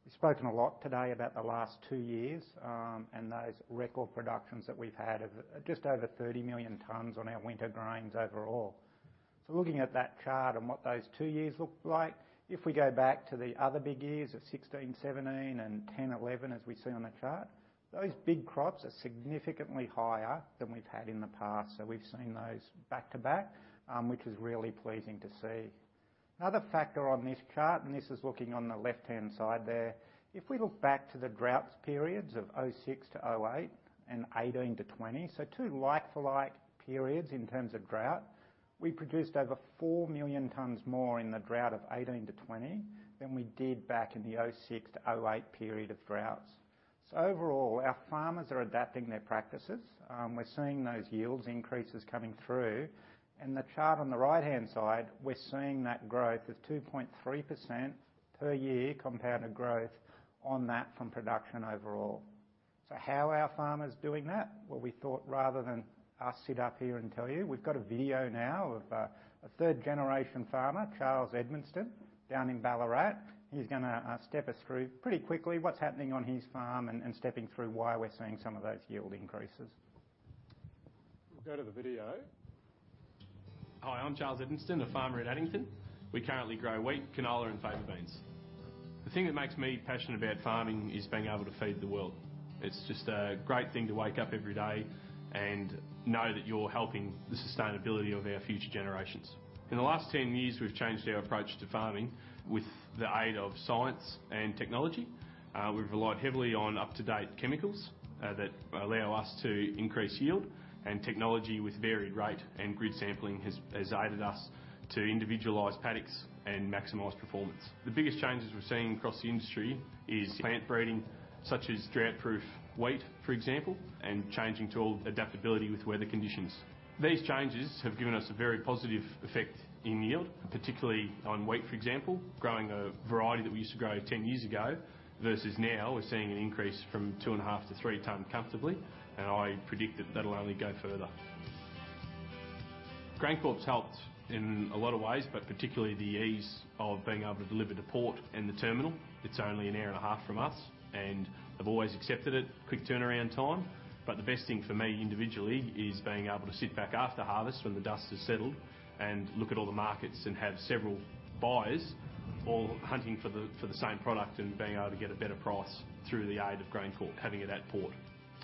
We've spoken a lot today about the last two years, and those record productions that we've had of just over 30 million tons on our winter grains overall. Looking at that chart and what those two years look like, if we go back to the other big years of 2016, 2017 and 2010, 2011, as we see on the chart, those big crops are significantly higher than we've had in the past. We've seen those back to back, which is really pleasing to see. Another factor on this chart, this is looking on the left-hand side there. If we look back to the drought periods of 2006-2008 and 2018-2020, two like for like periods in terms of drought. We produced over 4 million tons more in the drought of 2018-2020 than we did back in the 2006-2008 period of droughts. Overall, our farmers are adapting their practices. We're seeing those yield increases coming through. The chart on the right-hand side, we're seeing that growth of 2.3% per year compounded growth on that from production overall. How are farmers doing that? Well, we thought rather than us sit up here and tell you, we've got a video now of a third generation farmer, Charles Edmonston, down in Ballarat. He's gonna step us through pretty quickly what's happening on his farm and stepping through why we're seeing some of those yield increases. We'll go to the video. Hi, I'm Charles Edmonston, a farmer at Edmonston. We currently grow wheat, canola and faba beans. The thing that makes me passionate about farming is being able to feed the world. It's just a great thing to wake up every day and know that you're helping the sustainability of our future generations. In the last 10 years, we've changed our approach to farming with the aid of science and technology. We've relied heavily on up-to-date chemicals that allow us to increase yield and technology with variable rate, and grid sampling has aided us to individualize paddocks and maximize performance. The biggest changes we're seeing across the industry is plant breeding, such as drought-proof wheat, for example, and changing tool adaptability with weather conditions. These changes have given us a very positive effect in yield, particularly on wheat, for example. Growing a variety that we used to grow 10 years ago versus now, we're seeing an increase from 2.5 ton-3 ton comfortably, and I predict that that'll only go further. GrainCorp's helped in a lot of ways, but particularly the ease of being able to deliver to port and the terminal. It's only an hour and a half from us, and I've always accepted its quick turnaround time. The best thing for me individually is being able to sit back after harvest when the dust has settled and look at all the markets and have several buyers all hunting for the same product and being able to get a better price through the aid of GrainCorp, having it at port.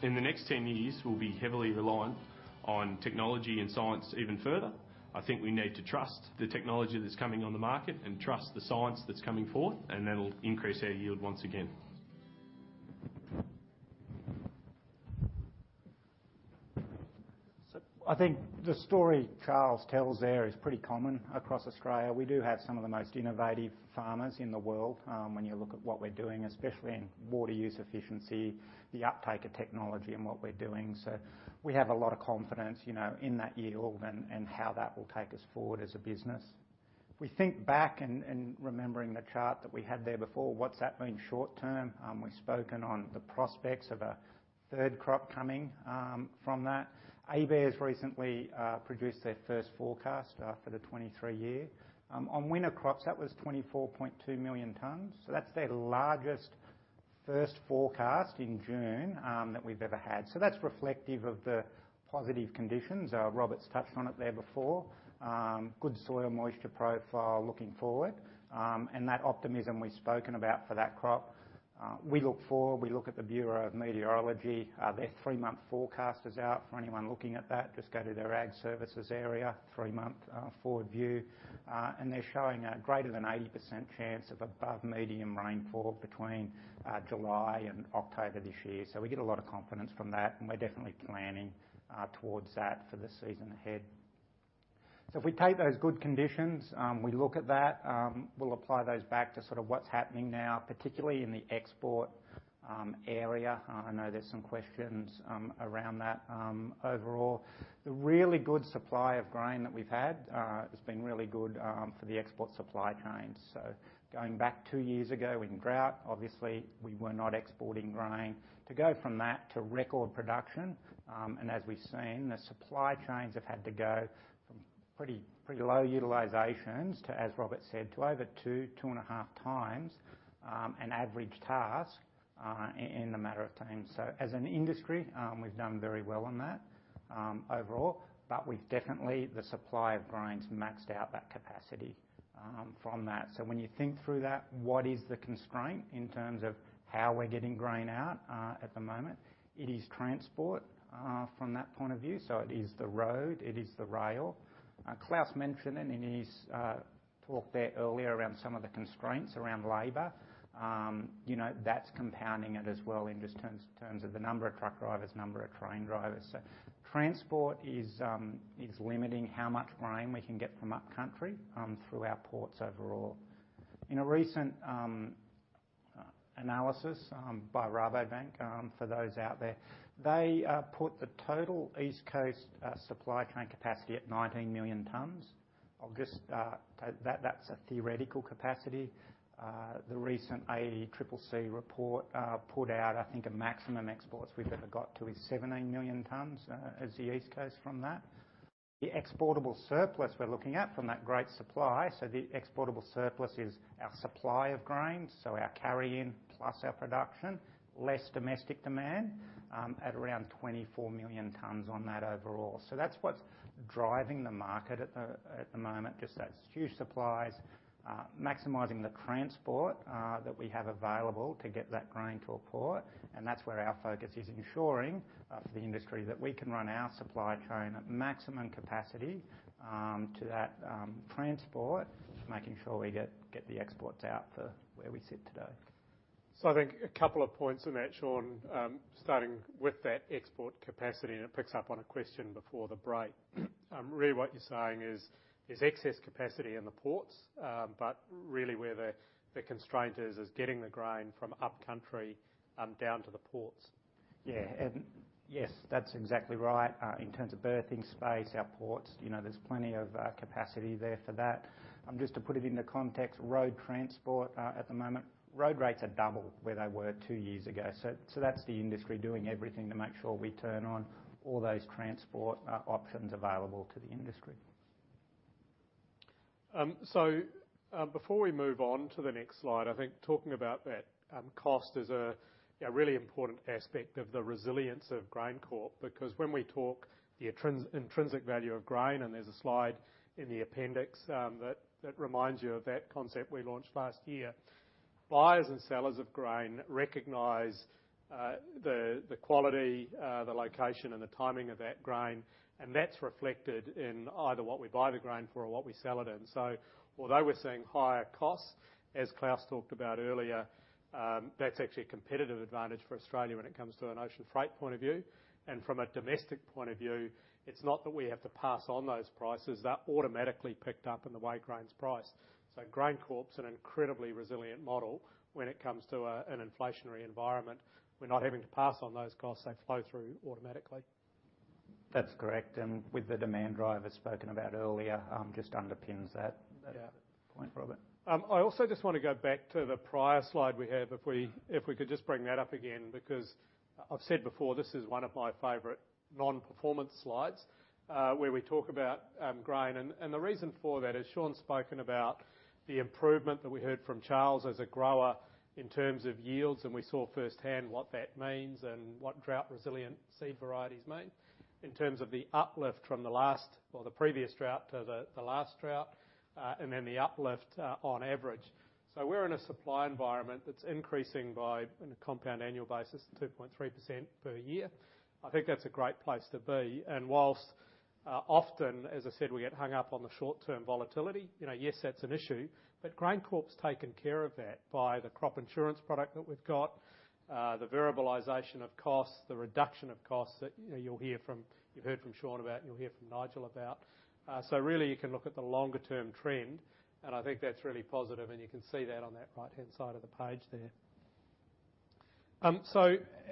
In the next 10 years, we'll be heavily reliant on technology and science even further. I think we need to trust the technology that's coming on the market and trust the science that's coming forth, and that'll increase our yield once again. I think the story Charles tells there is pretty common across Australia. We do have some of the most innovative farmers in the world, when you look at what we're doing, especially in water use efficiency, the uptake of technology and what we're doing. We have a lot of confidence, you know, in that yield and how that will take us forward as a business. If we think back and remembering the chart that we had there before, what's that mean short term? We've spoken on the prospects of a third crop coming from that. ABARES recently produced their first forecast for the 2023 year. On winter crops, that was 24.2 million tonnes. That's their largest first forecast in June that we've ever had. That's reflective of the positive conditions. Robert's touched on it there before. Good soil moisture profile looking forward, and that optimism we've spoken about for that crop. We look at the Bureau of Meteorology. Their three-month forecast is out. For anyone looking at that, just go to their ag services area, three-month forward view. They're showing a greater than 80% chance of above medium rainfall between July and October this year. We get a lot of confidence from that, and we're definitely planning towards that for the season ahead. If we take those good conditions, we look at that, we'll apply those back to sort of what's happening now, particularly in the export area. I know there's some questions around that. Overall, the really good supply of grain that we've had has been really good for the export supply chains. Going back two years ago in drought, obviously we were not exporting grain. To go from that to record production, and as we've seen, the supply chains have had to go from pretty low utilizations to, as Robert said, to over 2.5x an average task in a matter of time. As an industry, we've done very well on that overall, but we've definitely the supply of grains maxed out that capacity from that. When you think through that, what is the constraint in terms of how we're getting grain out at the moment? It is transport from that point of view, so it is the road, it is the rail. Klaus mentioned it in his talk there earlier around some of the constraints around labor. You know, that's compounding it as well in just terms of the number of truck drivers, number of train drivers. Transport is limiting how much grain we can get from upcountry through our ports overall. In a recent analysis by Rabobank, for those out there, they put the total East Coast supply chain capacity at 19 million tonnes. That's a theoretical capacity. The recent AEGIC report put out, I think, a maximum exports we've ever got to is 17 million tonnes as the East Coast from that. The exportable surplus we're looking at from that great supply, the exportable surplus is our supply of grains, our carry in plus our production, less domestic demand, at around 24 million tons on that overall. That's what's driving the market at the moment, just that huge supplies, maximizing the transport that we have available to get that grain to a port, and that's where our focus is ensuring for the industry that we can run our supply chain at maximum capacity to that transport, making sure we get the exports out for where we sit today. I think a couple of points in that, Sean, starting with that export capacity, and it picks up on a question before the break. Really what you're saying is there's excess capacity in the ports, but really where the constraint is getting the grain from upcountry down to the ports. Yeah. Yes, that's exactly right. In terms of berthing space, our ports, you know, there's plenty of capacity there for that. Just to put it into context, road transport, at the moment, road rates are double where they were two years ago. That's the industry doing everything to make sure we turn on all those transport options available to the industry. Before we move on to the next slide, I think talking about that cost is a really important aspect of the resilience of GrainCorp because when we talk about the intrinsic value of grain, there's a slide in the appendix that reminds you of that concept we launched last year. Buyers and sellers of grain recognize the quality, the location, and the timing of that grain, and that's reflected in either what we buy the grain for or what we sell it in. Although we're seeing higher costs, as Klaus talked about earlier, that's actually a competitive advantage for Australia when it comes to an ocean freight point of view. From a domestic point of view, it's not that we have to pass on those prices. They're automatically picked up in the way grain's priced. GrainCorp's an incredibly resilient model when it comes to an inflationary environment. We're not having to pass on those costs. They flow through automatically. That's correct. With the demand drivers spoken about earlier, just underpins that. Yeah that point, Robert. I also just wanna go back to the prior slide we had, if we could just bring that up again because I've said before, this is one of my favorite non-performance slides, where we talk about grain. The reason for that is Sean's spoken about the improvement that we heard from Charles as a grower in terms of yields, and we saw firsthand what that means and what drought-resilient seed varieties mean in terms of the uplift from the last or the previous drought to the last drought, and then the uplift on average. We're in a supply environment that's increasing by 2.3% on a compound annual basis per year. I think that's a great place to be. While often, as I said, we get hung up on the short-term volatility, you know, yes, that's an issue, but GrainCorp's taken care of that by the crop insurance product that we've got, the variabilization of costs, the reduction of costs that, you know, you heard from Sean about, you'll hear from Nigel about. Really you can look at the longer term trend, and I think that's really positive, and you can see that on that right-hand side of the page there.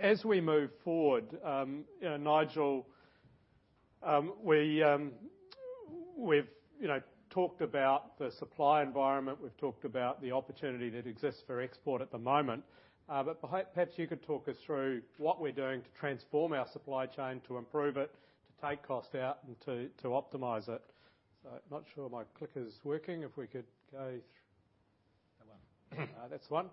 As we move forward, you know, Nigel, we've you know, talked about the supply environment. We've talked about the opportunity that exists for export at the moment. Perhaps you could talk us through what we're doing to transform our supply chain, to improve it, to take cost out, and to optimize it. Not sure my clicker's working. If we could go. That one. That's the one.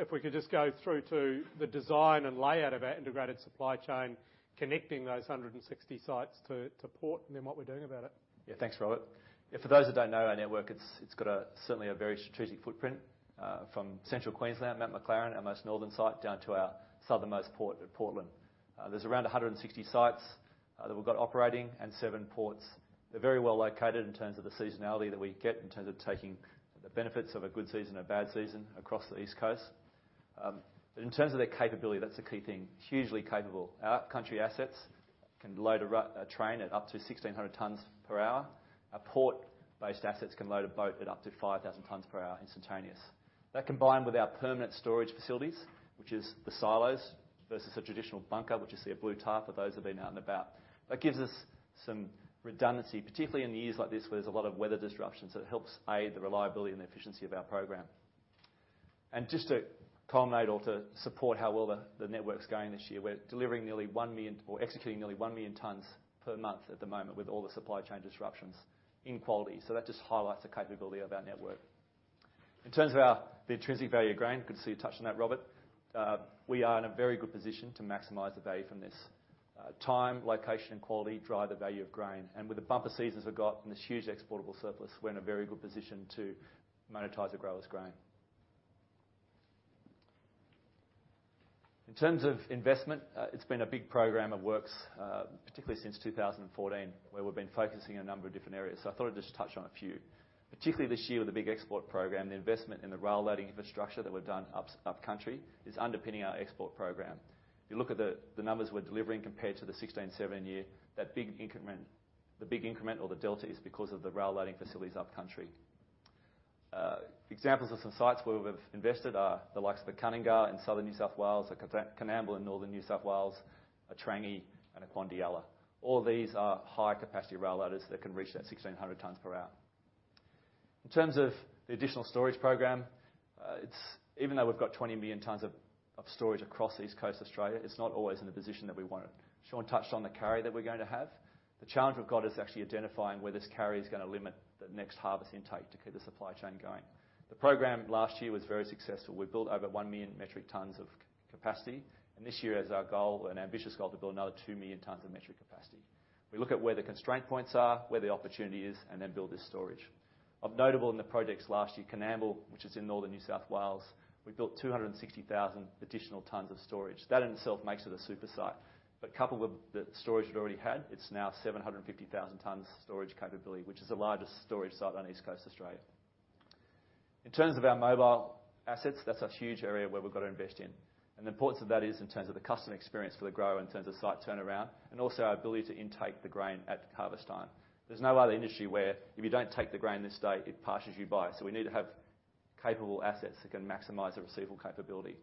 If we could just go through to the design and layout of our integrated supply chain, connecting those 160 sites to port, and then what we're doing about it. Yeah. Thanks, Robert. Yeah, for those that don't know our network, it's got certainly a very strategic footprint from Central Queensland, Mt McLaren, our most northern site, down to our southernmost port at Portland. There's around 160 sites that we've got operating and 7 ports. They're very well located in terms of the seasonality that we get, in terms of taking the benefits of a good season, a bad season across the East Coast. But in terms of their capability, that's the key thing. Hugely capable. Our country assets can load a train at up to 1,600 tons per hour. Our port-based assets can load a boat at up to 5,000 tons per hour instantaneous. That combined with our permanent storage facilities, which is the silos versus a traditional bunker, which you see a blue tarp of. Those have been out and about. That gives us some redundancy, particularly in the years like this, where there's a lot of weather disruptions. It helps aid the reliability and efficiency of our program. Just to culminate or to support how well the network's going this year, we're delivering nearly 1 million or executing nearly 1 million tons per month at the moment with all the supply chain disruptions in quality. That just highlights the capability of our network. In terms of the intrinsic value of grain, good to see you touched on that, Robert. We are in a very good position to maximize the value from this. Time, location, and quality drive the value of grain. With the bumper seasons we've got and this huge exportable surplus, we're in a very good position to monetize the grower's grain. In terms of investment, it's been a big program of works, particularly since 2014, where we've been focusing on a number of different areas. I thought I'd just touch on a few. Particularly this year with the big export program, the investment in the rail loading infrastructure that we've done up country is underpinning our export program. If you look at the numbers we're delivering compared to the 2016-2017 year, that big increment or the delta is because of the rail loading facilities up country. Examples of some sites where we've invested are the likes of the Cunningar in Southern New South Wales, the Coonamble in Northern New South Wales, a Trangie, and a Quandialla. All these are high capacity rail loaders that can reach that 1,600 tons per hour. In terms of the additional storage program, it's even though we've got 20 million tons of storage across East Coast Australia, it's not always in the position that we want it. Sean touched on the carry that we're going to have. The challenge we've got is actually identifying where this carry is gonna limit the next harvest intake to keep the supply chain going. The program last year was very successful. We built over 1 million metric tons of capacity, and this year is our goal, an ambitious goal, to build another 2 million tons of metric capacity. We look at where the constraint points are, where the opportunity is, and then build this storage. One notable in the projects last year, Coonamble, which is in Northern New South Wales, we built 260,000 additional tons of storage. That in itself makes it a super site. Coupled with the storage it already had, it's now 750,000 tons storage capability, which is the largest storage site on East Coast Australia. In terms of our mobile assets, that's a huge area where we've got to invest in. The importance of that is in terms of the customer experience for the grower, in terms of site turnaround, and also our ability to intake the grain at harvest time. There's no other industry where if you don't take the grain this day, it passes you by. We need to have capable assets that can maximize the receivable capability.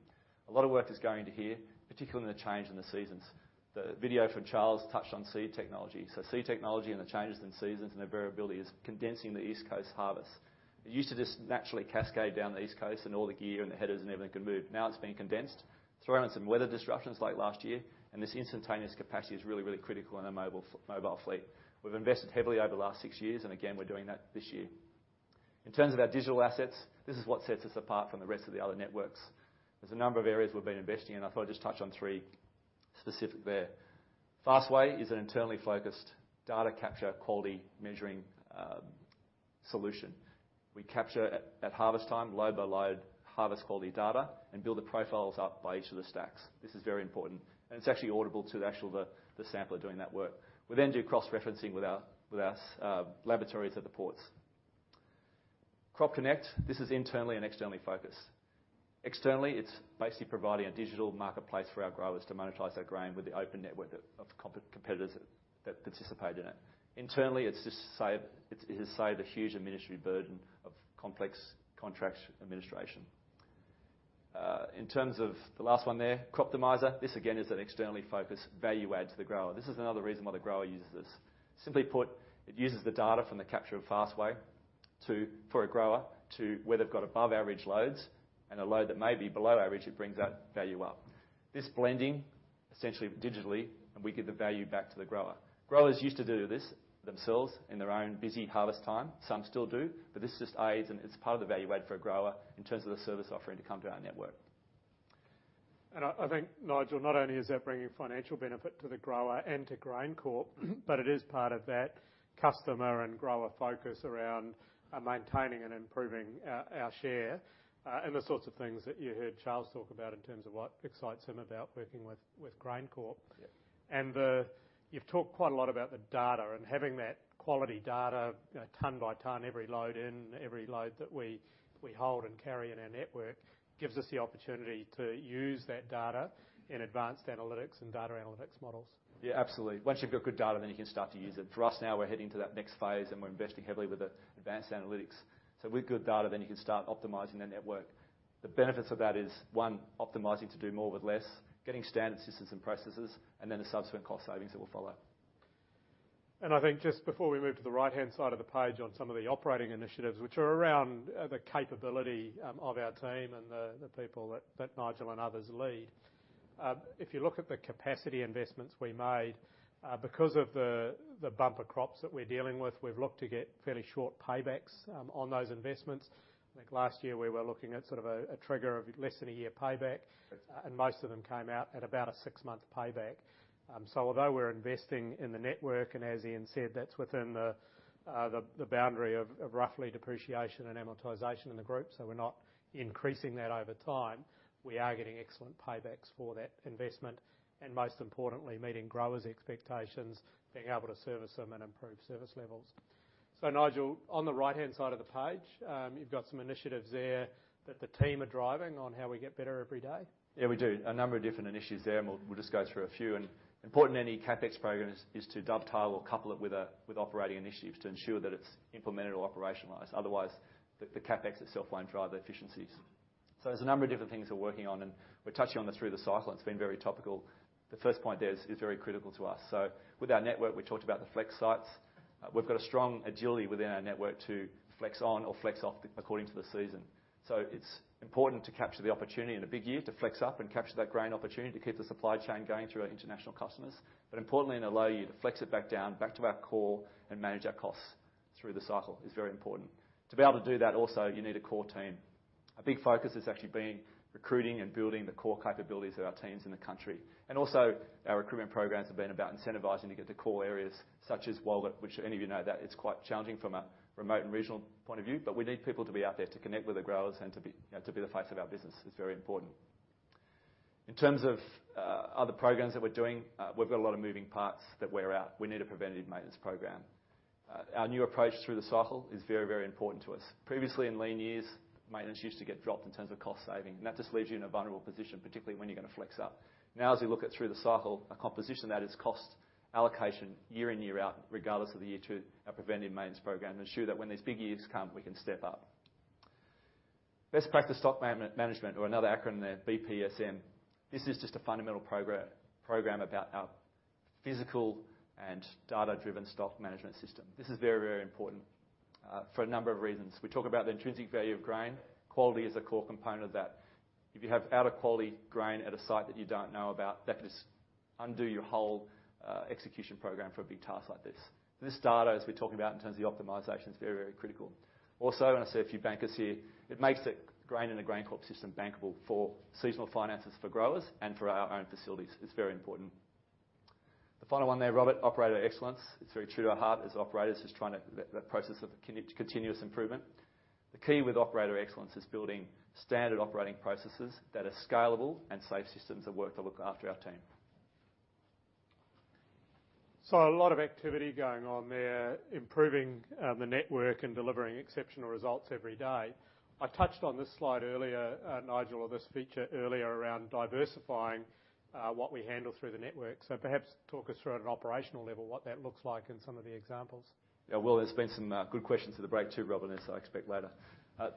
A lot of work is going into here, particularly in the change in the seasons. The video from Charles touched on seed technology. Seed technology and the changes in seasons and their variability is condensing the East Coast harvest. It used to just naturally cascade down the East Coast and all the gear and the headers and everything could move. Now it's being condensed, throw in some weather disruptions like last year, and this instantaneous capacity is really, really critical in our mobile fleet. We've invested heavily over the last six years, and again, we're doing that this year. In terms of our digital assets, this is what sets us apart from the rest of the other networks. There's a number of areas we've been investing in. I thought I'd just touch on three specific there. FastWeigh is an internally focused data capture quality measuring solution. We capture at harvest time load by load, harvest quality data, and build the profiles up by each of the stacks. This is very important, and it's actually auditable to the actual sampler doing that work. We then do cross-referencing with our laboratories at the ports. CropConnect, this is internally and externally focused. Externally, it's basically providing a digital marketplace for our growers to monetize their grain with the open network of competitors that participate in it. Internally, it has saved a huge administrative burden of complex contract administration. In terms of the last one there, Croptimiser. This, again, is an externally focused value add to the grower. This is another reason why the grower uses this. Simply put, it uses the data from the capture of FastWeigh to, for a grower to where they've got above average loads and a load that may be below average, it brings that value up. This blending essentially digitally, and we give the value back to the grower. Growers used to do this themselves in their own busy harvest time. Some still do, but this just aids and it's part of the value add for a grower in terms of the service offering to come to our network. I think, Nigel, not only is that bringing financial benefit to the grower and to GrainCorp, but it is part of that customer and grower focus around maintaining and improving our share, and the sorts of things that you heard Charles talk about in terms of what excites him about working with GrainCorp. Yeah. You've talked quite a lot about the data and having that quality data, ton by ton, every load in, every load that we hold and carry in our network, gives us the opportunity to use that data in advanced analytics and data analytics models. Yeah, absolutely. Once you've got good data, then you can start to use it. For us now, we're heading to that next phase, and we're investing heavily with the advanced analytics. With good data, then you can start optimizing the network. The benefits of that is, one, optimizing to do more with less, getting standard systems and processes, and then the subsequent cost savings that will follow. I think just before we move to the right-hand side of the page on some of the operating initiatives which are around the capability of our team and the people that Nigel and others lead. If you look at the capacity investments we made because of the bumper crops that we're dealing with, we've looked to get fairly short paybacks on those investments. I think last year we were looking at sort of a trigger of less than a year payback. That's it. Most of them came out at about a six-month payback. Although we're investing in the network, and as Ian said, that's within the boundary of roughly depreciation and amortization in the group, so we're not increasing that over time. We are getting excellent paybacks for that investment and most importantly, meeting growers' expectations, being able to service them and improve service levels. Nigel, on the right-hand side of the page, you've got some initiatives there that the team are driving on how we get better every day. Yeah, we do. A number of different initiatives there, and we'll just go through a few. Important any CapEx program is to dovetail or couple it with operating initiatives to ensure that it's implemented or operationalized. Otherwise, the CapEx itself won't drive the efficiencies. There's a number of different things we're working on, and we're touching on this through the cycle, and it's been very topical. The first point there is very critical to us. With our network, we talked about the flex sites. We've got a strong agility within our network to flex on or flex off according to the season. It's important to capture the opportunity in a big year to flex up and capture that grain opportunity to keep the supply chain going through our international customers. Importantly, in a low year to flex it back down to our core and manage our costs through the cycle is very important. To be able to do that also, you need a core team. A big focus has actually been recruiting and building the core capabilities of our teams in the country. Our recruitment programs have been about incentivizing to get the core areas such as Walgett, which any of you know that it's quite challenging from a remote and regional point of view, but we need people to be out there to connect with the growers and to be, you know, to be the face of our business. It's very important. In terms of other programs that we're doing, we've got a lot of moving parts that wear out. We need a preventative maintenance program. Our new approach through the cycle is very, very important to us. Previously in lean years, maintenance used to get dropped in terms of cost saving, and that just leaves you in a vulnerable position, particularly when you're gonna flex up. Now, as we look at through the cycle, a composition that is cost allocation year in, year out, regardless of the year two, our preventative maintenance program ensure that when these big years come, we can step up. Best practice stock management or another acronym there, BPSM. This is just a fundamental program about our physical and data-driven stock management system. This is very, very important, for a number of reasons. We talk about the intrinsic value of grain. Quality is a core component of that. If you have out of quality grain at a site that you don't know about, that could just undo your whole execution program for a big task like this. This data, as we're talking about in terms of the optimization, is very, very critical. Also, I see a few bankers here, it makes the grain in the GrainCorp system bankable for seasonal finances for growers and for our own facilities. It's very important. The final one there, Robert, operator excellence. It's very true to our heart as operators, just trying to that process of continuous improvement. The key with operator excellence is building standard operating processes that are scalable and safe systems of work to look after our team. A lot of activity going on there, improving the network and delivering exceptional results every day. I touched on this slide earlier, Nigel, or this feature earlier around diversifying what we handle through the network. Perhaps talk us through at an operational level, what that looks like and some of the examples. Yeah. Well, there's been some good questions for the break too, Robert, and so I expect later.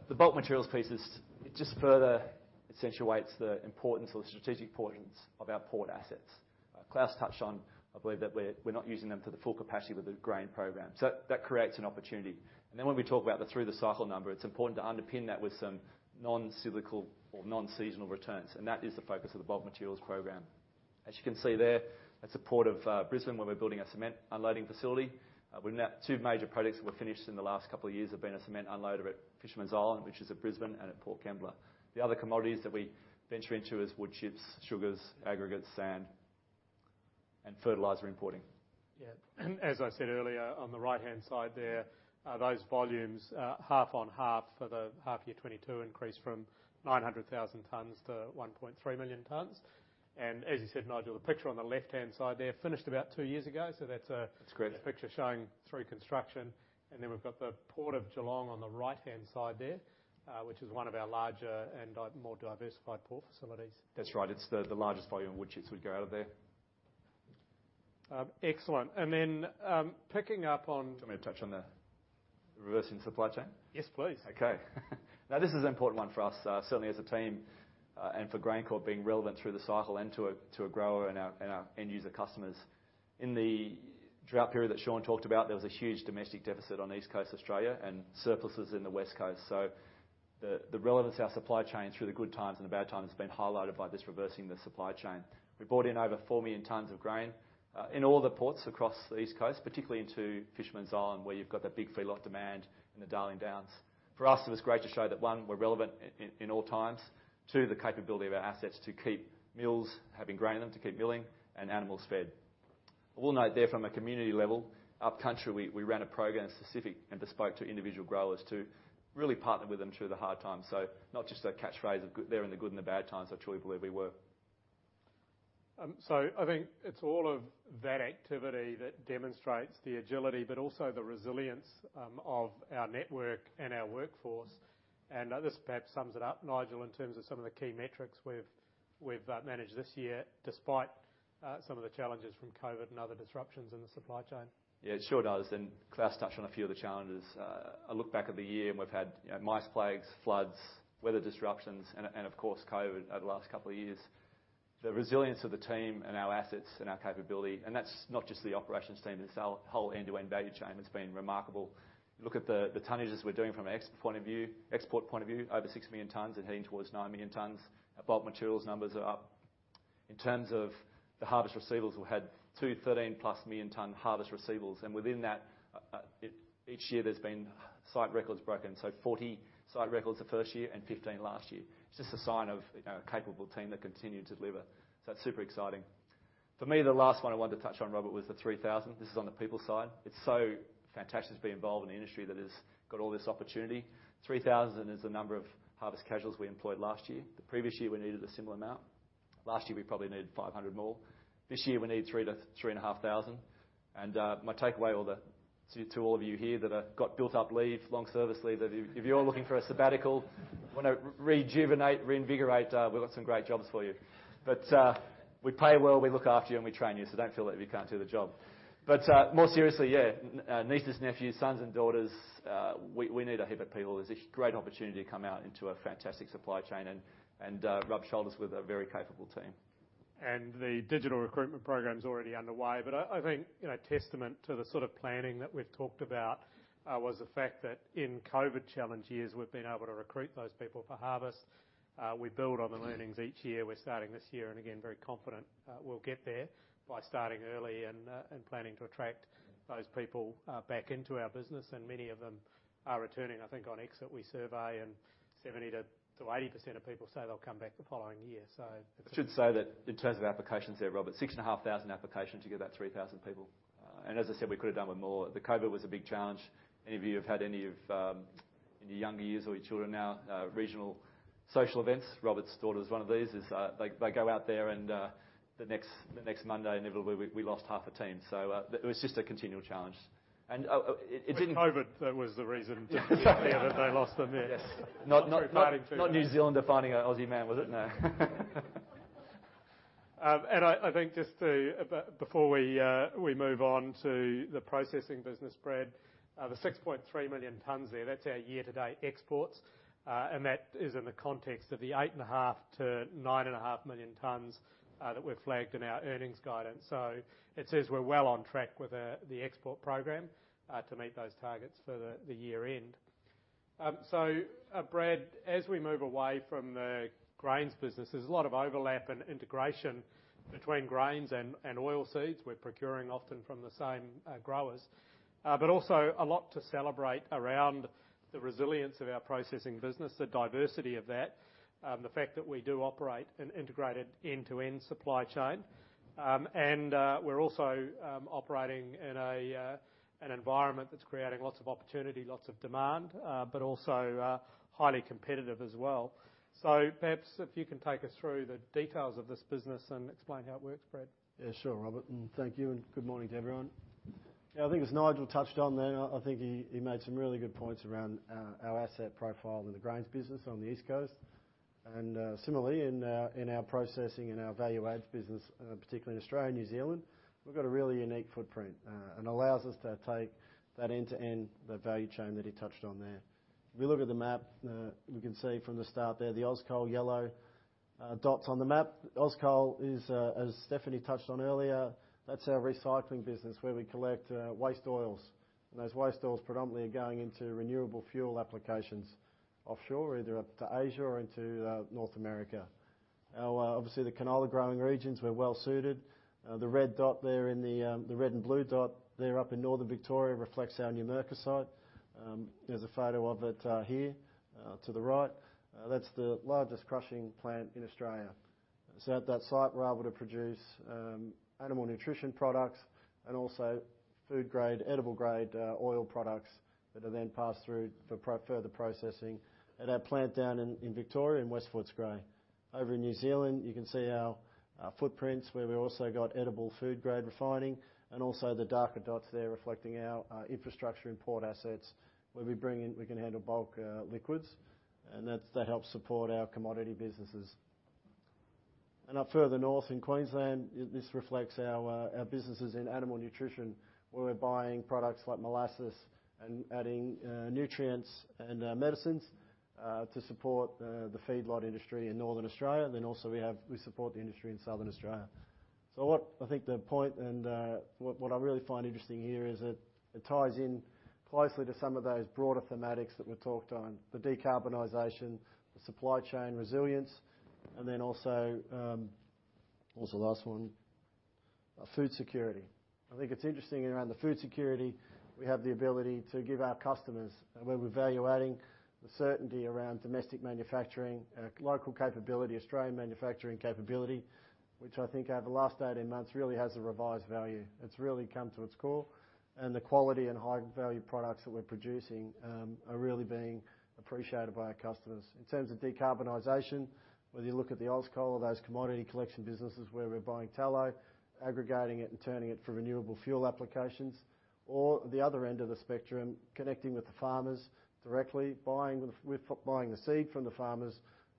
The bulk materials piece is. It just further accentuates the importance or the strategic importance of our port assets. Klaus touched on, I believe, that we're not using them to the full capacity with the grain program. That creates an opportunity. Then when we talk about the through the cycle number, it's important to underpin that with some non-cyclical or non-seasonal returns, and that is the focus of the bulk materials program. As you can see there, that's the Port of Brisbane, where we're building a cement unloading facility. Two major projects that were finished in the last couple of years have been a cement unloader at Fisherman's Island, which is at Brisbane and at Port Kembla. The other commodities that we venture into is wood chips, sugars, aggregates, sand. Fertilizer importing. Yeah. As I said earlier, on the right-hand side there, those volumes, half-on-half for the half year 2022 increase from 900,000 tons-1.3 million tons. As you said, Nigel, the picture on the left-hand side there, finished about two years ago. That's That's great. ...a picture showing through construction. We've got the Port of Geelong on the right-hand side there, which is one of our larger and more diversified port facilities. That's right. It's the largest volume, which would go out of there. Excellent. Do you want me to touch on the reversing supply chain? Yes, please. Okay. Now, this is an important one for us, certainly as a team, and for GrainCorp being relevant through the cycle and to a grower and our end user customers. In the drought period that Sean talked about, there was a huge domestic deficit on East Coast Australia and surpluses in the West Coast. The relevance of our supply chain through the good times and the bad times has been highlighted by this reversing the supply chain. We brought in over 4 million tons of grain in all the ports across the East Coast, particularly into Fisherman's Island, where you've got that big feedlot demand in the Darling Downs. For us, it was great to show that, one, we're relevant in all times. Two, the capability of our assets to keep mills having grain in them, to keep milling and animals fed. I will note there from a community level, upcountry we ran a program specific and bespoke to individual growers to really partner with them through the hard times. Not just a catchphrase of there in the good and the bad times, I truly believe we were. I think it's all of that activity that demonstrates the agility, but also the resilience, of our network and our workforce. This perhaps sums it up, Nigel, in terms of some of the key metrics we've managed this year, despite some of the challenges from COVID and other disruptions in the supply chain. Yeah, it sure does. Klaus's touched on a few of the challenges. I look back at the year and we've had, you know, mice plagues, floods, weather disruptions and of course COVID over the last couple of years. The resilience of the team and our assets and our capability, and that's not just the operations team, it's our whole end-to-end value chain has been remarkable. You look at the tonnages we're doing from an export point of view, export point of view, over 6 million tons and heading towards 9 million tons. Our bulk materials numbers are up. In terms of the harvest receivals, we had two 13-plus million-ton harvest receivals, and within that, each year there's been site records broken. 40 site records the first year and 15 last year. It's just a sign of, you know, a capable team that continue to deliver. That's super exciting. For me, the last one I wanted to touch on, Robert, was the 3,000. This is on the people side. It's so fantastic to be involved in an industry that has got all this opportunity. 3,000 is the number of harvest casuals we employed last year. The previous year, we needed a similar amount. Last year, we probably needed 500 more. This year we need 3,000-3,500. My takeaway to all of you here that have got built up leave, long service leave, that if you're looking for a sabbatical, wanna rejuvenate, reinvigorate, we've got some great jobs for you. We pay well, we look after you, and we train you, so don't feel that you can't do the job. More seriously, yeah, nieces, nephews, sons and daughters, we need a heap of people. There's a great opportunity to come out into a fantastic supply chain and rub shoulders with a very capable team. The digital recruitment program's already underway. I think, you know, testament to the sort of planning that we've talked about was the fact that in COVID challenge years, we've been able to recruit those people for harvest. We build on the learnings each year. We're starting this year and again, very confident, we'll get there by starting early and planning to attract those people back into our business. Many of them are returning, I think. On exit, we survey, and 70%-80% of people say they'll come back the following year. I should say that in terms of applications there, Robert, 6,500 applications to get that 3,000 people. As I said, we could have done with more. COVID was a big challenge. Any of you have had any of in your younger years or your children now regional social events, Robert's daughter's one of these, they go out there and the next Monday inevitably we lost half a team. It was just a continual challenge. It didn't- Which COVID was the reason that they lost them there? Yes. Not New Zealander finding an Aussie man, was it? No. Before we move on to the processing business, Brad, the 6.3 million tons there, that's our year-to-date exports. That is in the context of the 8.5 million tons-9.5 million tons that we've flagged in our earnings guidance. It says we're well on track with the export program to meet those targets for the year end. Brad, as we move away from the grains business, there's a lot of overlap and integration between grains and oilseeds. We're procuring often from the same growers. But also a lot to celebrate around the resilience of our processing business, the diversity of that, the fact that we do operate an integrated end-to-end supply chain. We're also operating in an environment that's creating lots of opportunity, lots of demand, but also highly competitive as well. Perhaps if you can take us through the details of this business and explain how it works, Brad. Yeah, sure, Robert. Thank you and good morning to everyone. I think as Nigel touched on there, I think he made some really good points around our asset profile in the grains business on the East Coast. Similarly in our processing and our value adds business, particularly in Australia and New Zealand, we've got a really unique footprint and allows us to take that end-to-end, the value chain that he touched on there. If we look at the map, we can see from the start there, the Auscol yellow dots on the map. Auscol is, as Stephanie touched on earlier, that's our recycling business where we collect waste oils and those waste oils predominantly are going into renewable fuel applications offshore, either up to Asia or into North America. Obviously the canola growing regions, we're well suited. The red and blue dot there up in Northern Victoria reflects our Numurkah site. There's a photo of it here to the right. That's the largest crushing plant in Australia. At that site, we're able to produce animal nutrition products and also food grade, edible grade oil products that are then passed through for further processing at our plant down in Victoria in West Footscray. Over in New Zealand, you can see our footprints where we also got edible food grade refining and also the darker dots there reflecting our infrastructure and port assets where we bring in, we can handle bulk liquids, and that helps support our commodity businesses. Up further north in Queensland, this reflects our businesses in animal nutrition, where we're buying products like molasses and adding nutrients and medicines to support the feedlot industry in Northern Australia. We support the industry in Southern Australia. What I think the point and what I really find interesting here is it ties in closely to some of those broader thematics that were talked on, the decarbonization, the supply chain resilience, and then also what was the last one? Food security. I think it's interesting around the food security, we have the ability to give our customers where we're value adding the certainty around domestic manufacturing, local capability, Australian manufacturing capability, which I think over the last 18 months really has a revised value. It's really come to its core, and the quality and high value products that we're producing are really being appreciated by our customers. In terms of decarbonization, whether you look at the Auscol or those commodity collection businesses where we're buying tallow, aggregating it, and turning it for renewable fuel applications, or the other end of the spectrum, connecting with the farmers directly, we're buying the seed from the farmers,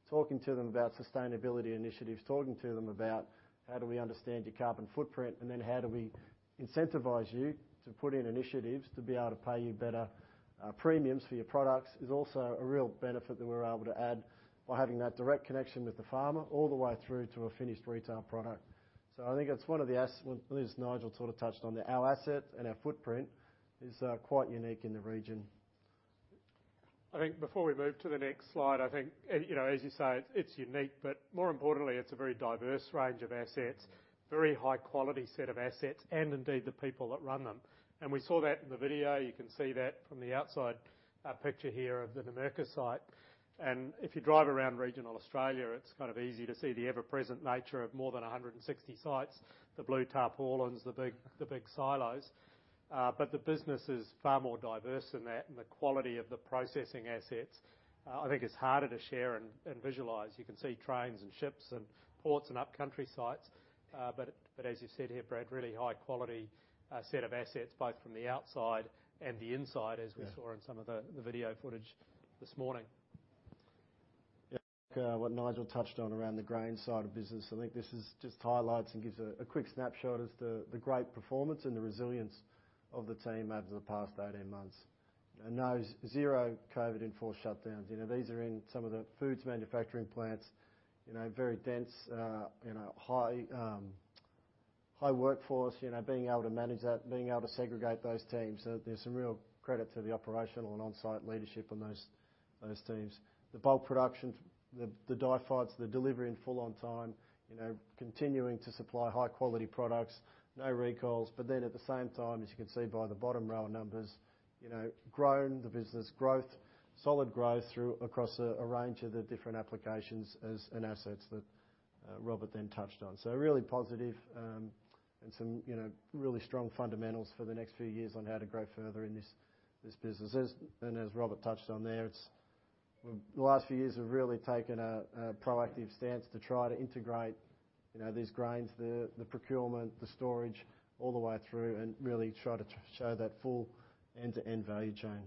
talking to them about sustainability initiatives, talking to them about how do we understand your carbon footprint, and then how do we incentivize you to put in initiatives to be able to pay you better premiums for your products is also a real benefit that we're able to add by having that direct connection with the farmer all the way through to a finished retail product. I think it's one of the assets, well, at least Nigel sort of touched on our asset and our footprint is quite unique in the region. I think before we move to the next slide, I think, you know, as you say, it's unique, but more importantly, it's a very diverse range of assets, very high quality set of assets, and indeed the people that run them. We saw that in the video. You can see that from the outside, picture here of the Numurkah site. If you drive around regional Australia, it's kind of easy to see the ever-present nature of more than 160 sites, the blue tarpaulins, the big silos. The business is far more diverse than that and the quality of the processing assets. I think it's harder to share and visualize. You can see trains and ships and ports and upcountry sites. As you said here, Brad, really high quality set of assets, both from the outside and the inside. Yeah As we saw in some of the video footage this morning. Yeah. What Nigel touched on around the grain side of business, I think this is just highlights and gives a quick snapshot as to the great performance and the resilience of the team over the past 18 months. No zero COVID enforced shutdowns. You know, these are in some of the Foods manufacturing plants, you know, very dense, high workforce, you know, being able to manage that, being able to segregate those teams. There's some real credit to the operational and on-site leadership on those teams. The bulk production, the DIFOT, the delivery in full on time, you know, continuing to supply high-quality products, no recalls. At the same time, as you can see by the bottom row of numbers, you know, grown the business growth, solid growth through across a range of the different applications and assets that Robert then touched on. Really positive, and some, you know, really strong fundamentals for the next few years on how to grow further in this business. As Robert touched on there, it's the last few years have really taken a proactive stance to try to integrate, you know, these grains, the procurement, the storage, all the way through, and really try to show that full end-to-end value chain.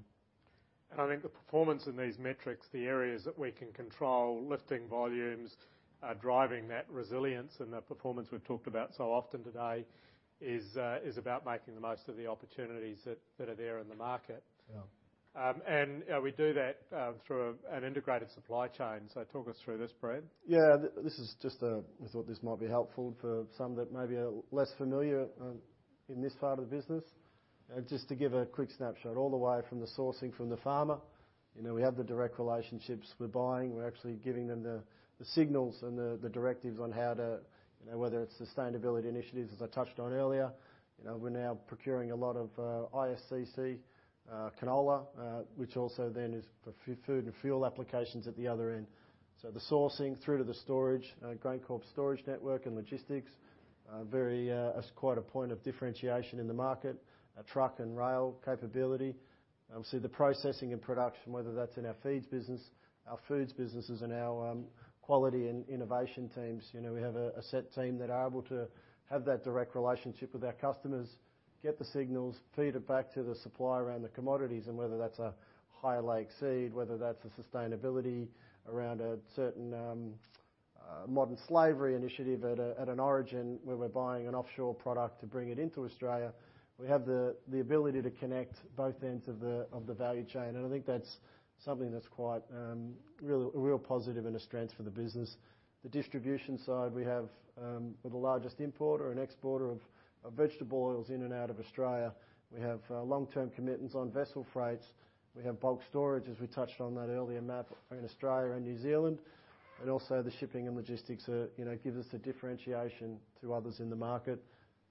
I think the performance in these metrics, the areas that we can control, lifting volumes are driving that resilience, and the performance we've talked about so often today is about making the most of the opportunities that are there in the market. Yeah. We do that through an integrated supply chain. Talk us through this, Brad. I thought this might be helpful for some that may be less familiar in this part of the business. Just to give a quick snapshot all the way from the sourcing from the farmer. You know, we have the direct relationships. We're buying, we're actually giving them the signals and the directives on how to, you know, whether it's sustainability initiatives, as I touched on earlier. You know, we're now procuring a lot of ISCC canola, which also then is for food and fuel applications at the other end. The sourcing through to the storage, GrainCorp storage network and logistics are very. That's quite a point of differentiation in the market. A truck and rail capability. The processing and production, whether that's in our feeds business, our foods businesses and our quality and innovation teams. You know, we have a set team that are able to have that direct relationship with our customers, get the signals, feed it back to the supplier and the commodities, and whether that's a high oleic seed, whether that's a sustainability around a certain modern slavery initiative at an origin where we're buying an offshore product to bring it into Australia, we have the ability to connect both ends of the value chain. I think that's something that's quite really a real positive and a strength for the business. The distribution side, we're the largest importer and exporter of vegetable oils in and out of Australia. We have long-term commitments on vessel freights. We have bulk storage as we touched on that earlier map in Australia and New Zealand, and also the shipping and logistics, you know, gives us the differentiation to others in the market.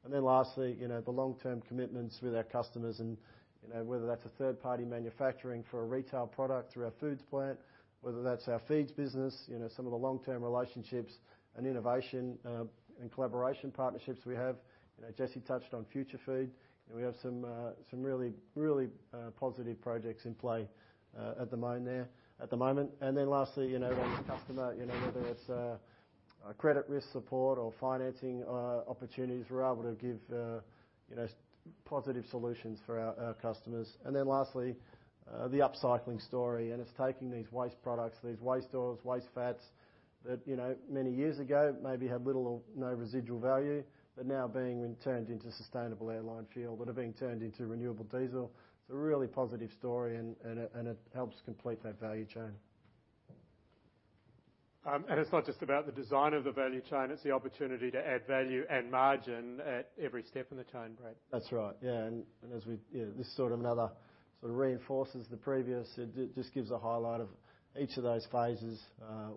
Then lastly, you know, the long-term commitments with our customers and, you know, whether that's a third-party manufacturing for a retail product through our Foods plant, whether that's our feeds business, you know, some of the long-term relationships and innovation, and collaboration partnerships we have. You know, Jesse touched on FutureFeed, and we have some really positive projects in play at the moment. Then lastly, you know, when the customer, you know, whether it's a credit risk support or financing opportunities, we're able to give, you know, positive solutions for our customers. Lastly, the upcycling story, and it's taking these waste products, these waste oils, waste fats that, you know, many years ago maybe had little or no residual value, but now being turned into sustainable airline fuel, that are being turned into renewable diesel. It's a really positive story and it helps complete that value chain. It's not just about the design of the value chain, it's the opportunity to add value and margin at every step in the chain, Brad. That's right. Yeah. This is sort of another, sort of reinforces the previous. It just gives a highlight of each of those phases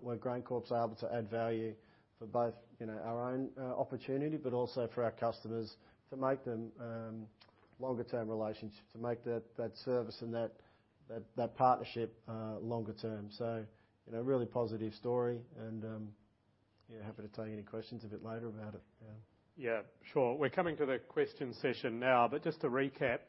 where GrainCorp's able to add value for both, you know, our own opportunity, but also for our customers to make them longer term relations, to make that service and that partnership longer term. You know, really positive story and, yeah, happy to take any questions a bit later about it. Yeah. Yeah, sure. We're coming to the question session now, but just to recap,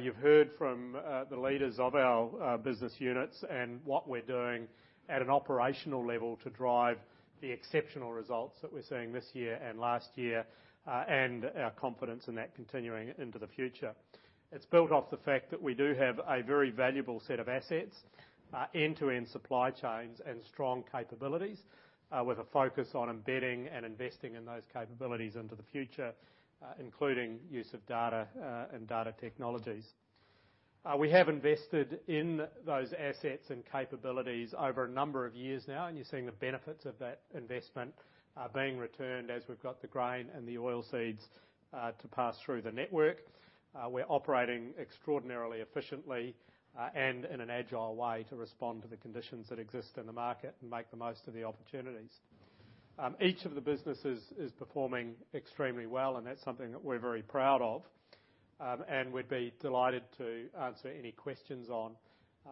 you've heard from the leaders of our business units and what we're doing at an operational level to drive the exceptional results that we're seeing this year and last year, and our confidence in that continuing into the future. It's built off the fact that we do have a very valuable set of assets, end-to-end supply chains and strong capabilities, with a focus on embedding and investing in those capabilities into the future, including use of data and data technologies. We have invested in those assets and capabilities over a number of years now, and you're seeing the benefits of that investment being returned as we've got the grain and the oilseeds to pass through the network. We're operating extraordinarily efficiently and in an agile way to respond to the conditions that exist in the market and make the most of the opportunities. Each of the businesses is performing extremely well, and that's something that we're very proud of, and we'd be delighted to answer any questions on.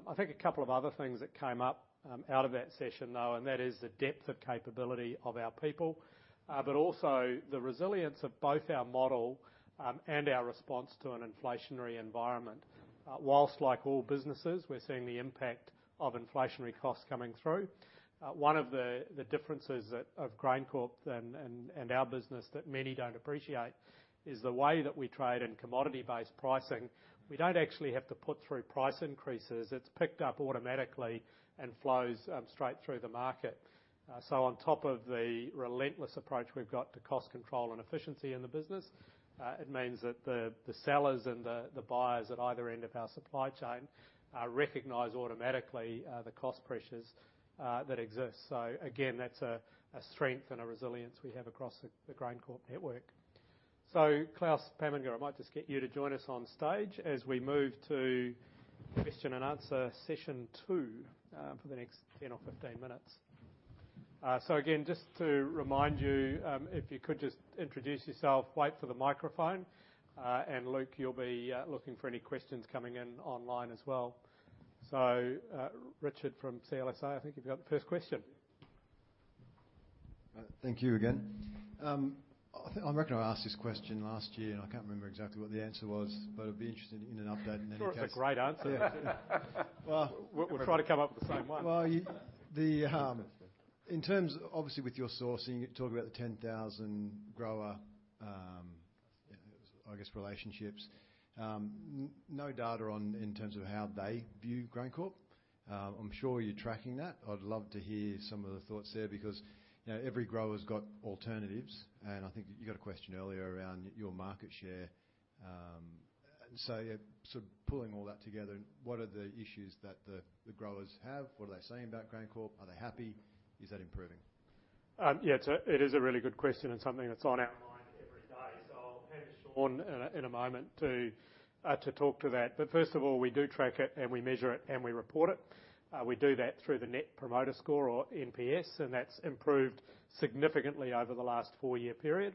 I think a couple of other things that came up out of that session, though, and that is the depth of capability of our people, but also the resilience of both our model and our response to an inflationary environment. While like all businesses, we're seeing the impact of inflationary costs coming through. One of the differences of GrainCorp and our business that many don't appreciate is the way that we trade in commodity-based pricing. We don't actually have to put through price increases. It's picked up automatically and flows straight through the market. On top of the relentless approach we've got to cost control and efficiency in the business, it means that the sellers and the buyers at either end of our supply chain recognize automatically the cost pressures that exist. Again, that's a strength and a resilience we have across the GrainCorp network. Klaus Pamminger, I might just get you to join us on stage as we move to question and answer session two for the next 10 or 15 minutes. Again, just to remind you, if you could just introduce yourself, wait for the microphone, and Luke, you'll be looking for any questions coming in online as well. Richard from CLSA, I think you've got the first question. Thank you again. I think, I reckon I asked this question last year and I can't remember exactly what the answer was, but I'd be interested in an update in any case. I'm sure it's a great answer. Yeah. Well We'll try to come up with the same one. Well, in terms, obviously with your sourcing, you talked about the 10,000 grower relationships. No data on in terms of how they view GrainCorp. I'm sure you're tracking that. I'd love to hear some of the thoughts there because, you know, every grower's got alternatives and I think you got a question earlier around your market share. Sort of pulling all that together, what are the issues that the growers have? What are they saying about GrainCorp? Are they happy? Is that improving? Yeah, it is a really good question and something that's on our minds every day. I'll hand to Sean in a moment to talk to that. First of all, we do track it and we measure it and we report it. We do that through the Net Promoter Score or NPS, and that's improved significantly over the last four-year period.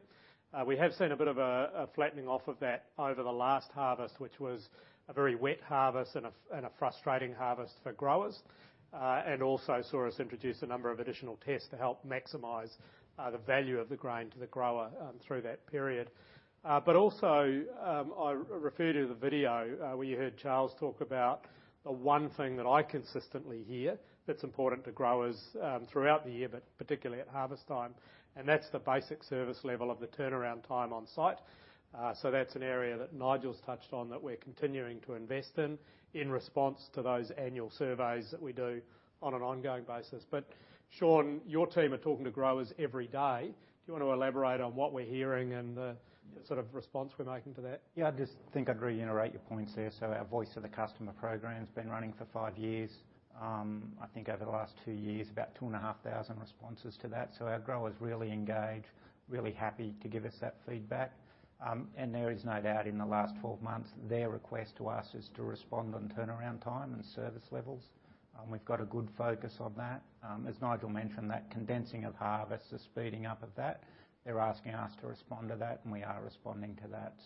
We have seen a bit of a flattening off of that over the last harvest, which was a very wet harvest and a frustrating harvest for growers, and also saw us introduce a number of additional tests to help maximize the value of the grain to the grower through that period. I refer to the video, where you heard Charles talk about the one thing that I consistently hear that's important to growers, throughout the year, but particularly at harvest time, and that's the basic service level of the turnaround time on site. So that's an area that Nigel's touched on that we're continuing to invest in in response to those annual surveys that we do on an ongoing basis. Sean, your team are talking to growers every day. Do you want to elaborate on what we're hearing and the sort of response we're making to that? I just think I'd reiterate your points there. Our Voice of the Customer program's been running for five years. I think over the last two years, about 2,500 responses to that. Our growers really engage, really happy to give us that feedback. There is no doubt in the last 12 months, their request to us is to respond on turnaround time and service levels. We've got a good focus on that. As Nigel mentioned, that condensing of harvest, the speeding up of that, they're asking us to respond to that, and we are responding to that.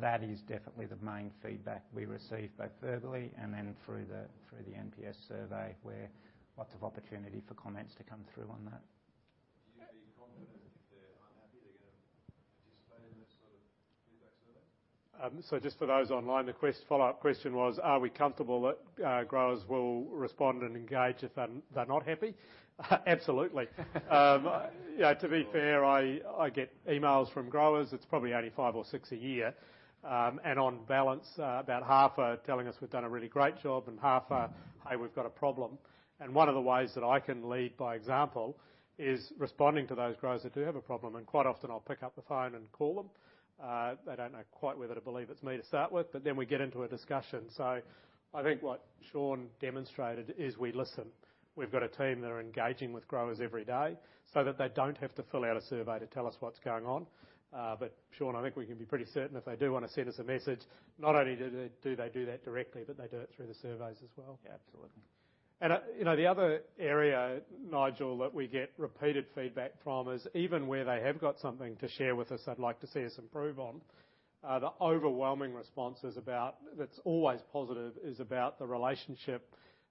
That is definitely the main feedback we receive, both verbally and then through the NPS survey, where lots of opportunity for comments to come through on that. Do you feel confident if they're unhappy, they're gonna participate in this sort of feedback survey? Just for those online, the Q&A follow-up question was, are we comfortable that growers will respond and engage if they're not happy? Absolutely. You know, to be fair, I get emails from growers. It's probably only five or six a year. On balance, about half are telling us we've done a really great job and half are, "Hey, we've got a problem." One of the ways that I can lead by example is responding to those growers that do have a problem. Quite often I'll pick up the phone and call them. They don't know quite whether to believe it's me to start with, but then we get into a discussion. I think what Sean demonstrated is we listen. We've got a team that are engaging with growers every day so that they don't have to fill out a survey to tell us what's going on. Sean, I think we can be pretty certain if they do wanna send us a message, not only do they do that directly, but they do it through the surveys as well. Yeah, absolutely. You know, the other area, Nigel, that we get repeated feedback from is even where they have got something to share with us they'd like to see us improve on, the overwhelming response is about, that's always positive, is about the relationship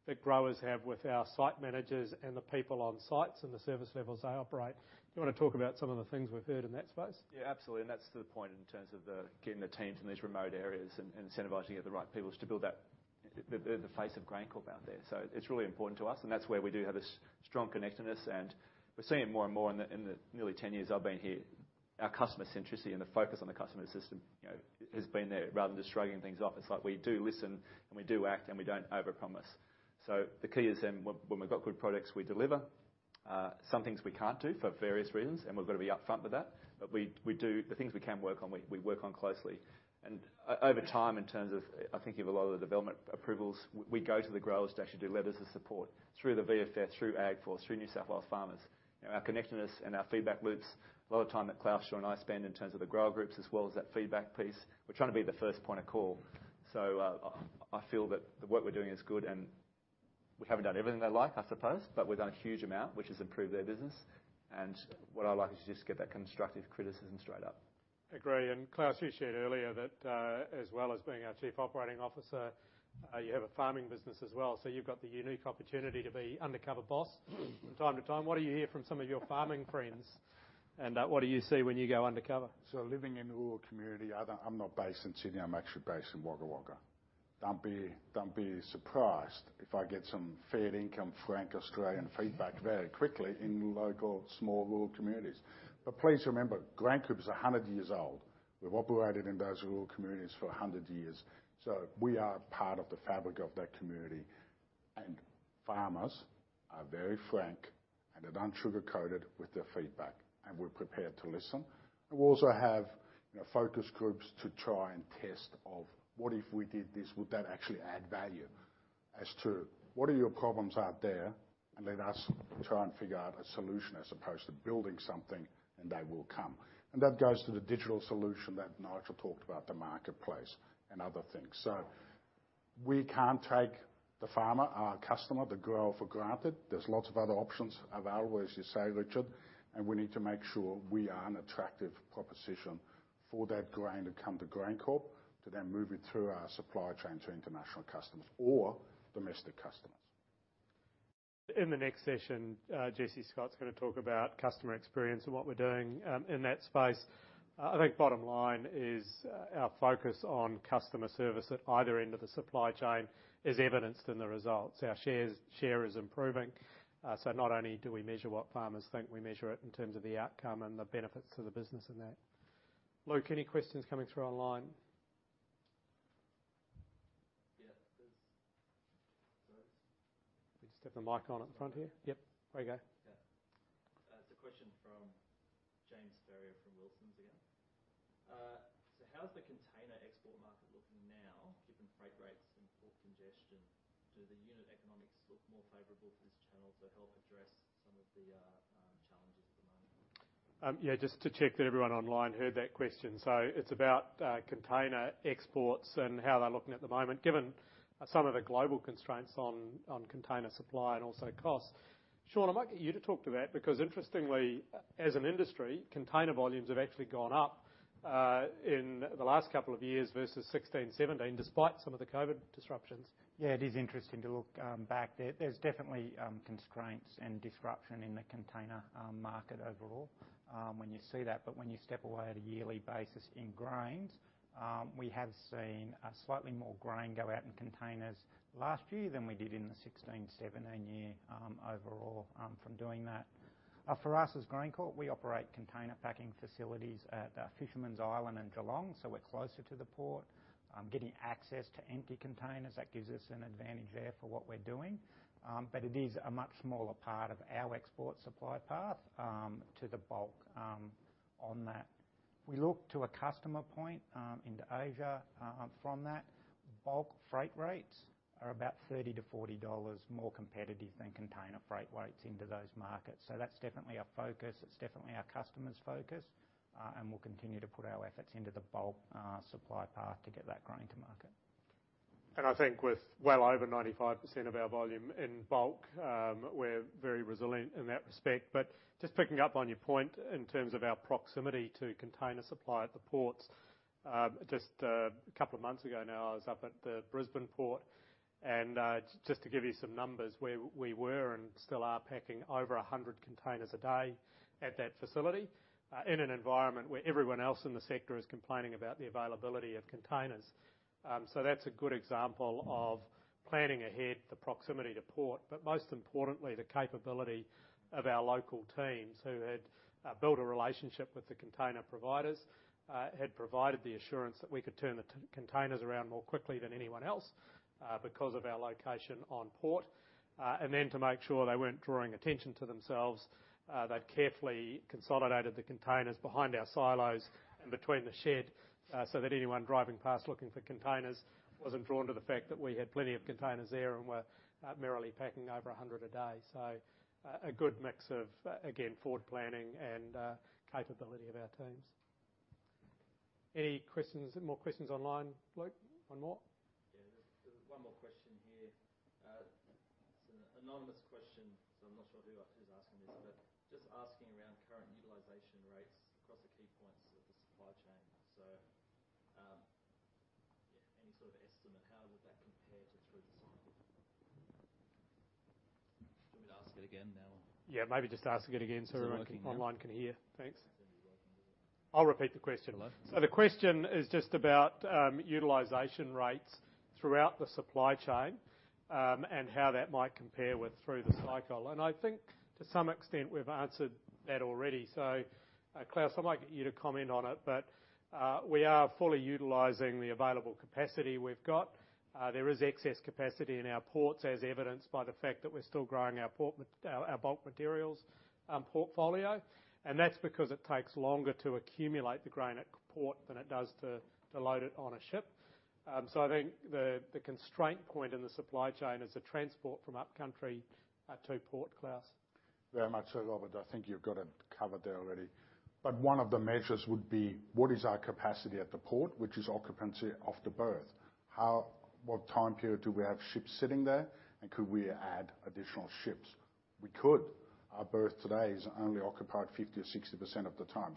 that growers have with our site managers and the people on sites and the service levels they operate. Do you wanna talk about some of the things we've heard in that space? Yeah, absolutely. That's the point in terms of getting the teams in these remote areas and incentivizing to get the right people to build that, the face of GrainCorp out there. It's really important to us, and that's where we do have a strong connectedness. We're seeing it more and more in the nearly 10 years I've been here. Our customer centricity and the focus on the customer system, you know, has been there rather than just shrugging things off. It's like we do listen, and we do act, and we don't overpromise. The key is then when we've got good products, we deliver. Some things we can't do for various reasons, and we've got to be upfront with that. We do the things we can work on, we work on closely. Over time, in terms of, I think of a lot of the development approvals, we go to the growers to actually do letters of support through the VFF, through AgForce, through New South Wales Farmers. You know, our connectedness and our feedback loops, a lot of time that Klaus and I spend in terms of the grower groups as well as that feedback piece, we're trying to be the first point of call. I feel that the work we're doing is good and we haven't done everything they like, I suppose, but we've done a huge amount, which has improved their business. What I like is you just get that constructive criticism straight up. Agree. Klaus, you shared earlier that, as well as being our Chief Operating Officer, you have a farming business as well, so you've got the unique opportunity to be undercover boss from time to time. What do you hear from some of your farming friends and what do you see when you go undercover? Living in a rural community, I'm not based in Sydney, I'm actually based in Wagga Wagga. Don't be surprised if I get some fair dinkum frank Australian feedback very quickly in local small rural communities. Please remember, GrainCorp is 100 years old. We've operated in those rural communities for 100 years, so we are part of the fabric of that community. Farmers are very frank, and they don't sugar-coat it with their feedback, and we're prepared to listen. We also have, you know, focus groups to try and test of, what if we did this, would that actually add value as to what are your problems out there? Let us try and figure out a solution as opposed to building something and they will come. That goes to the digital solution that Nigel talked about, the marketplace and other things. We can't take the farmer, our customer, the grower, for granted. There's lots of other options available, as you say, Richard, and we need to make sure we are an attractive proposition for that grain to come to GrainCorp, to then move it through our supply chain to international customers or domestic customers. In the next session, Jesse Scott's gonna talk about customer experience and what we're doing in that space. I think bottom line is, our focus on customer service at either end of the supply chain is evidenced in the results. Our share is improving. Not only do we measure what farmers think, we measure it in terms of the outcome and the benefits to the business in that. Luke, any questions coming through online? Sorry. Just stick the mic on up the front here. Yep, away you go. It's a question from James Ferrier from Wilsons again. How's the container export market looking now given freight rates and port congestion? Do the unit economics look more favorable for this channel to help address some of the challenges at the moment? Yeah, just to check that everyone online heard that question. It's about container exports and how they're looking at the moment, given some of the global constraints on container supply and also cost. Sean, I might get you to talk to that because interestingly, as an industry, container volumes have actually gone up in the last couple of years versus 2016, 2017, despite some of the COVID disruptions. Yeah, it is interesting to look back there. There's definitely constraints and disruption in the container market overall when you see that. When you step away on a yearly basis in grains, we have seen a slightly more grain go out in containers last year than we did in the 2016-2017 year overall from doing that. For us as GrainCorp, we operate container packing facilities at Fisherman's Island and Geelong, so we're closer to the port. Getting access to empty containers, that gives us an advantage there for what we're doing. It is a much smaller part of our export supply path to the bulk on that. We look to a customer point into Asia from that. Bulk freight rates are about 30-40 dollars more competitive than container freight rates into those markets. That's definitely our focus. It's definitely our customer's focus. We'll continue to put our efforts into the bulk supply path to get that grain to market. I think with well over 95% of our volume in bulk, we're very resilient in that respect. Just picking up on your point in terms of our proximity to container supply at the ports. Just a couple of months ago now, I was up at the Brisbane port, and just to give you some numbers, we were and still are packing over 100 containers a day at that facility, in an environment where everyone else in the sector is complaining about the availability of containers. That's a good example of planning ahead, the proximity to port, but most importantly, the capability of our local teams who had built a relationship with the container providers, had provided the assurance that we could turn the containers around more quickly than anyone else, because of our location on port. Then to make sure they weren't drawing attention to themselves, they'd carefully consolidated the containers behind our silos and between the shed, so that anyone driving past looking for containers wasn't drawn to the fact that we had plenty of containers there and were merely packing over 100 a day. A good mix of, again, forward planning and capability of our teams. Any questions? More questions online, Luke? One more? There's one more question here. It's an anonymous question, so I'm not sure who's asking this. Just asking around current utilization rates across the key points of the supply chain. Any sort of estimate, how does that compare to through the cycle? Do you want me to ask it again now? Yeah, maybe just ask it again so everyone. Is it working now? Everyone online can hear. Thanks. It's gonna be working now. I'll repeat the question. Hello? The question is just about utilization rates throughout the supply chain, and how that might compare with through the cycle. I think to some extent we've answered that already. Klaus, I might get you to comment on it, but we are fully utilizing the available capacity we've got. There is excess capacity in our ports, as evidenced by the fact that we're still growing our bulk materials portfolio. That's because it takes longer to accumulate the grain at port than it does to load it on a ship. I think the constraint point in the supply chain is the transport from upcountry to port, Klaus. Very much so, Robert. I think you've got it covered there already. One of the measures would be what is our capacity at the port, which is occupancy of the berth. How, what time period do we have ships sitting there? Could we add additional ships? We could. Our berth today is only occupied 50%-60% of the time.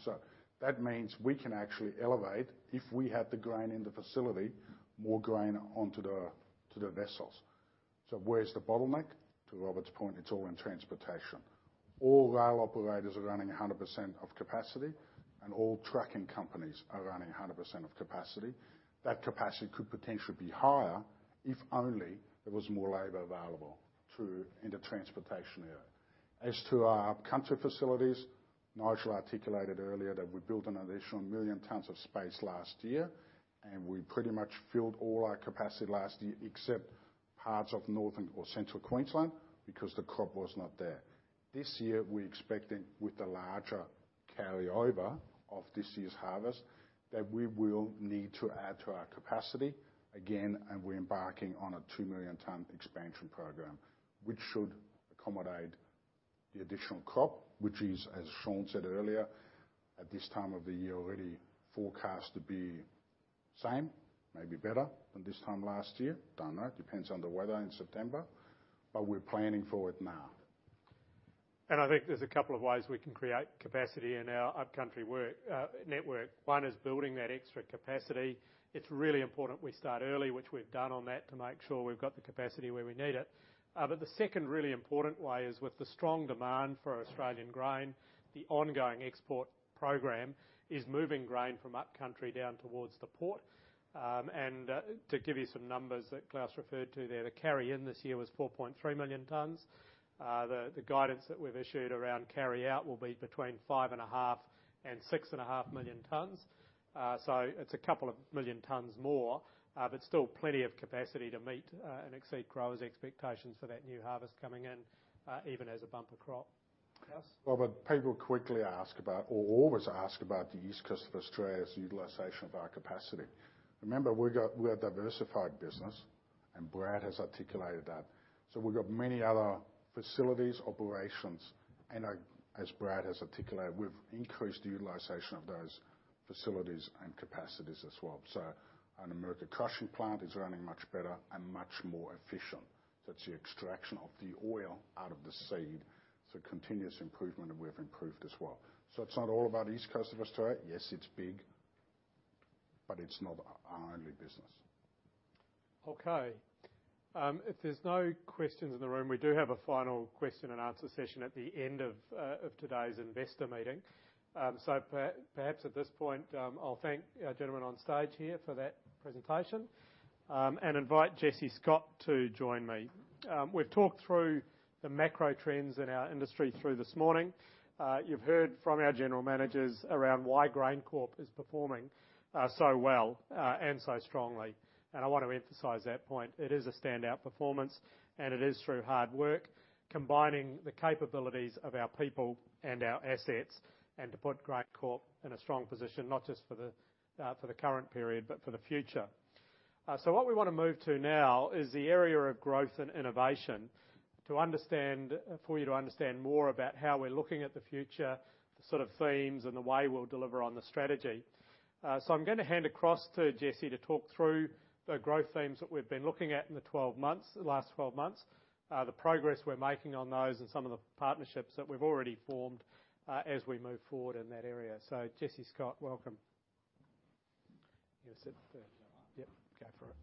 That means we can actually elevate, if we had the grain in the facility, more grain onto the, to the vessels. Where's the bottleneck? To Robert's point, it's all in transportation. All rail operators are running 100% of capacity, and all trucking companies are running 100% of capacity. That capacity could potentially be higher if only there was more labor available through, in the transportation area. As to our upcountry facilities, Nigel articulated earlier that we built an additional 1 million tons of space last year, and we pretty much filled all our capacity last year, except parts of northern or central Queensland because the crop was not there. This year, we're expecting with the larger carryover of this year's harvest, that we will need to add to our capacity. Again, we're embarking on a 2 million-ton expansion program, which should accommodate the additional crop, which is, as Sean said earlier, at this time of the year, already forecast to be same, maybe better than this time last year. Don't know. It depends on the weather in September, but we're planning for it now. I think there's a couple of ways we can create capacity in our upcountry network. One is building that extra capacity. It's really important we start early, which we've done on that to make sure we've got the capacity where we need it. The second really important way is with the strong demand for Australian grain. The ongoing export program is moving grain from upcountry down towards the port. To give you some numbers that Klaus referred to there, the carry in this year was 4.3 million tons. The guidance that we've issued around carry out will be between 5.5 and 6.5 million tons. It's 2 million tons more, but still plenty of capacity to meet and exceed growers' expectations for that new harvest coming in, even as a bumper crop. Klaus? Robert, people quickly ask about or always ask about the East Coast of Australia's utilization of our capacity. Remember, we're a diversified business and Brad has articulated that. We've got many other facilities, operations, and as Brad has articulated, we've increased the utilization of those facilities and capacities as well. Our Numurkah crushing plant is running much better and much more efficient. That's the extraction of the oil out of the seed. Continuous improvement, and we have improved as well. It's not all about East Coast of Australia. Yes, it's big, but it's not our only business. Okay. If there's no questions in the room, we do have a final question and answer session at the end of today's investor meeting. So perhaps at this point, I'll thank our gentlemen on stage here for that presentation, and invite Jesse Scott to join me. We've talked through the macro trends in our industry through this morning. You've heard from our general managers around why GrainCorp is performing so well and so strongly, and I want to emphasize that point. It is a standout performance, and it is through hard work, combining the capabilities of our people and our assets, and to put GrainCorp in a strong position, not just for the current period, but for the future. So what we wanna move to now is the area of growth and innovation to understand. for you to understand more about how we're looking at the future, the sort of themes and the way we'll deliver on the strategy. I'm gonna hand across to Jesse Scott to talk through the growth themes that we've been looking at in the 12 months, the last 12 months, the progress we're making on those and some of the partnerships that we've already formed, as we move forward in that area. Jesse Scott, welcome. You want to sit there? Shall I? Yep, go for it.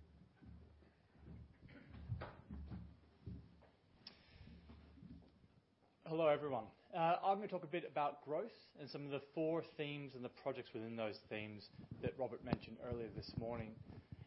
Hello, everyone. I'm gonna talk a bit about growth and some of the four themes and the projects within those themes that Robert mentioned earlier this morning.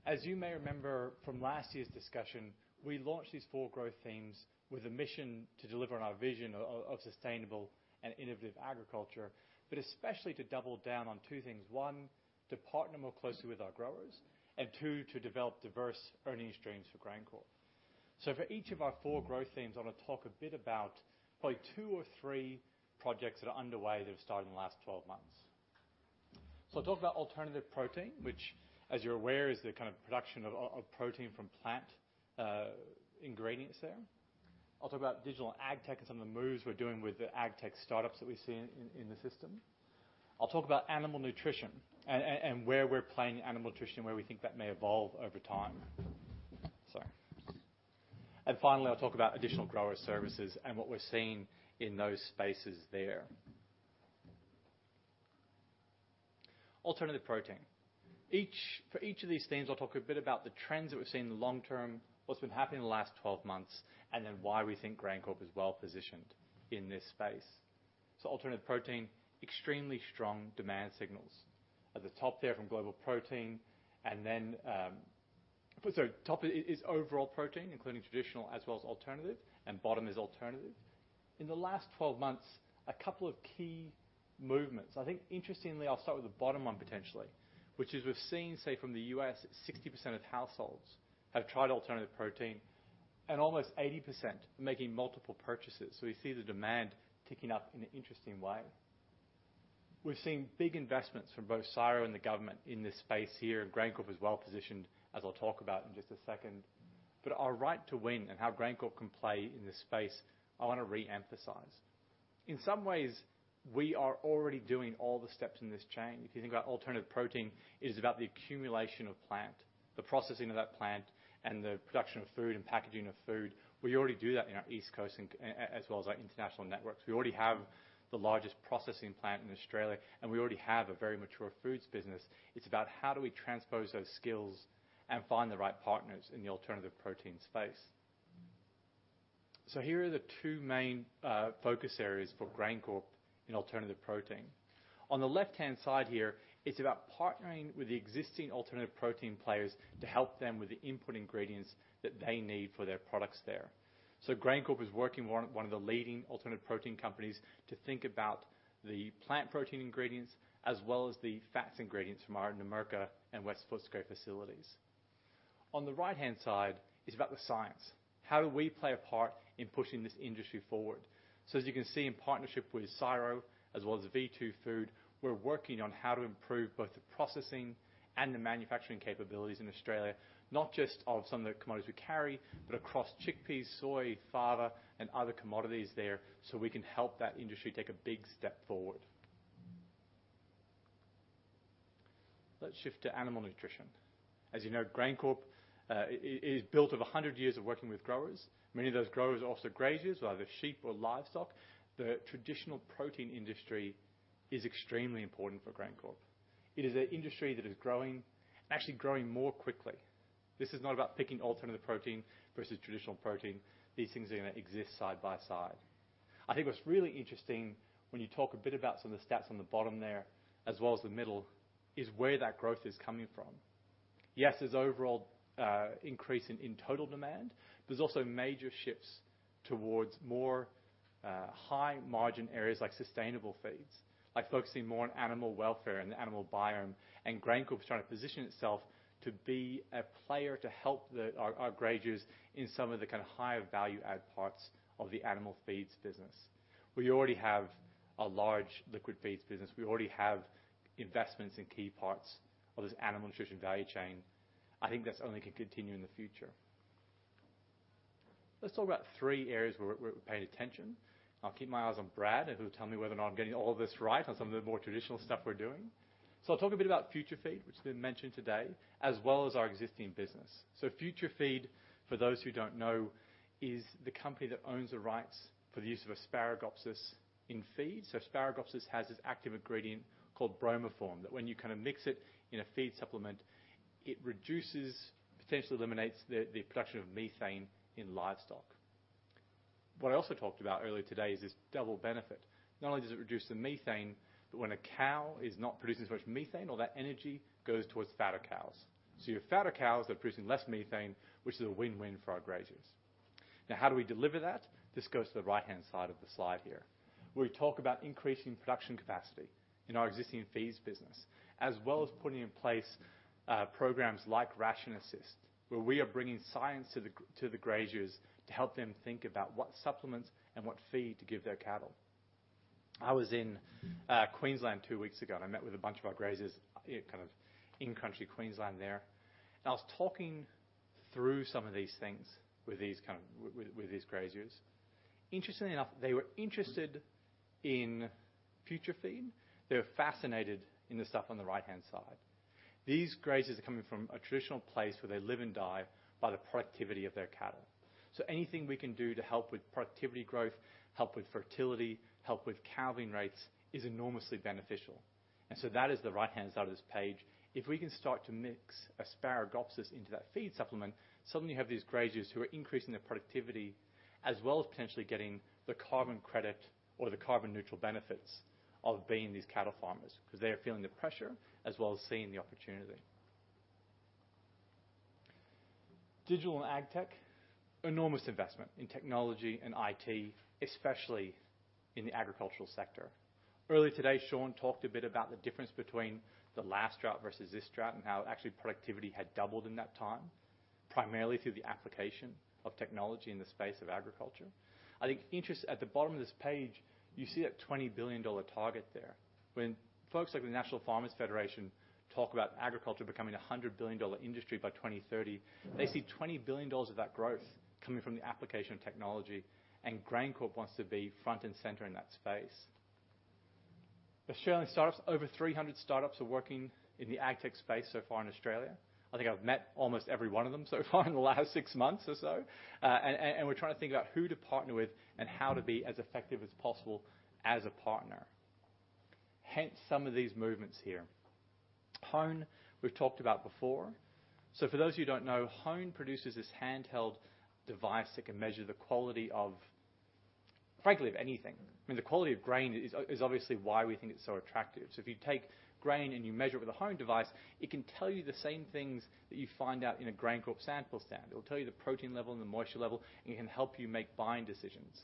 As you may remember from last year's discussion, we launched these four growth themes with a mission to deliver on our vision of sustainable and innovative agriculture, but especially to double down on two things. One, to partner more closely with our growers, and two, to develop diverse earnings streams for GrainCorp. For each of our four growth themes, I wanna talk a bit about probably two or three projects that are underway that have started in the last twelve months. I'll talk about alternative protein, which, as you're aware, is the kind of production of protein from plant ingredients there. I'll talk about digital agtech and some of the moves we're doing with the agtech startups that we see in the system. I'll talk about animal nutrition and where we're playing animal nutrition, where we think that may evolve over time. Sorry. And finally, I'll talk about additional grower services and what we're seeing in those spaces there. Alternative protein. For each of these themes, I'll talk a bit about the trends that we've seen in the long term, what's been happening in the last 12 months, and then why we think GrainCorp is well positioned in this space. Alternative protein, extremely strong demand signals. At the top there from global protein, and then, Sorry, top is overall protein, including traditional as well as alternative, and bottom is alternative. In the last 12 months, a couple of key movements. I think interestingly, I'll start with the bottom one potentially, which is we've seen, say, from the U.S., 60% of households have tried alternative protein and almost 80% making multiple purchases. We see the demand ticking up in an interesting way. We've seen big investments from both CSIRO and the government in this space here, and GrainCorp is well positioned, as I'll talk about in just a second. Our right to win and how GrainCorp can play in this space, I wanna re-emphasize. In some ways, we are already doing all the steps in this chain. If you think about alternative protein, it is about the accumulation of plant, the processing of that plant, and the production of food and packaging of food. We already do that in our East Coast and as well as our international networks. We already have the largest processing plant in Australia, and we already have a very mature foods business. It's about how do we transpose those skills and find the right partners in the alternative protein space. Here are the two main focus areas for GrainCorp in alternative protein. On the left-hand side here, it's about partnering with the existing alternative protein players to help them with the input ingredients that they need for their products there. GrainCorp is working with one of the leading alternative protein companies to think about the plant protein ingredients as well as the fats ingredients from our Numurkah and West Footscray facilities. On the right-hand side is about the science. How do we play a part in pushing this industry forward? As you can see, in partnership with CSIRO as well as v2food, we're working on how to improve both the processing and the manufacturing capabilities in Australia, not just of some of the commodities we carry, but across chickpeas, soy, fava, and other commodities there, so we can help that industry take a big step forward. Let's shift to animal nutrition. As you know, GrainCorp is built on 100 years of working with growers. Many of those growers are also graziers, either sheep or livestock. The traditional protein industry is extremely important for GrainCorp. It is an industry that is growing, actually growing more quickly. This is not about picking alternative protein versus traditional protein. These things are gonna exist side by side. I think what's really interesting when you talk a bit about some of the stats on the bottom there, as well as the middle, is where that growth is coming from. Yes, there's overall increase in total demand. There's also major shifts towards more high margin areas like sustainable feeds, like focusing more on animal welfare and the animal biome, and GrainCorp's trying to position itself to be a player to help our graziers in some of the kind of higher value add parts of the animal feeds business. We already have a large liquid feeds business. We already have investments in key parts of this animal nutrition value chain. I think that's only gonna continue in the future. Let's talk about three areas where we're paying attention. I'll keep my eyes on Brad, who'll tell me whether or not I'm getting all this right on some of the more traditional stuff we're doing. I'll talk a bit about FutureFeed, which has been mentioned today, as well as our existing business. FutureFeed, for those who don't know, is the company that owns the rights for the use of Asparagopsis in feed. Asparagopsis has this active ingredient called bromoform, that when you kind of mix it in a feed supplement, it reduces, potentially eliminates the production of methane in livestock. What I also talked about earlier today is this double benefit. Not only does it reduce the methane, but when a cow is not producing so much methane, all that energy goes towards fatter cows. You have fatter cows, they're producing less methane, which is a win-win for our graziers. Now how do we deliver that? This goes to the right-hand side of the slide here, where we talk about increasing production capacity in our existing feeds business, as well as putting in place, programs like RationAssist, where we are bringing science to the graziers to help them think about what supplements and what feed to give their cattle. I was in Queensland two weeks ago, and I met with a bunch of our graziers kind of in country Queensland there. I was talking through some of these things with these kind of graziers. Interestingly enough, they were interested in FutureFeed. They were fascinated in the stuff on the right-hand side. These graziers are coming from a traditional place where they live and die by the productivity of their cattle. Anything we can do to help with productivity growth, help with fertility, help with calving rates, is enormously beneficial. That is the right-hand side of this page. If we can start to mix Asparagopsis into that feed supplement, suddenly you have these graziers who are increasing their productivity as well as potentially getting the carbon credit or the carbon neutral benefits of being these cattle farmers, because they are feeling the pressure as well as seeing the opportunity. Digital and AgTech, enormous investment in technology and IT, especially in the agricultural sector. Earlier today, Sean talked a bit about the difference between the last drought versus this drought, and how actually productivity had doubled in that time, primarily through the application of technology in the space of agriculture. I think it's at the bottom of this page, you see that 20 billion dollar target there. When folks like the National Farmers' Federation talk about agriculture becoming a 100 billion dollar industry by 2030, they see 20 billion dollars of that growth coming from the application of technology, and GrainCorp wants to be front and center in that space. Australian startups. Over 300 startups are working in the AgTech space so far in Australia. I think I've met almost every one of them so far in the last six months or so. We're trying to think about who to partner with and how to be as effective as possible as a partner, hence some of these movements here. Hone we've talked about before. For those who don't know, Hone produces this handheld device that can measure the quality of, frankly, of anything. I mean, the quality of grain is obviously why we think it's so attractive. If you take grain and you measure it with a Hone device, it can tell you the same things that you find out in a GrainCorp sample stand. It'll tell you the protein level and the moisture level, and it can help you make buying decisions.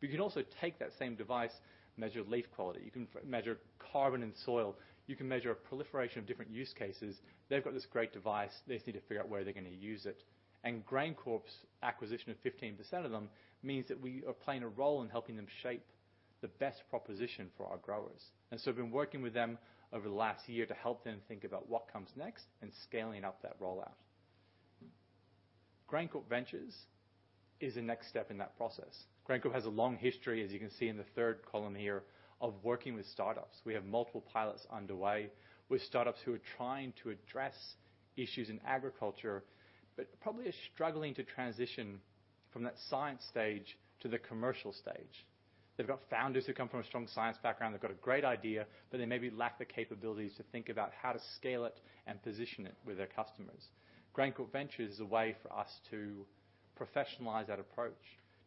You can also take that same device, measure leaf quality. You can measure carbon in soil. You can measure a proliferation of different use cases. They've got this great device. They just need to figure out where they're gonna use it. GrainCorp's acquisition of 15% of them means that we are playing a role in helping them shape the best proposition for our growers. We've been working with them over the last year to help them think about what comes next and scaling up that rollout. GrainCorp Ventures is the next step in that process. GrainCorp has a long history, as you can see in the third column here, of working with startups. We have multiple pilots underway with startups who are trying to address issues in agriculture, but probably are struggling to transition from that science stage to the commercial stage. They've got founders who come from a strong science background. They've got a great idea, but they maybe lack the capabilities to think about how to scale it and position it with their customers. GrainCorp Ventures is a way for us to professionalize that approach,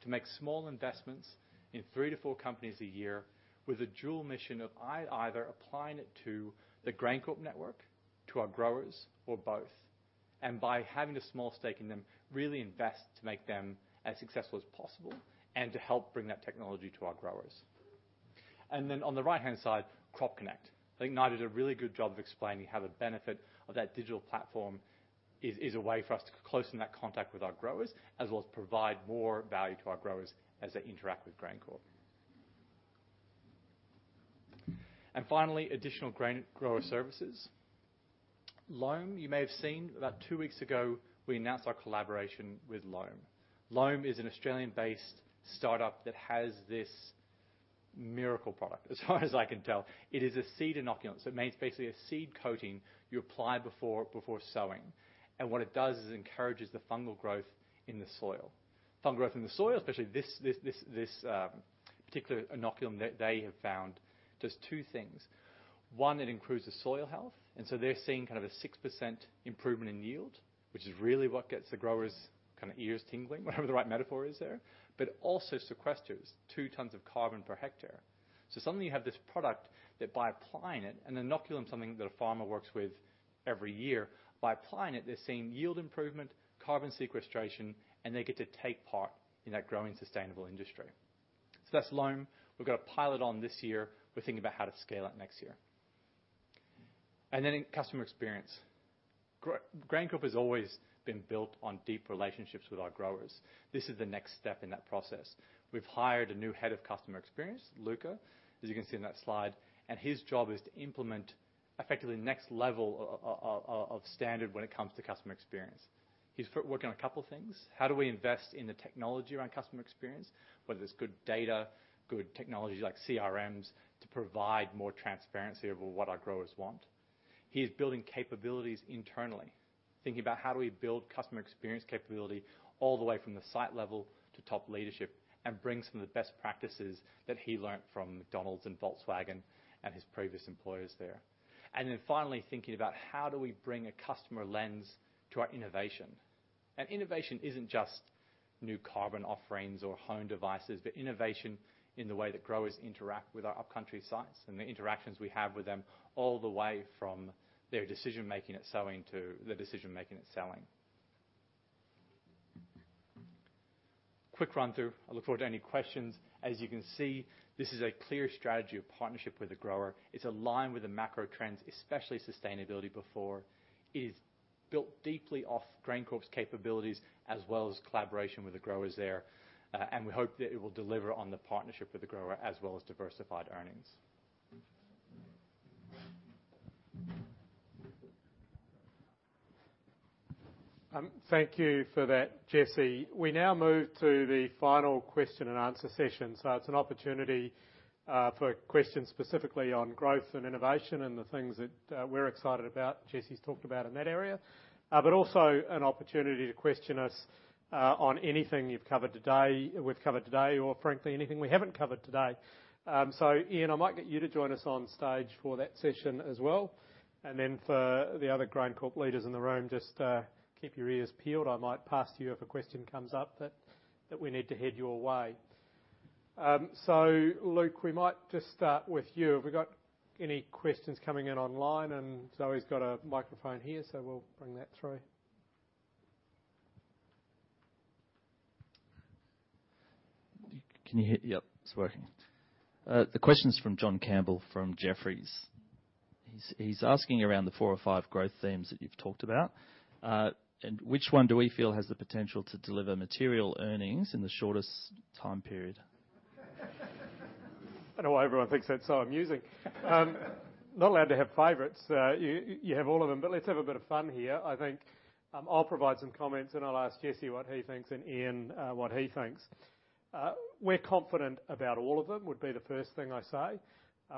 to make small investments in three to four companies a year with a dual mission of either applying it to the GrainCorp network, to our growers, or both. By having a small stake in them, really invest to make them as successful as possible and to help bring that technology to our growers. On the right-hand side, CropConnect. I think Nigel did a really good job of explaining how the benefit of that digital platform is a way for us to close in that contact with our growers, as well as provide more value to our growers as they interact with GrainCorp. Finally, additional grain grower services. Loam, you may have seen about two weeks ago, we announced our collaboration with Loam. Loam is an Australian-based startup that has this miracle product, as far as I can tell. It is a seed inoculant. So it means basically a seed coating you apply before sowing. And what it does is encourages the fungal growth in the soil. Fungal growth in the soil, especially this particular inoculant that they have found, does two things. One, it improves the soil health, and so they're seeing kind of a 6% improvement in yield, which is really what gets the growers' kind of ears tingling, whatever the right metaphor is there. Also sequesters 2 tons of carbon per hectare. Suddenly you have this product that by applying it, an inoculant is something that a farmer works with every year. By applying it, they're seeing yield improvement, carbon sequestration, and they get to take part in that growing sustainable industry. That's Loam Bio. We've got a pilot on this year. We're thinking about how to scale it next year. Then in customer experience. GrainCorp has always been built on deep relationships with our growers. This is the next step in that process. We've hired a new head of customer experience, Luca, as you can see in that slide, and his job is to implement effectively the next level of standard when it comes to customer experience. He's working on a couple things. How do we invest in the technology around customer experience, whether it's good data, good technology like CRMs to provide more transparency over what our growers want? He is building capabilities internally. Thinking about how do we build customer experience capability all the way from the site level to top leadership and bring some of the best practices that he learned from McDonald's and Volkswagen and his previous employers there. Finally thinking about how do we bring a customer lens to our innovation. Innovation isn't just new carbon offerings or home devices, but innovation in the way that growers interact with our upcountry sites and the interactions we have with them all the way from their decision-making at sowing to the decision-making at selling. Quick run through. I look forward to any questions. As you can see, this is a clear strategy of partnership with the grower. It's aligned with the macro trends, especially sustainability before. It is built deeply off GrainCorp's capabilities as well as collaboration with the growers there. We hope that it will deliver on the partnership with the grower as well as diversified earnings. Thank you for that, Jesse. We now move to the final question and answer session. It's an opportunity for questions specifically on growth and innovation and the things that we're excited about, Jesse's talked about in that area. But also an opportunity to question us on anything you've covered today, we've covered today or frankly, anything we haven't covered today. Ian, I might get you to join us on stage for that session as well. For the other GrainCorp leaders in the room, just keep your ears peeled. I might pass to you if a question comes up that we need to head your way. Luke, we might just start with you. Have we got any questions coming in online? Zoe's got a microphone here, so we'll bring that through. Can you hear? Yep, it's working. The question's from John Campbell from Jefferies. He's asking around the four or five growth themes that you've talked about. Which one do we feel has the potential to deliver material earnings in the shortest time period? I don't know why everyone thinks that's so amusing. Not allowed to have favorites. You have all of them. Let's have a bit of fun here. I think, I'll provide some comments, and I'll ask Jesse what he thinks and Ian what he thinks. We're confident about all of them, would be the first thing I say.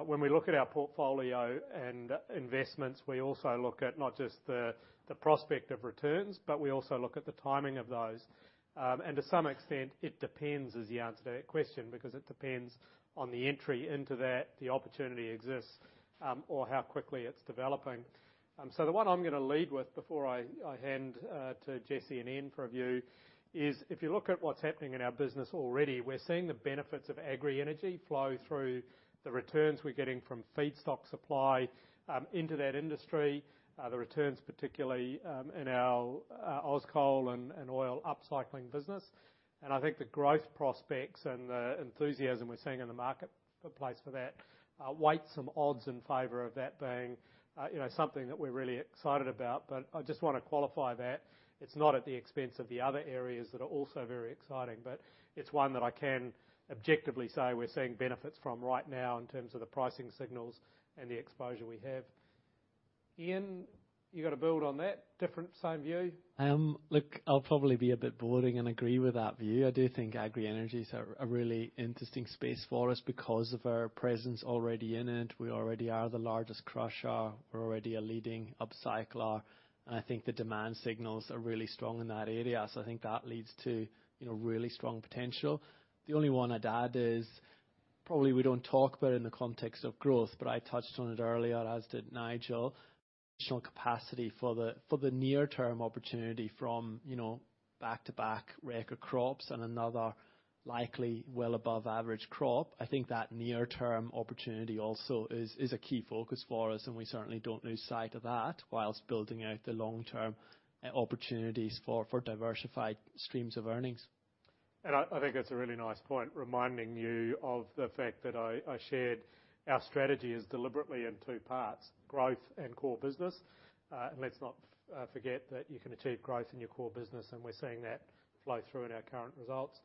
When we look at our portfolio and investments, we also look at not just the prospect of returns, but we also look at the timing of those. To some extent, it depends is the answer to that question, because it depends on the entry into that the opportunity exists, or how quickly it's developing. The one I'm gonna lead with before I hand to Jesse and Ian for a view is if you look at what's happening in our business already, we're seeing the benefits of agri energy flow through the returns we're getting from feedstock supply into that industry. The returns particularly in our Auscol and oil upcycling business. I think the growth prospects and the enthusiasm we're seeing in the marketplace for that weigh some odds in favor of that being you know something that we're really excited about. I just wanna qualify that. It's not at the expense of the other areas that are also very exciting, but it's one that I can objectively say we're seeing benefits from right now in terms of the pricing signals and the exposure we have. Ian, you gotta build on that. Different, same view? Look, I'll probably be a bit boring and agree with that view. I do think agri energy's a really interesting space for us because of our presence already in it. We already are the largest crusher. We're already a leading upcycler. I think the demand signals are really strong in that area. I think that leads to, you know, really strong potential. The only one I'd add is probably we don't talk about it in the context of growth, but I touched on it earlier, as did Nigel. Additional capacity for the near term opportunity from, you know, back-to-back record crops and another likely well above average crop. I think that near term opportunity also is a key focus for us, and we certainly don't lose sight of that while building out the long-term opportunities for diversified streams of earnings. I think that's a really nice point, reminding you of the fact that I shared our strategy is deliberately in two parts, growth and core business. Let's not forget that you can achieve growth in your core business, and we're seeing that flow through in our current results.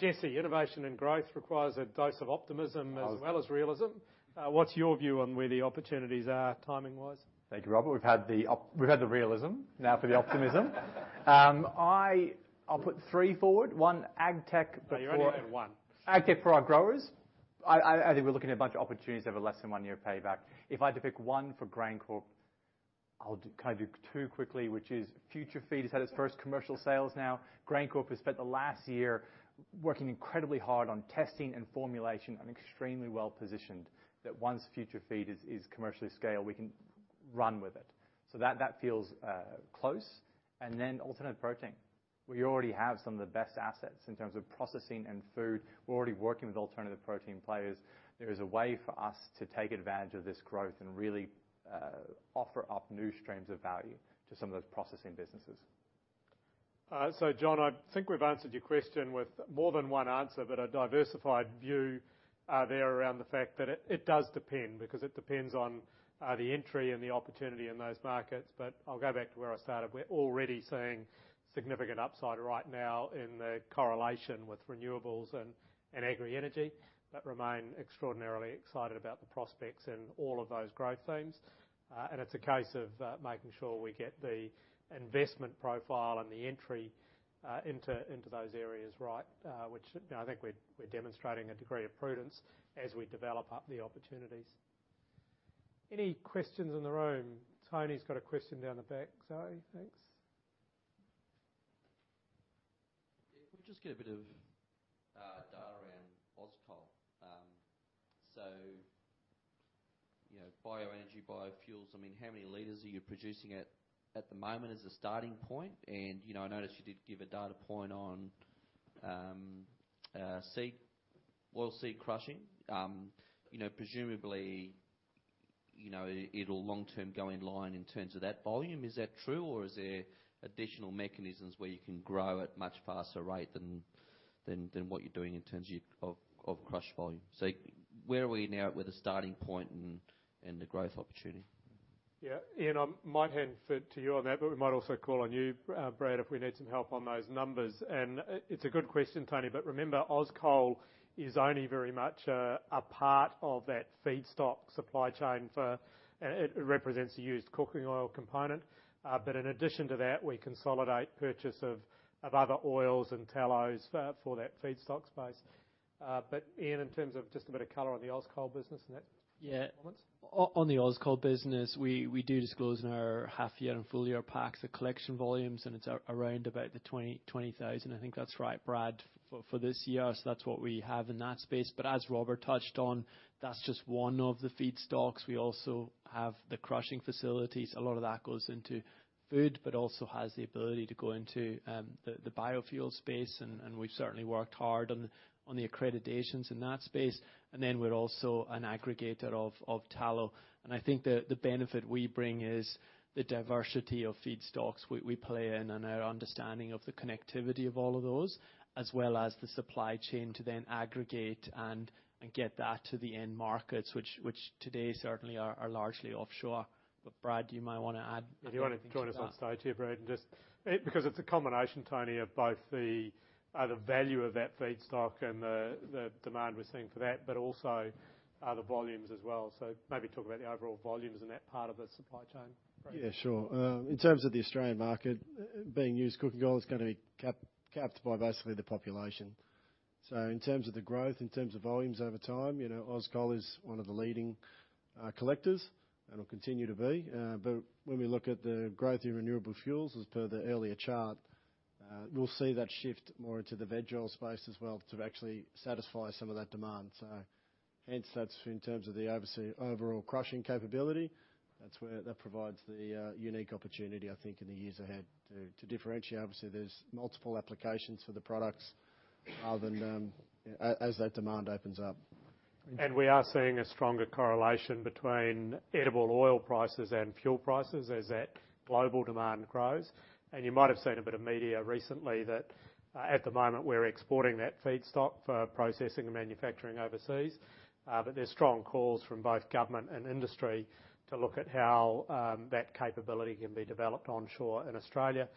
Jesse, innovation and growth requires a dose of optimism as well as realism. What's your view on where the opportunities are timing wise? Thank you, Robert. We've had the realism. Now for the optimism. I'll put three forward, one ag tech before- No, you only get one. Ag tech for our growers. I think we're looking at a bunch of opportunities that have a less than one-year payback. If I had to pick one for GrainCorp, can I do two quickly, which is FutureFeed has had its first commercial sales now. GrainCorp has spent the last year working incredibly hard on testing and formulation and extremely well positioned. That once FutureFeed is commercially scaled, we can run with it. That feels close. Alternative protein. We already have some of the best assets in terms of processing and food. We're already working with alternative protein players. There is a way for us to take advantage of this growth and really offer up new streams of value to some of those processing businesses. John, I think we've answered your question with more than one answer, but a diversified view there around the fact that it does depend because it depends on the entry and the opportunity in those markets. I'll go back to where I started. We're already seeing significant upside right now in the correlation with renewables and agri energy that remain extraordinarily excited about the prospects in all of those growth themes. It's a case of making sure we get the investment profile and the entry into those areas right, which, you know, I think we're demonstrating a degree of prudence as we develop up the opportunities. Any questions in the room? Tony's got a question down the back. Tony, thanks. If we just get a bit of data around Auscol. You know, bioenergy, biofuels, I mean, how many liters are you producing at the moment as a starting point? You know, I noticed you did give a data point on oilseed crushing. You know, presumably, you know, it will long-term go in line in terms of that volume. Is that true, or is there additional mechanisms where you can grow at much faster rate than what you're doing in terms of crush volume? Where are we now with the starting point and the growth opportunity? Yeah. Ian, I might hand to you on that, but we might also call on you, Brad, if we need some help on those numbers. It's a good question, Tony, but remember, Auscol is only very much a part of that feedstock supply chain for. It represents a used cooking oil component. But in addition to that, we consolidate purchase of other oils and tallows for that feedstock space. But Ian, in terms of just a bit of color on the Auscol business, is that. Yeah. For comments? On the Auscol business, we do disclose in our half-year and full-year packs the collection volumes, and it's around about the 20,000. I think that's right, Brad, for this year. That's what we have in that space. As Robert touched on, that's just one of the feedstocks. We also have the crushing facilities. A lot of that goes into food, but also has the ability to go into the biofuel space, and we've certainly worked hard on the accreditations in that space. Then we're also an aggregator of tallow. I think the benefit we bring is the diversity of feedstocks we play in and our understanding of the connectivity of all of those, as well as the supply chain to then aggregate and get that to the end markets, which today certainly are largely offshore. Brad, you might wanna add anything to that. If you wanna join us on stage here, Brad, and just because it's a combination, Tony, of both the value of that feedstock and the demand we're seeing for that, but also other volumes as well. Maybe talk about the overall volumes in that part of the supply chain, Brad. Yeah, sure. In terms of the Australian market being used, cooking oil is gonna be capped by basically the population. In terms of the growth, in terms of volumes over time, you know, Auscol is one of the leading collectors and will continue to be. When we look at the growth in renewable fuels, as per the earlier chart, we'll see that shift more into the veg oil space as well to actually satisfy some of that demand. Hence, that's in terms of the obviously overall crushing capability. That's where that provides the unique opportunity, I think, in the years ahead to differentiate. Obviously, there's multiple applications for the products other than as that demand opens up. We are seeing a stronger correlation between edible oil prices and fuel prices as that global demand grows. You might have seen a bit of media recently that, at the moment, we're exporting that feedstock for processing and manufacturing overseas. There's strong calls from both government and industry to look at how that capability can be developed onshore in Australia.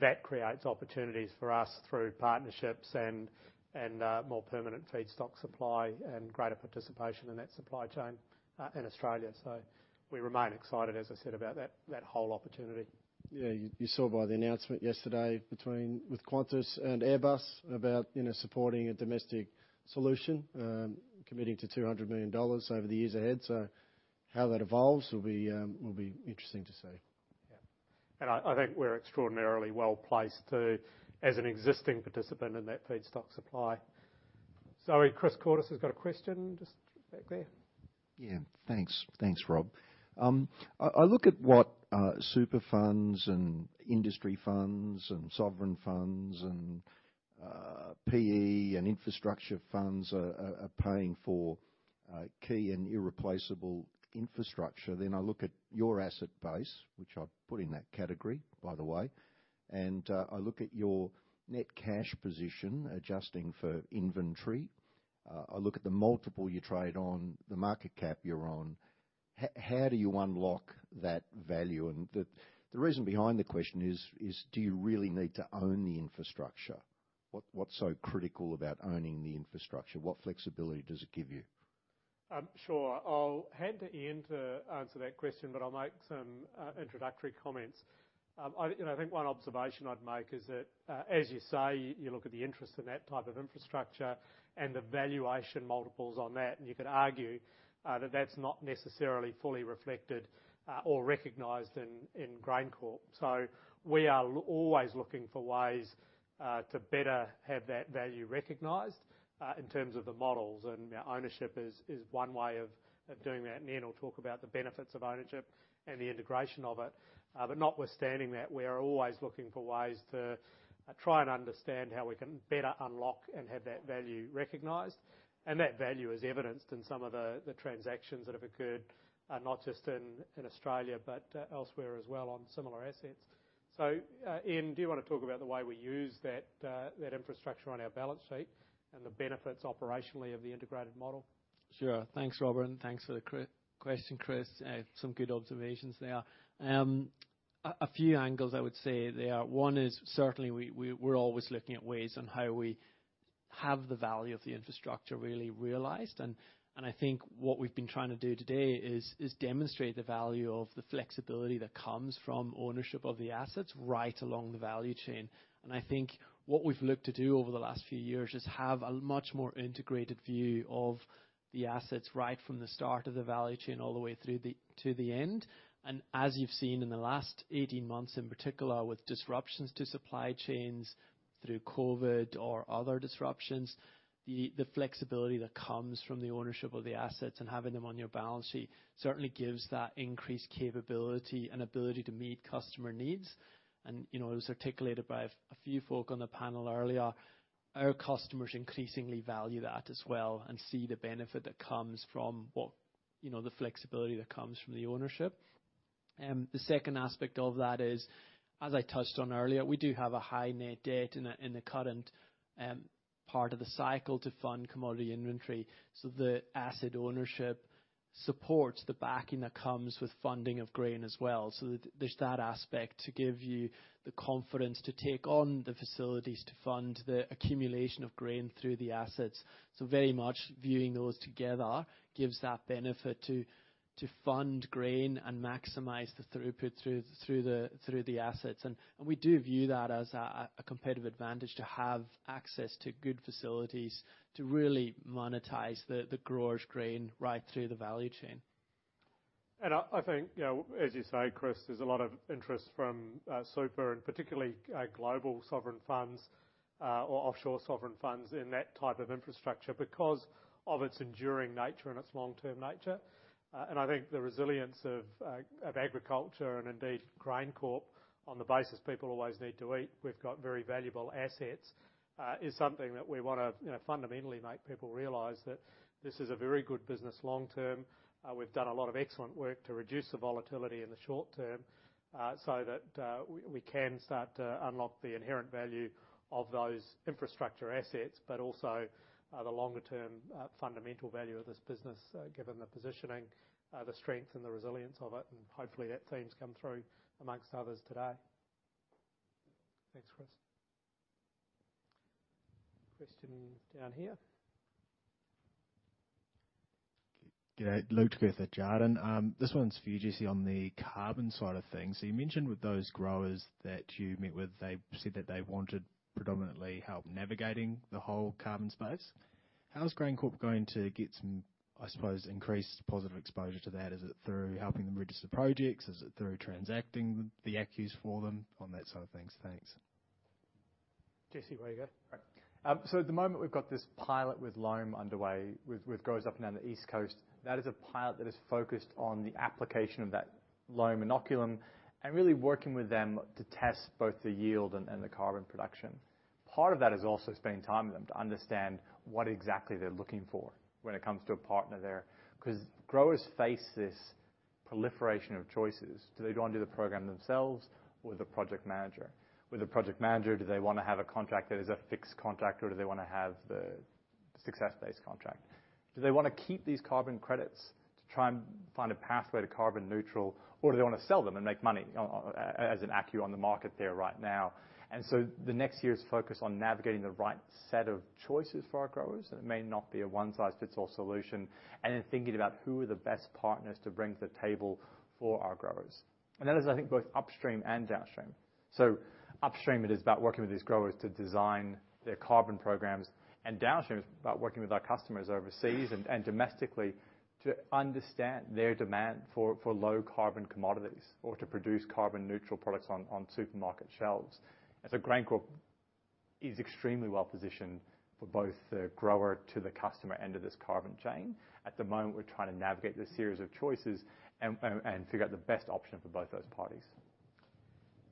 That creates opportunities for us through partnerships and more permanent feedstock supply and greater participation in that supply chain in Australia. We remain excited, as I said, about that whole opportunity. You saw by the announcement yesterday with Qantas and Airbus about, you know, supporting a domestic solution, committing to 200 million dollars over the years ahead. How that evolves will be interesting to see. Yeah. I think we're extraordinarily well-placed, too, as an existing participant in that feedstock supply. Sorry, Chris Cortis has got a question just back there. Yeah. Thanks. Thanks, Rob. I look at what super funds and industry funds and sovereign funds and PE and infrastructure funds are paying for key and irreplaceable infrastructure. I look at your asset base, which I'd put in that category, by the way. I look at your net cash position, adjusting for inventory. I look at the multiple you trade on, the market cap you're on. How do you unlock that value? The reason behind the question is do you really need to own the infrastructure? What's so critical about owning the infrastructure? What flexibility does it give you? Sure. I'll hand to Ian to answer that question, but I'll make some introductory comments. You know, I think one observation I'd make is that, as you say, you look at the interest in that type of infrastructure and the valuation multiples on that, and you could argue that that's not necessarily fully reflected or recognized in GrainCorp. We are always looking for ways to better have that value recognized in terms of the models, and ownership is one way of doing that. Ian will talk about the benefits of ownership and the integration of it. But notwithstanding that, we are always looking for ways to try and understand how we can better unlock and have that value recognized. That value is evidenced in some of the transactions that have occurred, not just in Australia, but elsewhere as well on similar assets. Ian, do you wanna talk about the way we use that infrastructure on our balance sheet and the benefits operationally of the integrated model? Sure. Thanks, Robert, and thanks for the question, Chris. Some good observations there. A few angles I would say there. One is certainly we're always looking at ways on how we Have we really realized the value of the infrastructure. I think what we've been trying to do today is demonstrate the value of the flexibility that comes from ownership of the assets right along the value chain. I think what we've looked to do over the last few years is have a much more integrated view of the assets right from the start of the value chain all the way through to the end. As you've seen in the last 18 months, in particular, with disruptions to supply chains through COVID or other disruptions, the flexibility that comes from the ownership of the assets and having them on your balance sheet certainly gives that increased capability and ability to meet customer needs. You know, it was articulated by a few folk on the panel earlier. Our customers increasingly value that as well and see the benefit that comes from what, you know, the flexibility that comes from the ownership. The second aspect of that is, as I touched on earlier, we do have a high net debt in the current part of the cycle to fund commodity inventory. The asset ownership supports the backing that comes with funding of grain as well. There's that aspect to give you the confidence to take on the facilities to fund the accumulation of grain through the assets. Very much viewing those together gives that benefit to fund grain and maximize the throughput through the assets. We do view that as a competitive advantage to have access to good facilities to really monetize the growers' grain right through the value chain. I think, you know, as you say, Chris, there's a lot of interest from super and particularly global sovereign funds or offshore sovereign funds in that type of infrastructure because of its enduring nature and its long-term nature. I think the resilience of agriculture and indeed GrainCorp on the basis people always need to eat, we've got very valuable assets, is something that we wanna, you know, fundamentally make people realize that this is a very good business long term. We've done a lot of excellent work to reduce the volatility in the short term, so that we can start to unlock the inherent value of those infrastructure assets, but also the longer term fundamental value of this business, given the positioning, the strength and the resilience of it, and hopefully that theme's come through amongst others today. Thanks, Chris. Question down here. Good day. Luke Kurth at Jarden. This one's for you, Jesse, on the carbon side of things. You mentioned with those growers that you met with, they said that they wanted predominantly help navigating the whole carbon space. How's GrainCorp going to get some, I suppose, increased positive exposure to that? Is it through helping them register projects? Is it through transacting the ACCUs for them on that side of things? Thanks. Jesse, away you go. Right. At the moment, we've got this pilot with Loam underway with growers up and down the East Coast. That is a pilot that is focused on the application of that Loam inoculant and really working with them to test both the yield and the carbon production. Part of that is also spending time with them to understand what exactly they're looking for when it comes to a partner there. 'Cause growers face this proliferation of choices. Do they go and do the program themselves or with a project manager? With a project manager, do they wanna have a contract that is a fixed contract, or do they wanna have the success-based contract? Do they wanna keep these carbon credits to try and find a pathway to carbon neutral, or do they wanna sell them and make money as an ACCU on the market there right now? The next year is focused on navigating the right set of choices for our growers, and it may not be a one-size-fits-all solution, and then thinking about who are the best partners to bring to the table for our growers. That is, I think, both upstream and downstream. Upstream, it is about working with these growers to design their carbon programs. Downstream is about working with our customers overseas and domestically to understand their demand for low carbon commodities or to produce carbon neutral products on supermarket shelves. GrainCorp is extremely well positioned for both the grower to the customer end of this carbon chain. At the moment, we're trying to navigate this series of choices and figure out the best option for both those parties.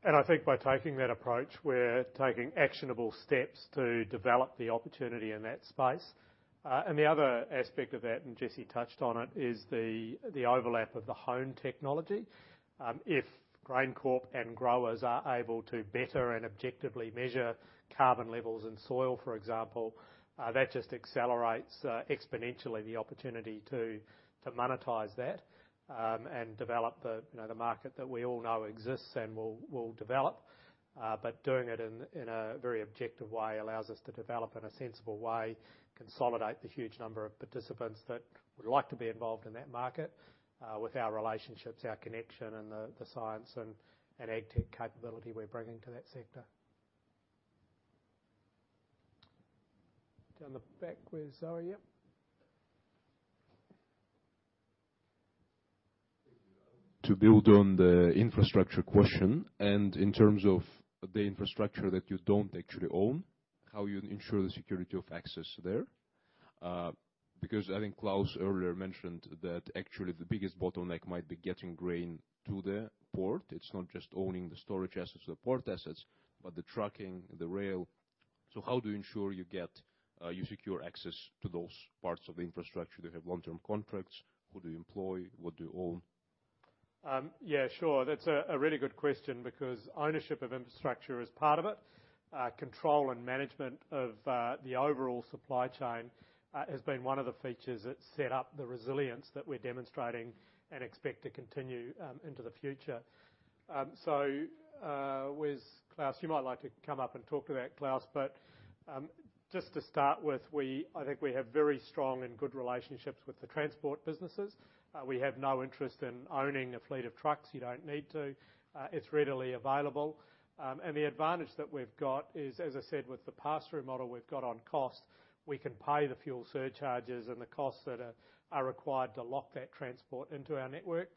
I think by taking that approach, we're taking actionable steps to develop the opportunity in that space. The other aspect of that, and Jesse touched on it, is the overlap of the Hone technology. If GrainCorp and growers are able to better and objectively measure carbon levels in soil, for example, that just accelerates exponentially the opportunity to monetize that, and develop the, you know, the market that we all know exists and will develop. Doing it in a very objective way allows us to develop in a sensible way, consolidate the huge number of participants that would like to be involved in that market, with our relationships, our connection, and the science and ag tech capability we're bringing to that sector. Down the back where Zoe is. To build on the infrastructure question, and in terms of the infrastructure that you don't actually own, how do you ensure the security of access there? Because I think Klaus earlier mentioned that actually the biggest bottleneck might be getting grain to the port. It's not just owning the storage assets or the port assets, but the trucking, the rail. So how do you ensure you secure access to those parts of the infrastructure? Do you have long-term contracts? Who do you employ? What do you own? Yeah, sure. That's a really good question because ownership of infrastructure is part of it. Control and management of the overall supply chain has been one of the features that set up the resilience that we're demonstrating and expect to continue into the future. Where's Klaus? You might like to come up and talk to that, Klaus. Just to start with, I think we have very strong and good relationships with the transport businesses. We have no interest in owning a fleet of trucks. You don't need to. It's readily available. The advantage that we've got is, as I said, with the pass-through model we've got on cost, we can pay the fuel surcharges and the costs that are required to lock that transport into our network.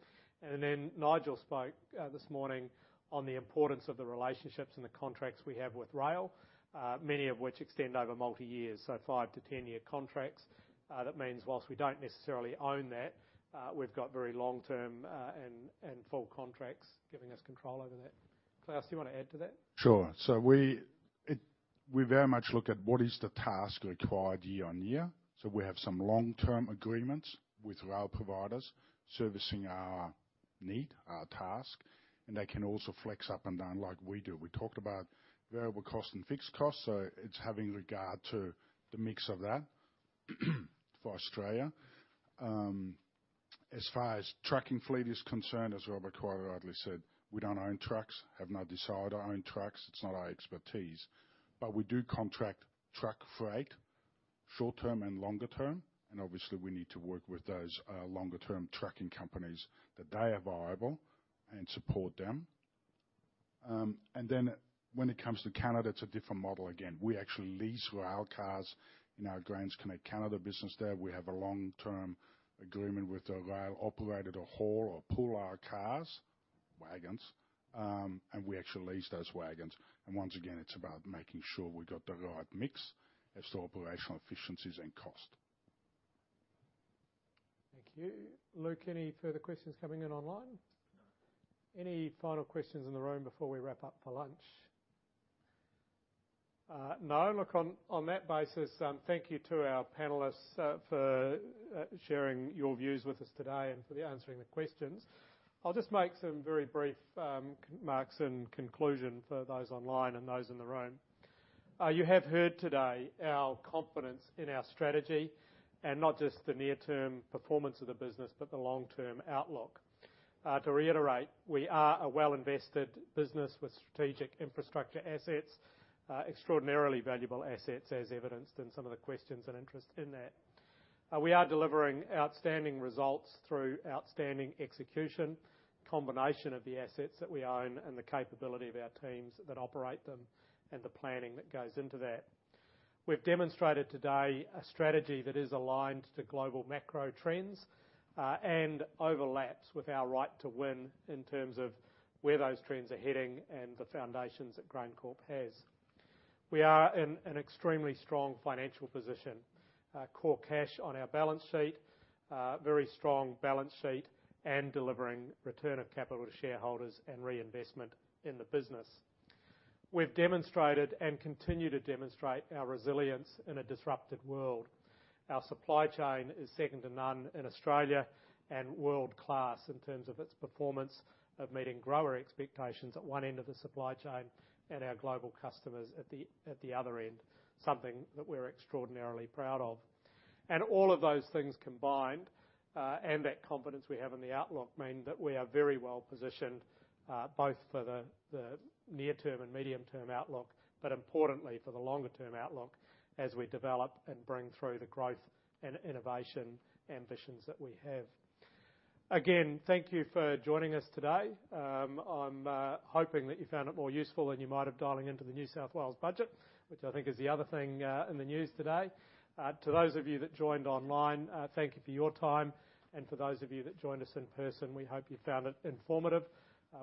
Then Nigel spoke this morning on the importance of the relationships and the contracts we have with rail, many of which extend over multi-year, so 5-10-year contracts. That means while we don't necessarily own that, we've got very long-term and full contracts giving us control over that. Klaus, you wanna add to that? Sure. We very much look at what is the task required year-on-year. We have some long-term agreements with rail providers servicing our need, our task, and they can also flex up and down like we do. We talked about variable costs and fixed costs, so it's having regard to the mix of that for Australia. As far as trucking fleet is concerned, as Robert quite rightly said, we don't own trucks, have no desire to own trucks, it's not our expertise. We do contract truck freight short-term and longer term, and obviously we need to work with those, longer term trucking companies that they are viable and support them. When it comes to Canada, it's a different model again. We actually lease rail cars in our GrainsConnect Canada business there. We have a long-term agreement with the rail operator to haul or pull our cars, wagons. We actually lease those wagons. Once again, it's about making sure we got the right mix as to operational efficiencies and cost. Thank you. Luke, any further questions coming in online? No. Any final questions in the room before we wrap up for lunch? No. Look, on that basis, thank you to our panelists for sharing your views with us today and for answering the questions. I'll just make some very brief remarks in conclusion for those online and those in the room. You have heard today our confidence in our strategy and not just the near-term performance of the business, but the long-term outlook. To reiterate, we are a well-invested business with strategic infrastructure assets, extraordinarily valuable assets as evidenced in some of the questions and interest in that. We are delivering outstanding results through outstanding execution, combination of the assets that we own and the capability of our teams that operate them and the planning that goes into that. We've demonstrated today a strategy that is aligned to global macro trends, and overlaps with our right to win in terms of where those trends are heading and the foundations that GrainCorp has. We are in an extremely strong financial position. Core cash on our balance sheet, very strong balance sheet, and delivering return of capital to shareholders and reinvestment in the business. We've demonstrated and continue to demonstrate our resilience in a disrupted world. Our supply chain is second to none in Australia and world-class in terms of its performance of meeting grower expectations at one end of the supply chain and our global customers at the other end, something that we're extraordinarily proud of. All of those things combined, and that confidence we have in the outlook mean that we are very well positioned, both for the near term and medium-term outlook, but importantly for the longer-term outlook as we develop and bring through the growth and innovation ambitions that we have. Again, thank you for joining us today. I'm hoping that you found it more useful than you might have dialing into the New South Wales budget, which I think is the other thing in the news today. To those of you that joined online, thank you for your time. For those of you that joined us in person, we hope you found it informative.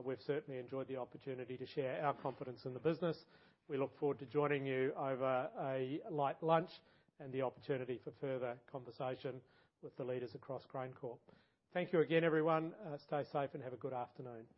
We've certainly enjoyed the opportunity to share our confidence in the business. We look forward to joining you over a light lunch and the opportunity for further conversation with the leaders across GrainCorp. Thank you again, everyone. Stay safe and have a good afternoon.